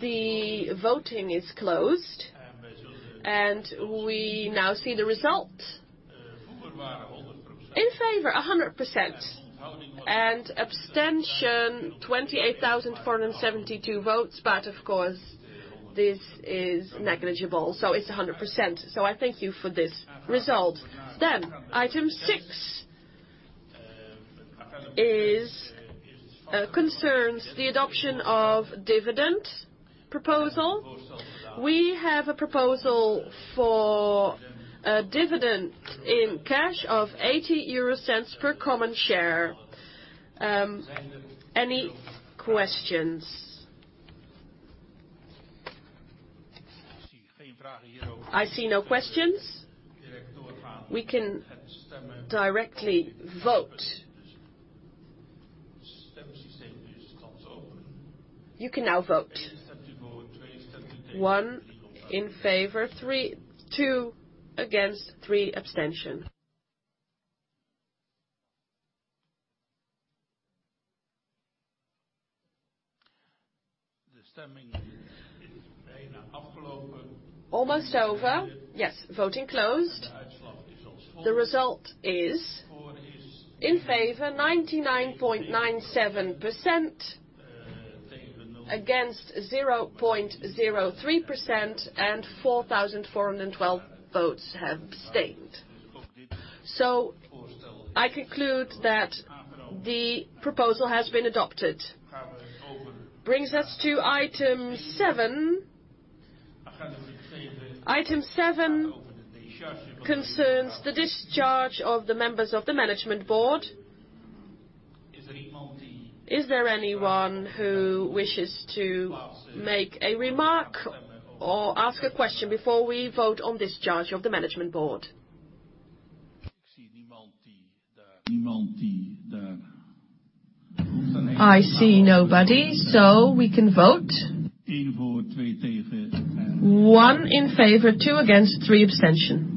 The voting is closed, and we now see the results. In favor, 100%, and abstention 28,472 votes. Of course, this is negligible. It's 100%. I thank you for this result. Item 6 concerns the adoption of dividend proposal. We have a proposal for a dividend in cash of 0.80 per common share. Any questions? I see no questions. We can directly vote. You can now vote. One in favor, two against, three abstention. Almost over. Yes. Voting closed. The result is in favor 99.97%, against 0.03%, and 4,412 votes have abstained. I conclude that the proposal has been adopted. This brings us to item 7. Item 7 concerns the discharge of the members of the management board. Is there anyone who wishes to make a remark or ask a question before we vote on discharge of the management board? I see nobody. We can vote. One in favor, two against, three abstention.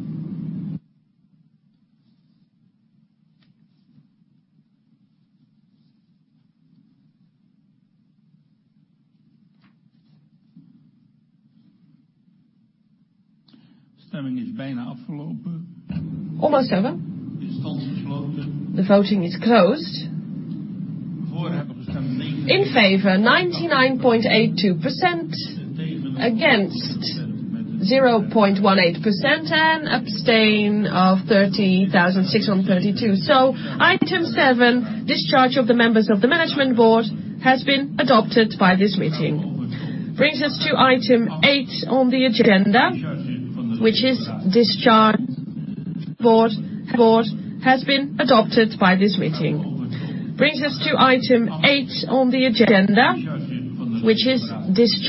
Voting is almost over. Almost over. It's now closed. The voting is closed. We have 99.82%. In favor, 99.82%, against, 0.18%, and abstain of 30,632. Item seven, discharge of the members of the management board, has been adopted by this meeting. The voting system is almost closed. It is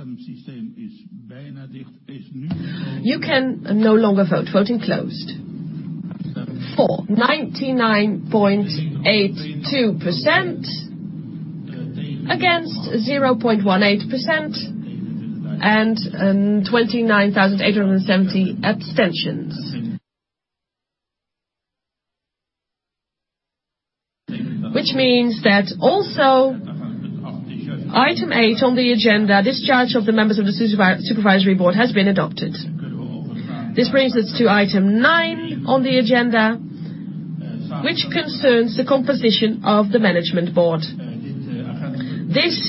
now closed. You can no longer vote. Voting closed. For, 99.82%, against, 0.18%, and 29,870 abstentions. This means that also item eight on the agenda, discharge of the members of the supervisory board, has been adopted. This brings us to item nine on the agenda, which concerns the composition of the management board. This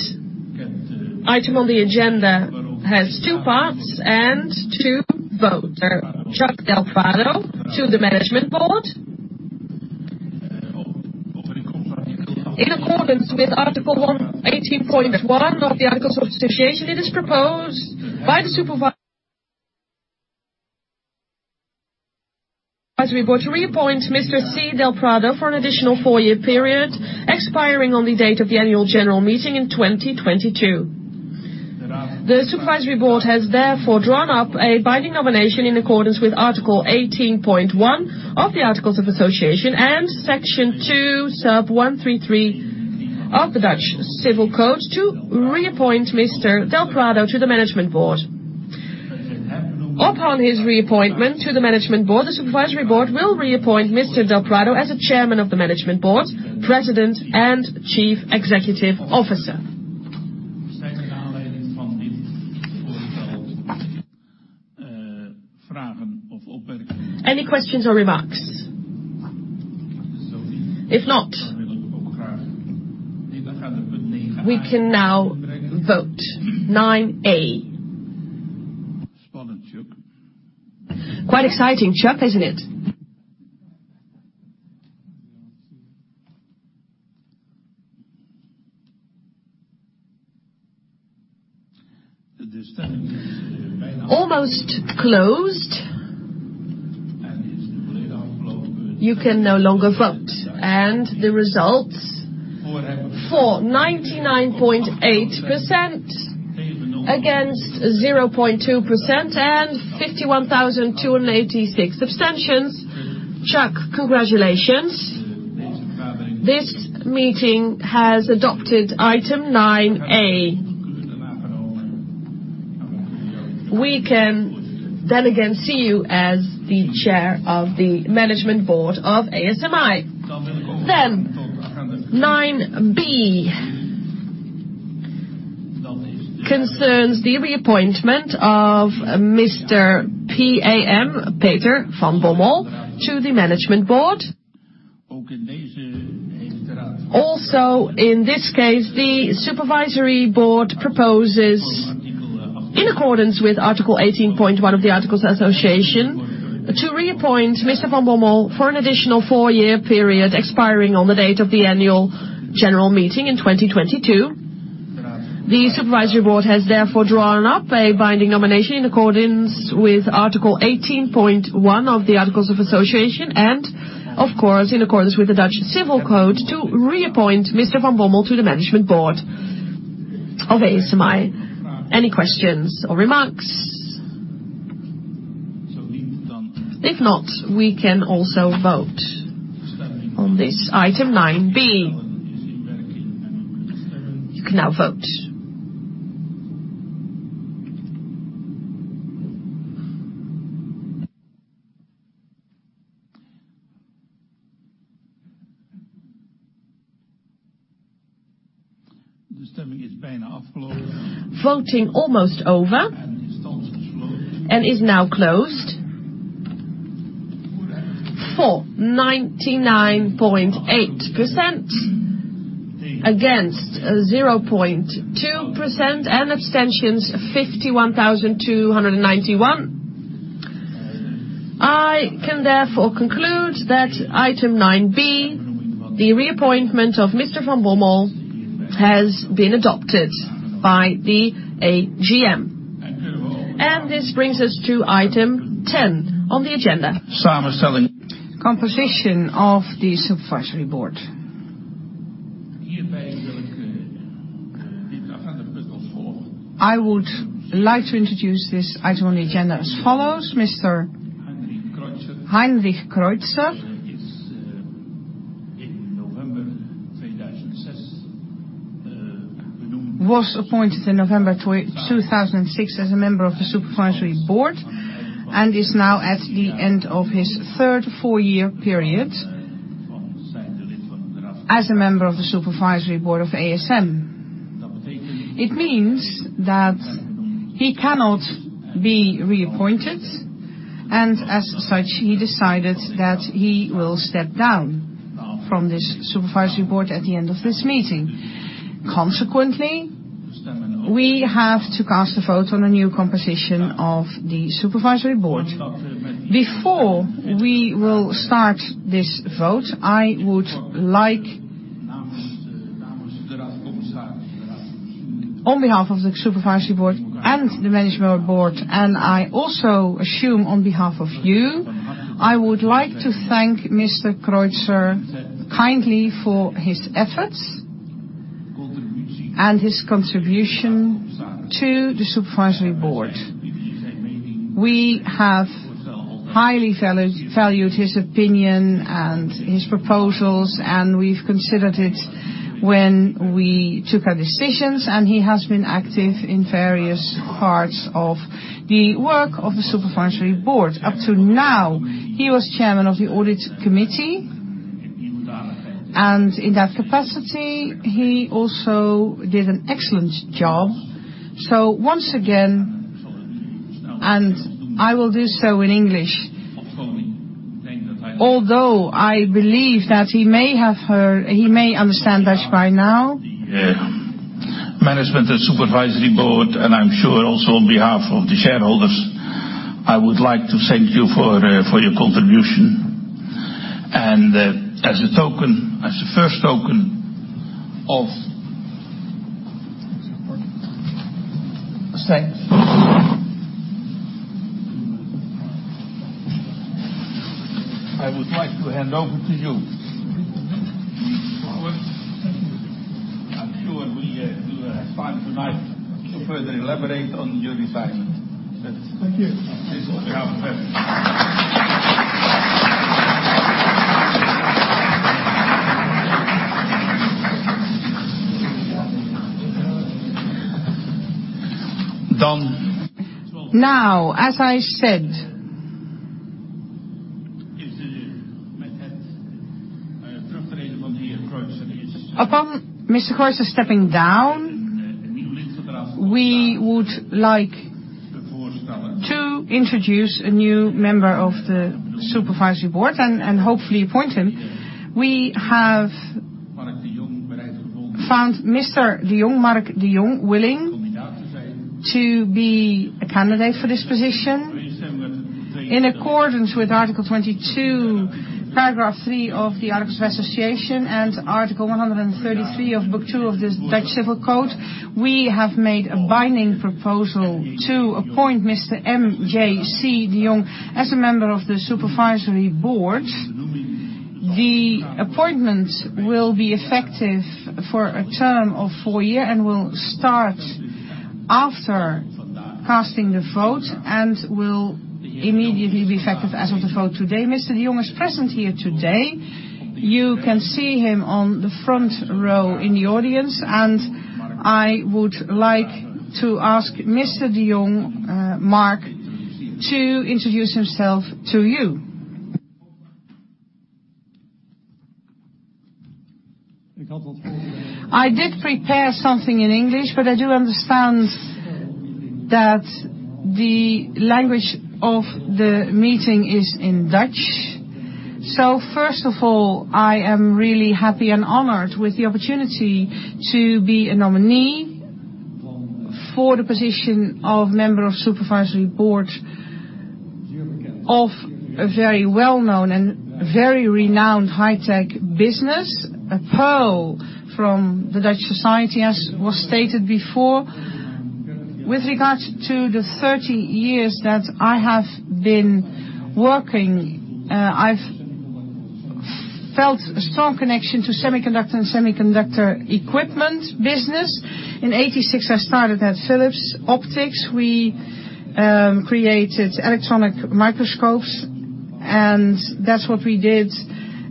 item on the agenda has two parts and two votes. Chuck del Prado to the management board. In accordance with Article 18.1 of the Articles of Association, it is proposed by the supervisory board to reappoint Mr. C. del Prado for an additional four-year period, expiring on the date of the annual general meeting in 2022. The supervisory board has therefore drawn up a binding nomination in accordance with Article 18.1 of the Articles of Association and Section 2, sub 133 of the Dutch Civil Code to reappoint Mr. del Prado to the management board. Upon his reappointment to the management board, the supervisory board will reappoint Mr. del Prado as the chairman of the management board, president, and chief executive officer. Are there any questions or remarks on this proposal? Any questions or remarks? If not, we can now vote 9A. Exciting, Chuck. Quite exciting, Chuck, isn't it? The voting is almost closed. Almost closed. It is now closed. You can no longer vote. The results, for 99.8%, against 0.2%, and 51,286 abstentions. Chuck, congratulations. This meeting has adopted item 9A. We can again see you as the chair of the management board of ASMI. 9B concerns the reappointment of Mr. P.A.M. Peter van Bommel, to the management board. Also, in this case, the supervisory board proposes, in accordance with Article 18.1 of the Articles of Association, to reappoint Mr. van Bommel for an additional four-year period expiring on the date of the annual general meeting in 2022. The supervisory board has therefore drawn up a binding nomination in accordance with Article 18.1 of the Articles of Association and, of course, in accordance with the Dutch Civil Code, to reappoint Mr. van Bommel to the management board of ASMI. Any questions or remarks? If not, we can also vote on this item, 9B. You can now vote. The voting is almost closed. Voting almost over. It's now closed. It is now closed. For 99.8%, against 0.2%, abstentions 51,291. I can therefore conclude that item 9B, the reappointment of Mr. Van Bommel, has been adopted by the AGM. This brings us to item 10 on the agenda. Sam is telling. Composition of the Supervisory Board I would like to introduce this item on the agenda as follows: Mr. Heinrich Kreutzer was appointed in November 2006 as a member of the Supervisory Board, and is now at the end of his third four-year period as a member of the Supervisory Board of ASM. It means that he cannot be reappointed, and as such, he decided that he will step down from this Supervisory Board at the end of this meeting. Consequently, we have to cast a vote on the new composition of the Supervisory Board. Before we will start this vote, on behalf of the Supervisory Board and the Management Board, and I also assume on behalf of you, I would like to thank Mr. Kreutzer kindly for his efforts and his contribution to the Supervisory Board. We have highly valued his opinion and his proposals, and we've considered it when we took our decisions, and he has been active in various parts of the work of the Supervisory Board. Up to now, he was Chairman of the Audit Committee, and in that capacity, he also did an excellent job. Once again, and I will do so in English, although I believe that he may understand Dutch by now. Management and Supervisory Board, and I'm sure also on behalf of the shareholders, I would like to thank you for your contribution. As a first token of thanks, I would like to hand over to you. Thank you. I'm sure we do have time tonight to further elaborate on your assignment. Thank you. Please. As I said, upon Mr. Kreutzer stepping down, we would like to introduce a new member of the Supervisory Board and hopefully appoint him. We have found Mr. de Jong, Marc de Jong, willing to be a candidate for this position. In accordance with Article 22, Paragraph three of the Articles of Association and Article 133 of Book two of the Dutch Civil Code, we have made a binding proposal to appoint Mr. M.J.C. de Jong as a member of the Supervisory Board. The appointment will be effective for a term of four years and will start after casting the vote and will immediately be effective as of the vote today. Mr. de Jong is present here today. You can see him on the front row in the audience, and I would like to ask Mr. de Jong, Marc, to introduce himself to you. First of all, I am really happy and honored with the opportunity to be a nominee for the position of member of Supervisory Board of a very well-known and very renowned high-tech business, a pearl from the Dutch society, as was stated before. With regards to the 30 years that I have been working, I've felt a strong connection to semiconductor and semiconductor equipment business. In 1986, I started at Philips Electron Optics. We created electron microscopes, and that's what we did,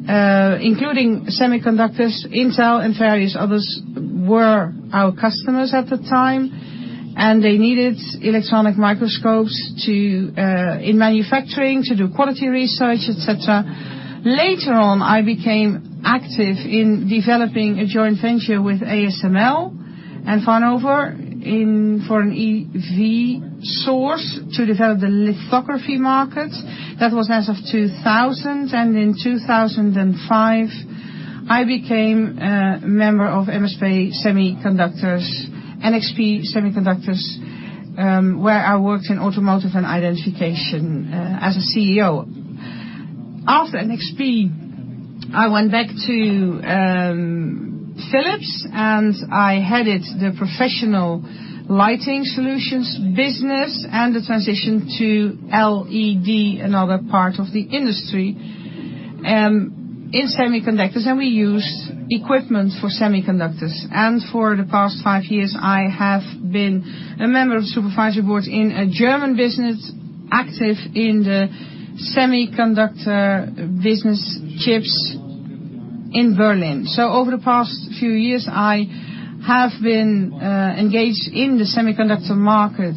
including semiconductors. Intel and various others were our customers at the time, and they needed electron microscopes in manufacturing to do quality research, et cetera. Later on, I became active in developing a joint venture with ASML and Fraunofer for an EUV source to develop the lithography market. That was as of 2000, and in 2005, I became a member of NXP Semiconductors, where I worked in automotive and identification as a CEO. After NXP, I went back to Philips and I headed the professional lighting solutions business and the transition to LED, another part of the industry in semiconductors, and we use equipment for semiconductors. For the past five years, I have been a member of the supervisory board in a German business active in the semiconductor business listed in Berlin. So over the past few years, I have been engaged in the semiconductor market.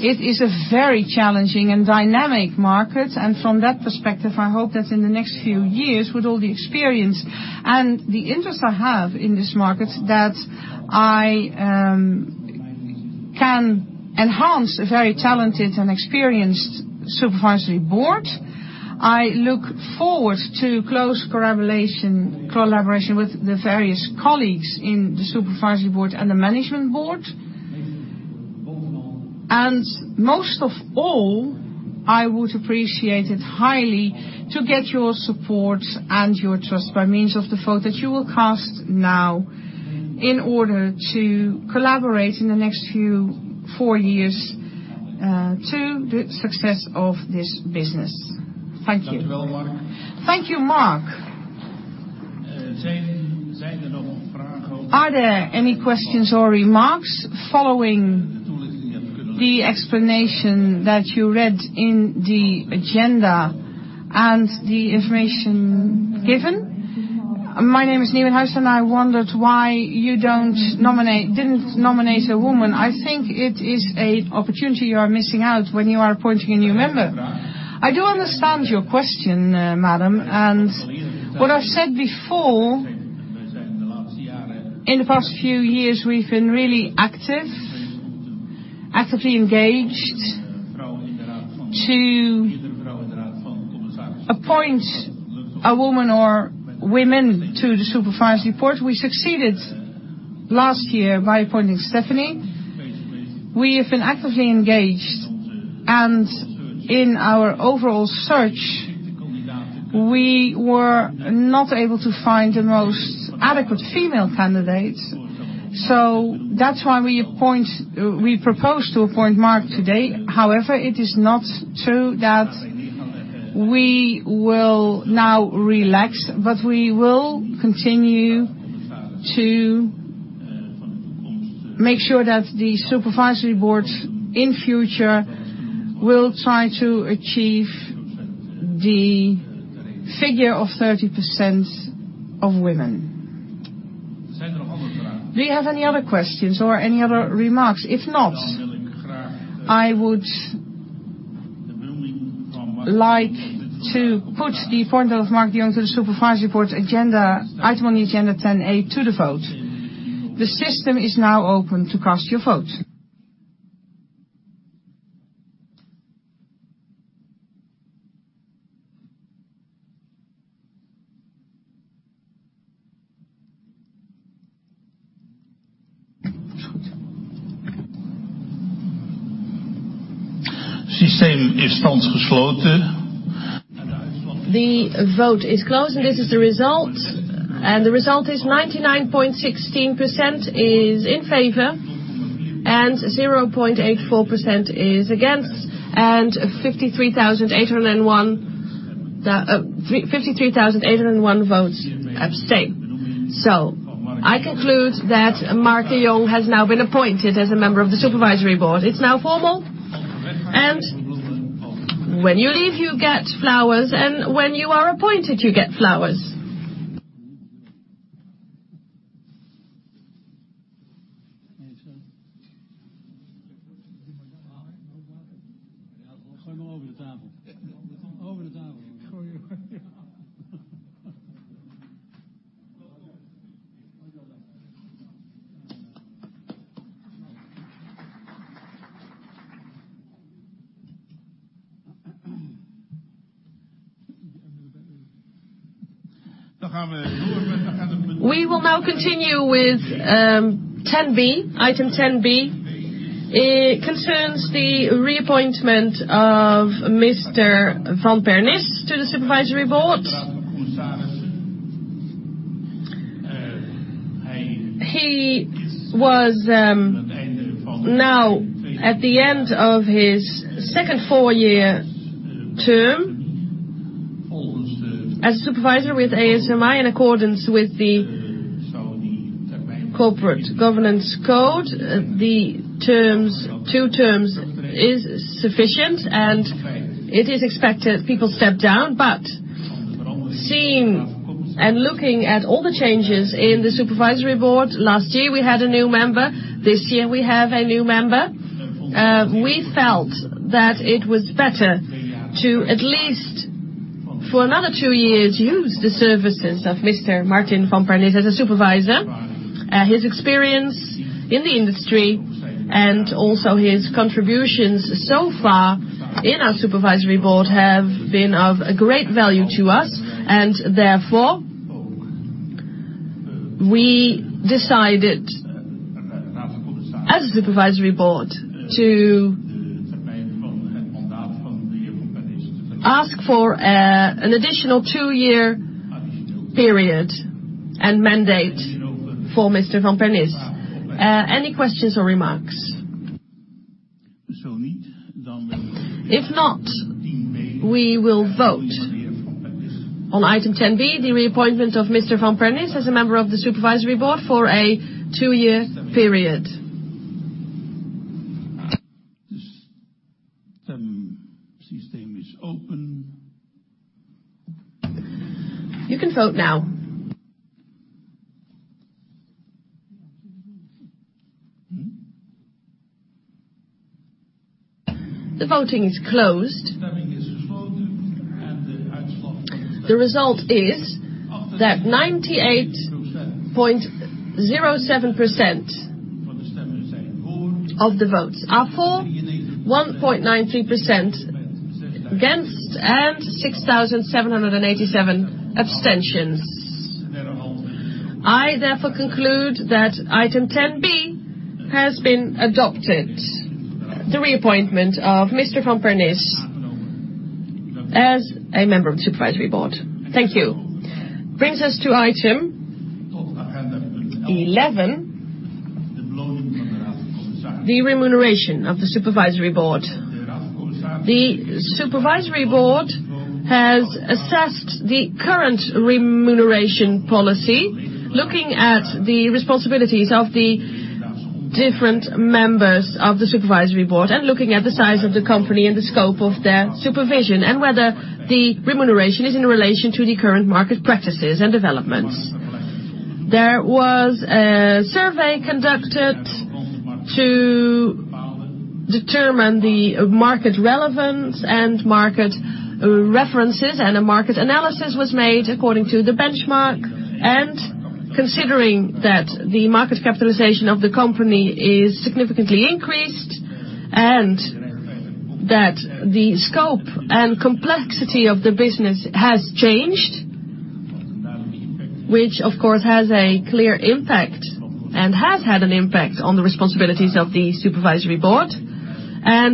It is a very challenging and dynamic market, and from that perspective, I hope that in the next few years, with all the experience and the interest I have in this market, that I can enhance a very talented and experienced supervisory board. Most of all, I would appreciate it highly to get your support and your trust by means of the vote that you will cast now in order to collaborate in the next four years to the success of this business. Thank you. Thank you, Marc. Thank you, Marc. Are there any questions or remarks following the explanation that you read in the agenda and the information given? My name is Nieuwenhuis, and I wondered why you didn't nominate a woman. I think it is an opportunity you are missing out when you are appointing a new member. I do understand your question, madam, and what I've said before, in the past few years, we've been really actively engaged to appoint a woman or women to the supervisory board. We succeeded last year by appointing Stefanie. We have been actively engaged. In our overall search, we were not able to find the most adequate female candidates. That's why we proposed to appoint Marc today. However, it is not true that we will now relax. We will continue to make sure that the supervisory board in future will try to achieve the figure of 30% of women. Do you have any other questions or any other remarks? If not, I would like to put the appointment of Marc de Jong to the supervisory board item on the agenda 10A to the vote. The system is now open to cast your vote. The system is now closed. The vote is closed. This is the result. The result is 99.16% is in favor. 0.84% is against, and 53,801 votes abstain. I conclude that Marc de Jong has now been appointed as a member of the supervisory board. It's now formal, and when you leave, you get flowers, and when you are appointed, you get flowers. We will now continue with item 10B. We will now continue with item 10B. It concerns the reappointment of Mr. Van Pernis to the Supervisory Board. He was now at the end of his second four-year term as supervisor with ASMI in accordance with the Corporate Governance Code. The two terms is sufficient, and it is expected people step down. Seeing and looking at all the changes in the Supervisory Board, last year we had a new member, this year we have a new member. We felt that it was better to, at least for another two years, use the services of Mr. Martin Van Pernis as a supervisor. His experience in the industry and also his contributions so far in our Supervisory Board have been of a great value to us. Therefore, we decided as a Supervisory Board to ask for an additional two-year period and mandate for Mr. Van Pernis. Any questions or remarks? If not, we will vote on item 10B, the reappointment of Mr. Van Pernis as a member of the Supervisory Board for a two-year period. The system is open. You can vote now. The voting is closed. The voting is closed. The result is that 98.07% of the votes are for, 1.93% against, and 6,787 abstentions. I therefore conclude that item 10B has been adopted, the reappointment of Mr. Van Pernis as a member of the supervisory board. Thank you. Brings us to item 11, the remuneration of the supervisory board. The supervisory board has assessed the current remuneration policy, looking at the responsibilities of the different members of the supervisory board, and looking at the size of the company and the scope of their supervision, and whether the remuneration is in relation to the current market practices and developments. There was a survey conducted to determine the market relevance and market references, and a market analysis was made according to the benchmark. Considering that the market capitalization of the company is significantly increased, and that the scope and complexity of the business has changed, which of course has a clear impact and has had an impact on the responsibilities of the supervisory board.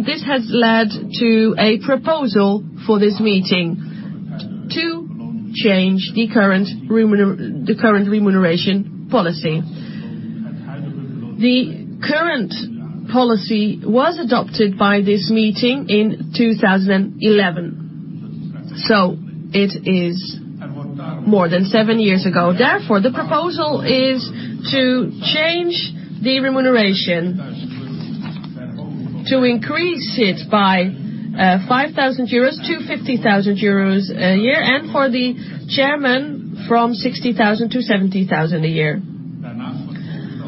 This has led to a proposal for this meeting to change the current remuneration policy. The current policy was adopted by this meeting in 2011, it is more than seven years ago. Therefore, the proposal is to change the remuneration, to increase it by €5,000 to €50,000 a year, and for the chairman from €60,000 to €70,000 a year.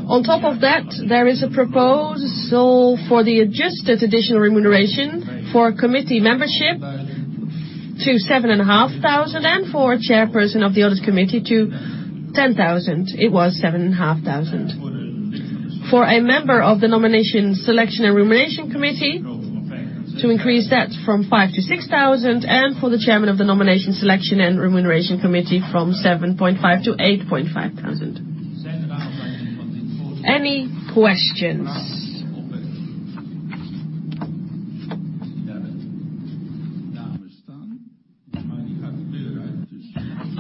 On top of that, there is a proposal for the adjusted additional remuneration for committee membership to 7,500 and for chairperson of the audit committee to 10,000. It was 7,500. For a member of the nomination selection and remuneration committee, to increase that from 5,000 to 6,000, and for the chairman of the nomination selection and remuneration committee from 7,500 to 8,500. Any questions?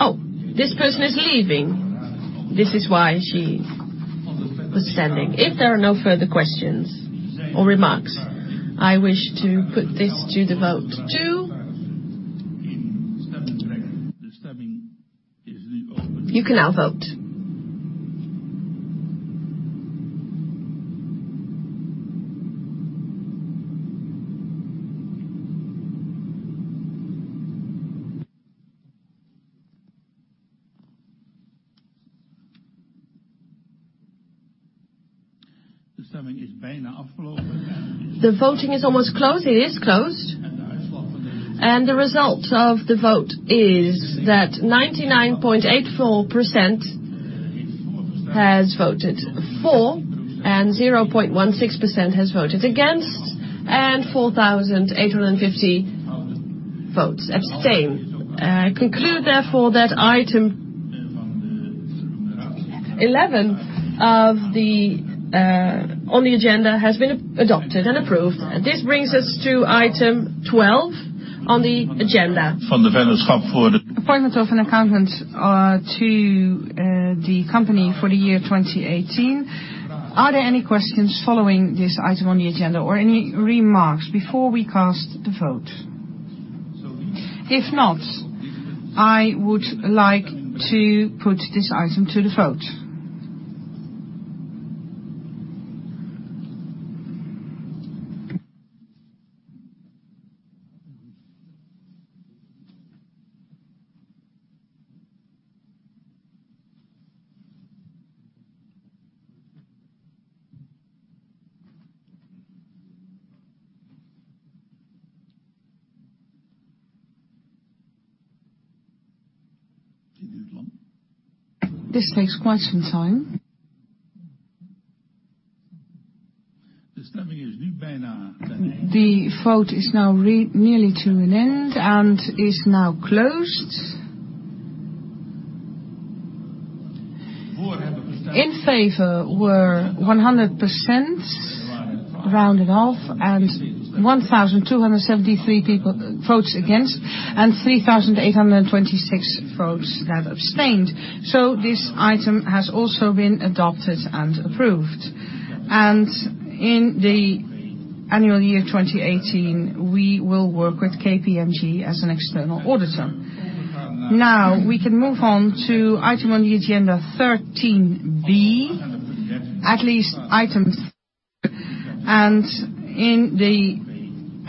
Oh, this person is leaving. This is why she was standing. If there are no further questions or remarks, I wish to put this to the vote, too. The voting is open. You can now vote. The voting is almost closed. The voting is almost closed. It is closed. The result of the vote is that 99.84% has voted for, 0.16% has voted against, and 4,850 votes abstain. I conclude therefore that item 11 on the agenda has been adopted and approved. This brings us to item 12 on the agenda. Appointment of an accountant to the company for the year 2018. Are there any questions following this item on the agenda or any remarks before we cast the vote? If not, I would like to put this item to the vote. This takes quite some time. The voting is now nearly to an end. The vote is now nearly to an end and is now closed. In favor were 100%, rounded off, 1,273 votes against, and 3,826 votes have abstained. This item has also been adopted and approved. In the Annual year 2018, we will work with KPMG as an external auditor. Now, we can move on to item on the agenda 13B. Appoint a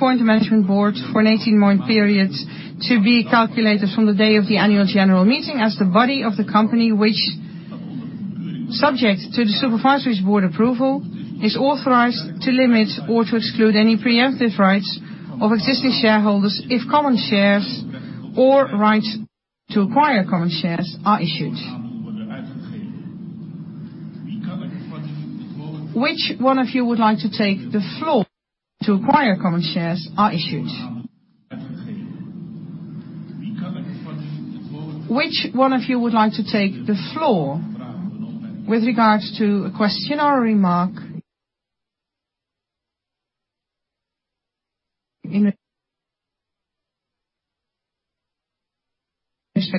management board for an 18-month period to be calculated from the day of the annual general meeting as the body of the company, which subject to the supervisory board approval, is authorized to limit or to exclude any preemptive rights of existing shareholders if common shares or rights to acquire common shares are issued. Which one of you would like to take the floor? To acquire common shares are issued. Which one of you would like to take the floor with regards to a question or a remark? It is B.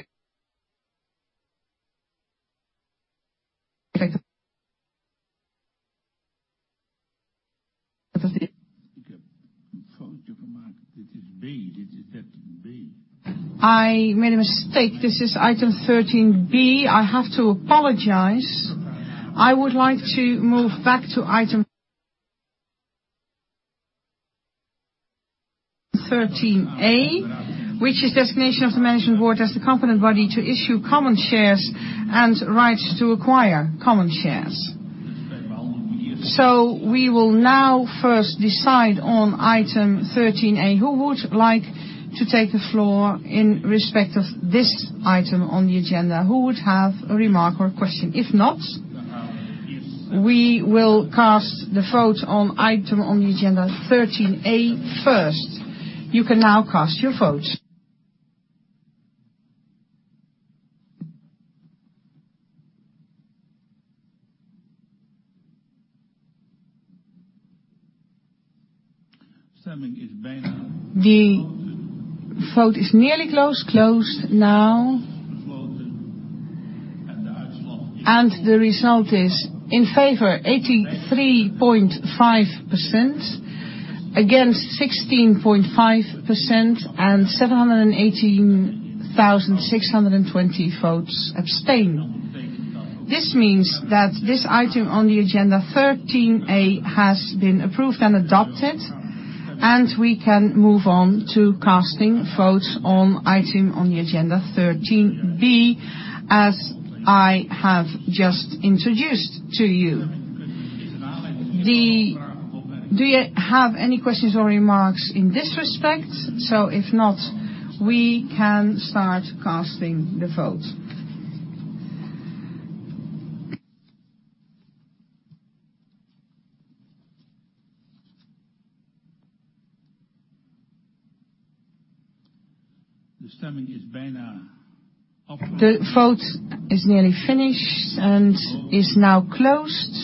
It is 13B. I made a mistake. This is item 13B. I have to apologize. I would like to move back to item 13A, which is designation of the management board as the competent body to issue common shares and rights to acquire common shares. We will now first decide on item 13A. Who would like to take the floor in respect of this item on the agenda? Who would have a remark or a question? If not, we will cast the vote on item on the agenda 13A first. You can now cast your vote. Voting is back. The vote is nearly closed. Closed now. The result is, in favor 83.5%, against 16.5%, and 718,620 votes abstain. This means that this agenda item 13A has been approved and adopted, and we can move on to casting votes on agenda item 13B, as I have just introduced to you. Do you have any questions or remarks in this respect? If not, we can start casting the vote. The voting is almost done. The vote is nearly finished and is now closed.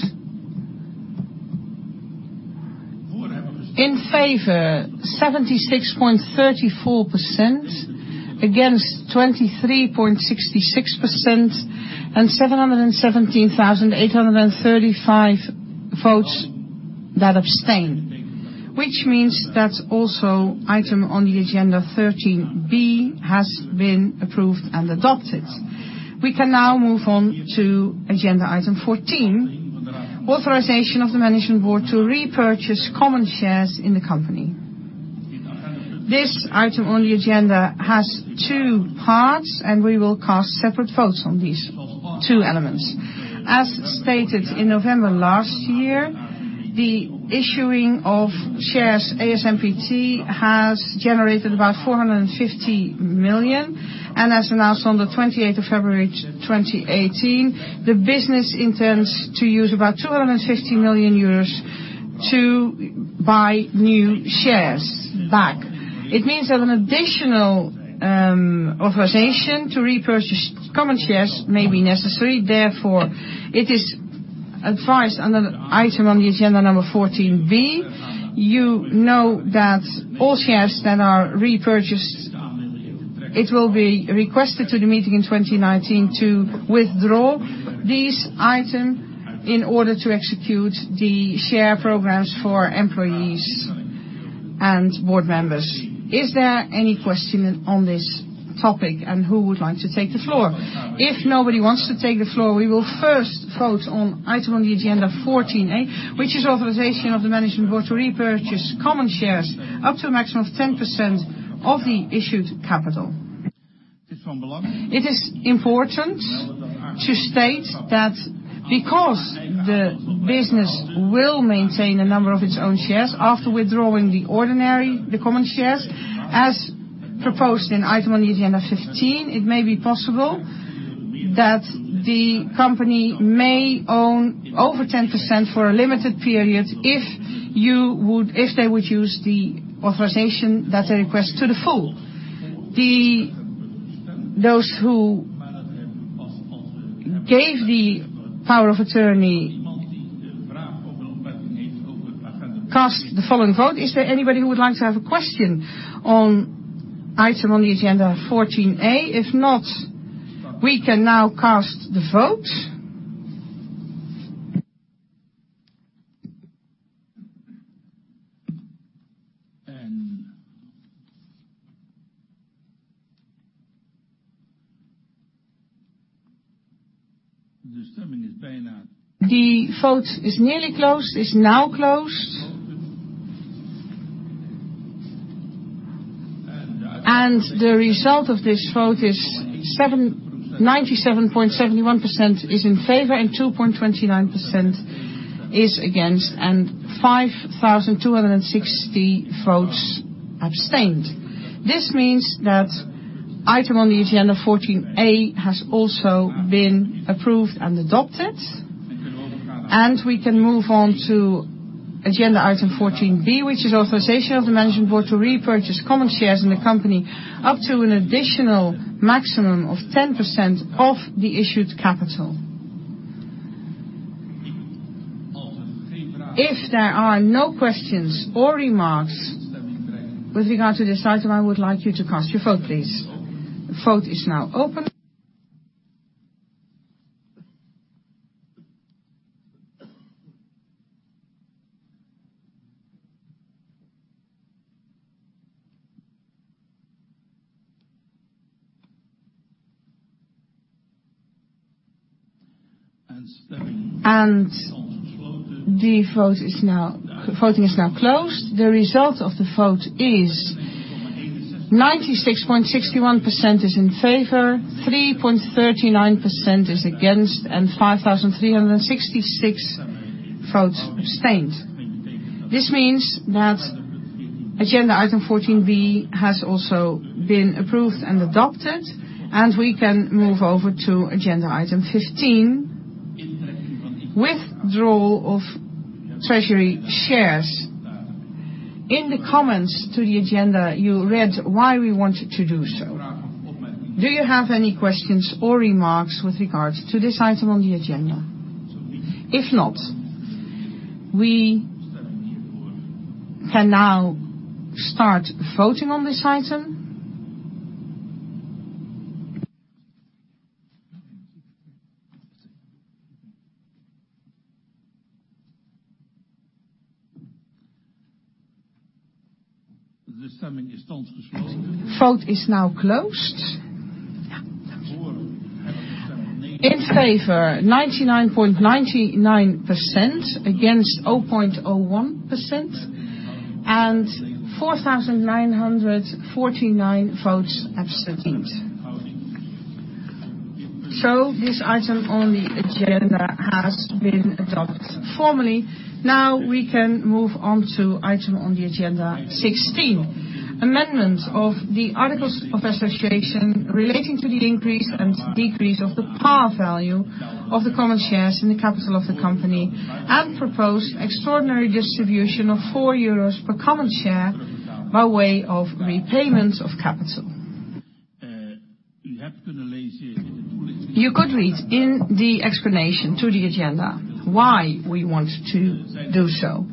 In favor 76.34%, against 23.66%, and 717,835 votes that abstain, which means that also agenda item 13B has been approved and adopted. We can now move on to agenda item 14, authorization of the management board to repurchase common shares in the company. This agenda item has two parts, and we will cast separate votes on these two elements. As stated in November last year, the issuing of shares ASMPT has generated about 450 million, and as announced on February 28, 2018, the business intends to use about 250 million euros to buy new shares back. It means that an additional authorization to repurchase common shares may be necessary. Therefore, it is advised under agenda item 14B. You know that all shares that are repurchased, it will be requested to the meeting in 2019 to withdraw this item in order to execute the share programs for employees and board members. Is there any question on this topic? Who would like to take the floor? If nobody wants to take the floor, we will first vote on agenda item 14A, which is authorization of the management board to repurchase common shares up to a maximum of 10% of the issued capital. It is important to state that because the business will maintain a number of its own shares after withdrawing the ordinary, the common shares, as proposed in agenda item 15, it may be possible that the company may own over 10% for a limited period, if they would use the authorization that they request to the full. Those who gave the power of attorney cast the following vote. Is there anybody who would like to have a question on item on the agenda 14A? If not, we can now cast the vote. The vote is nearly closed. It's now closed. The result of this vote is 97.71% is in favor, and 2.29% is against, and 5,260 votes abstained. This means that item on the agenda 14A has also been approved and adopted, and we can move on to agenda item 14B, which is authorization of the management board to repurchase common shares in the company up to an additional maximum of 10% of the issued capital. If there are no questions or remarks with regard to this item, I would like you to cast your vote, please. The vote is now open. The voting is now closed. The result of the vote is 96.61% is in favor, 3.39% is against, and 5,366 votes abstained. This means that agenda item 14B has also been approved and adopted, and we can move over to agenda item 15, withdrawal of treasury shares. In the comments to the agenda, you read why we wanted to do so. Do you have any questions or remarks with regards to this item on the agenda? If not, we can now start voting on this item. The vote is now closed. In favor 99.99%, against 0.01%, and 4,949 votes abstained. This item on the agenda has been adopted formally. We can move on to item on the agenda 16, amendment of the articles of association relating to the increase and decrease of the par value of the common shares in the capital of the company, and propose extraordinary distribution of 4 euros per common share by way of repayment of capital. You could read in the explanation to the agenda why we want to do so.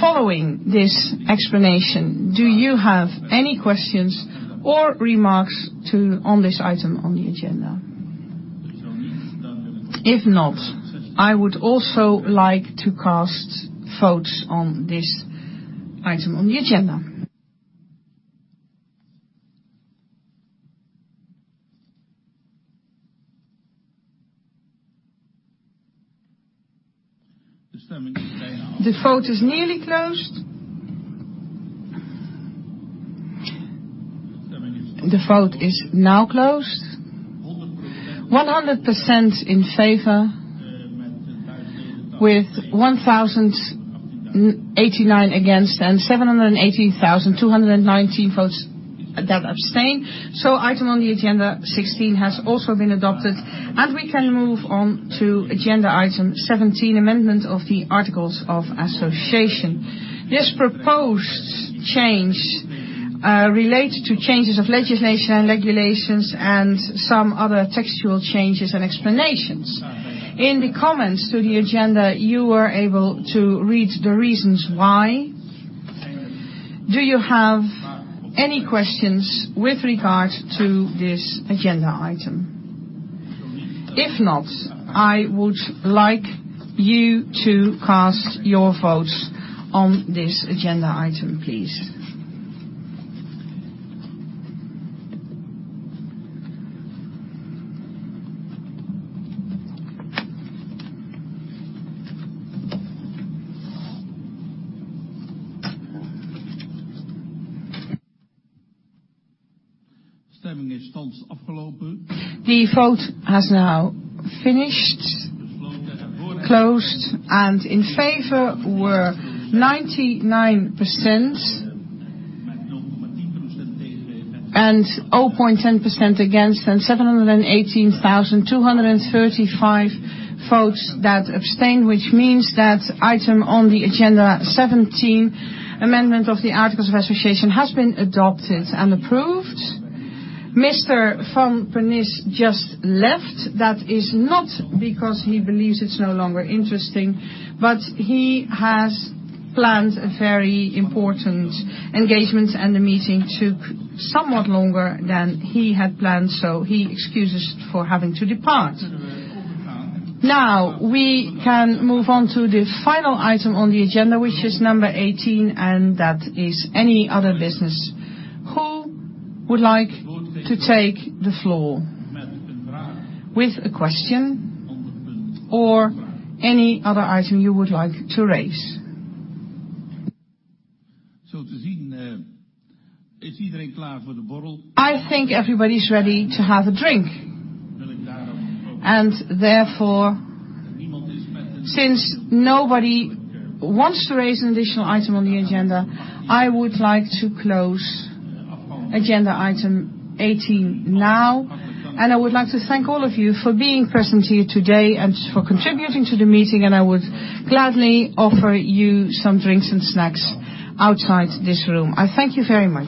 Following this explanation, do you have any questions or remarks on this item on the agenda? If not, I would also like to cast votes on this item on the agenda. The vote is nearly closed. The vote is now closed, 100% in favor, with 1,089 against, and 718,290 votes that abstain. Item on the agenda 16 has also been adopted, and we can move on to agenda item 17, amendment of the articles of association. This proposed change relates to changes of legislation and regulations and some other textual changes and explanations. In the comments to the agenda, you were able to read the reasons why. Do you have any questions with regard to this agenda item? If not, I would like you to cast your votes on this agenda item, please. The vote has now finished, closed, and in favor were 99% and 0.10% against and 718,235 votes that abstained, which means that item on the agenda 17, amendment of the articles of association, has been adopted and approved. Mr. Van Pernis just left. That is not because he believes it's no longer interesting, but he has planned a very important engagement, and the meeting took somewhat longer than he had planned, so he excuses for having to depart. Now, we can move on to the final item on the agenda, which is number 18, and that is any other business. Who would like to take the floor with a question or any other item you would like to raise? I think everybody's ready to have a drink. Therefore, since nobody wants to raise an additional item on the agenda, I would like to close agenda item 18 now, and I would like to thank all of you for being present here today and for contributing to the meeting, and I would gladly offer you some drinks and snacks outside this room. I thank you very much.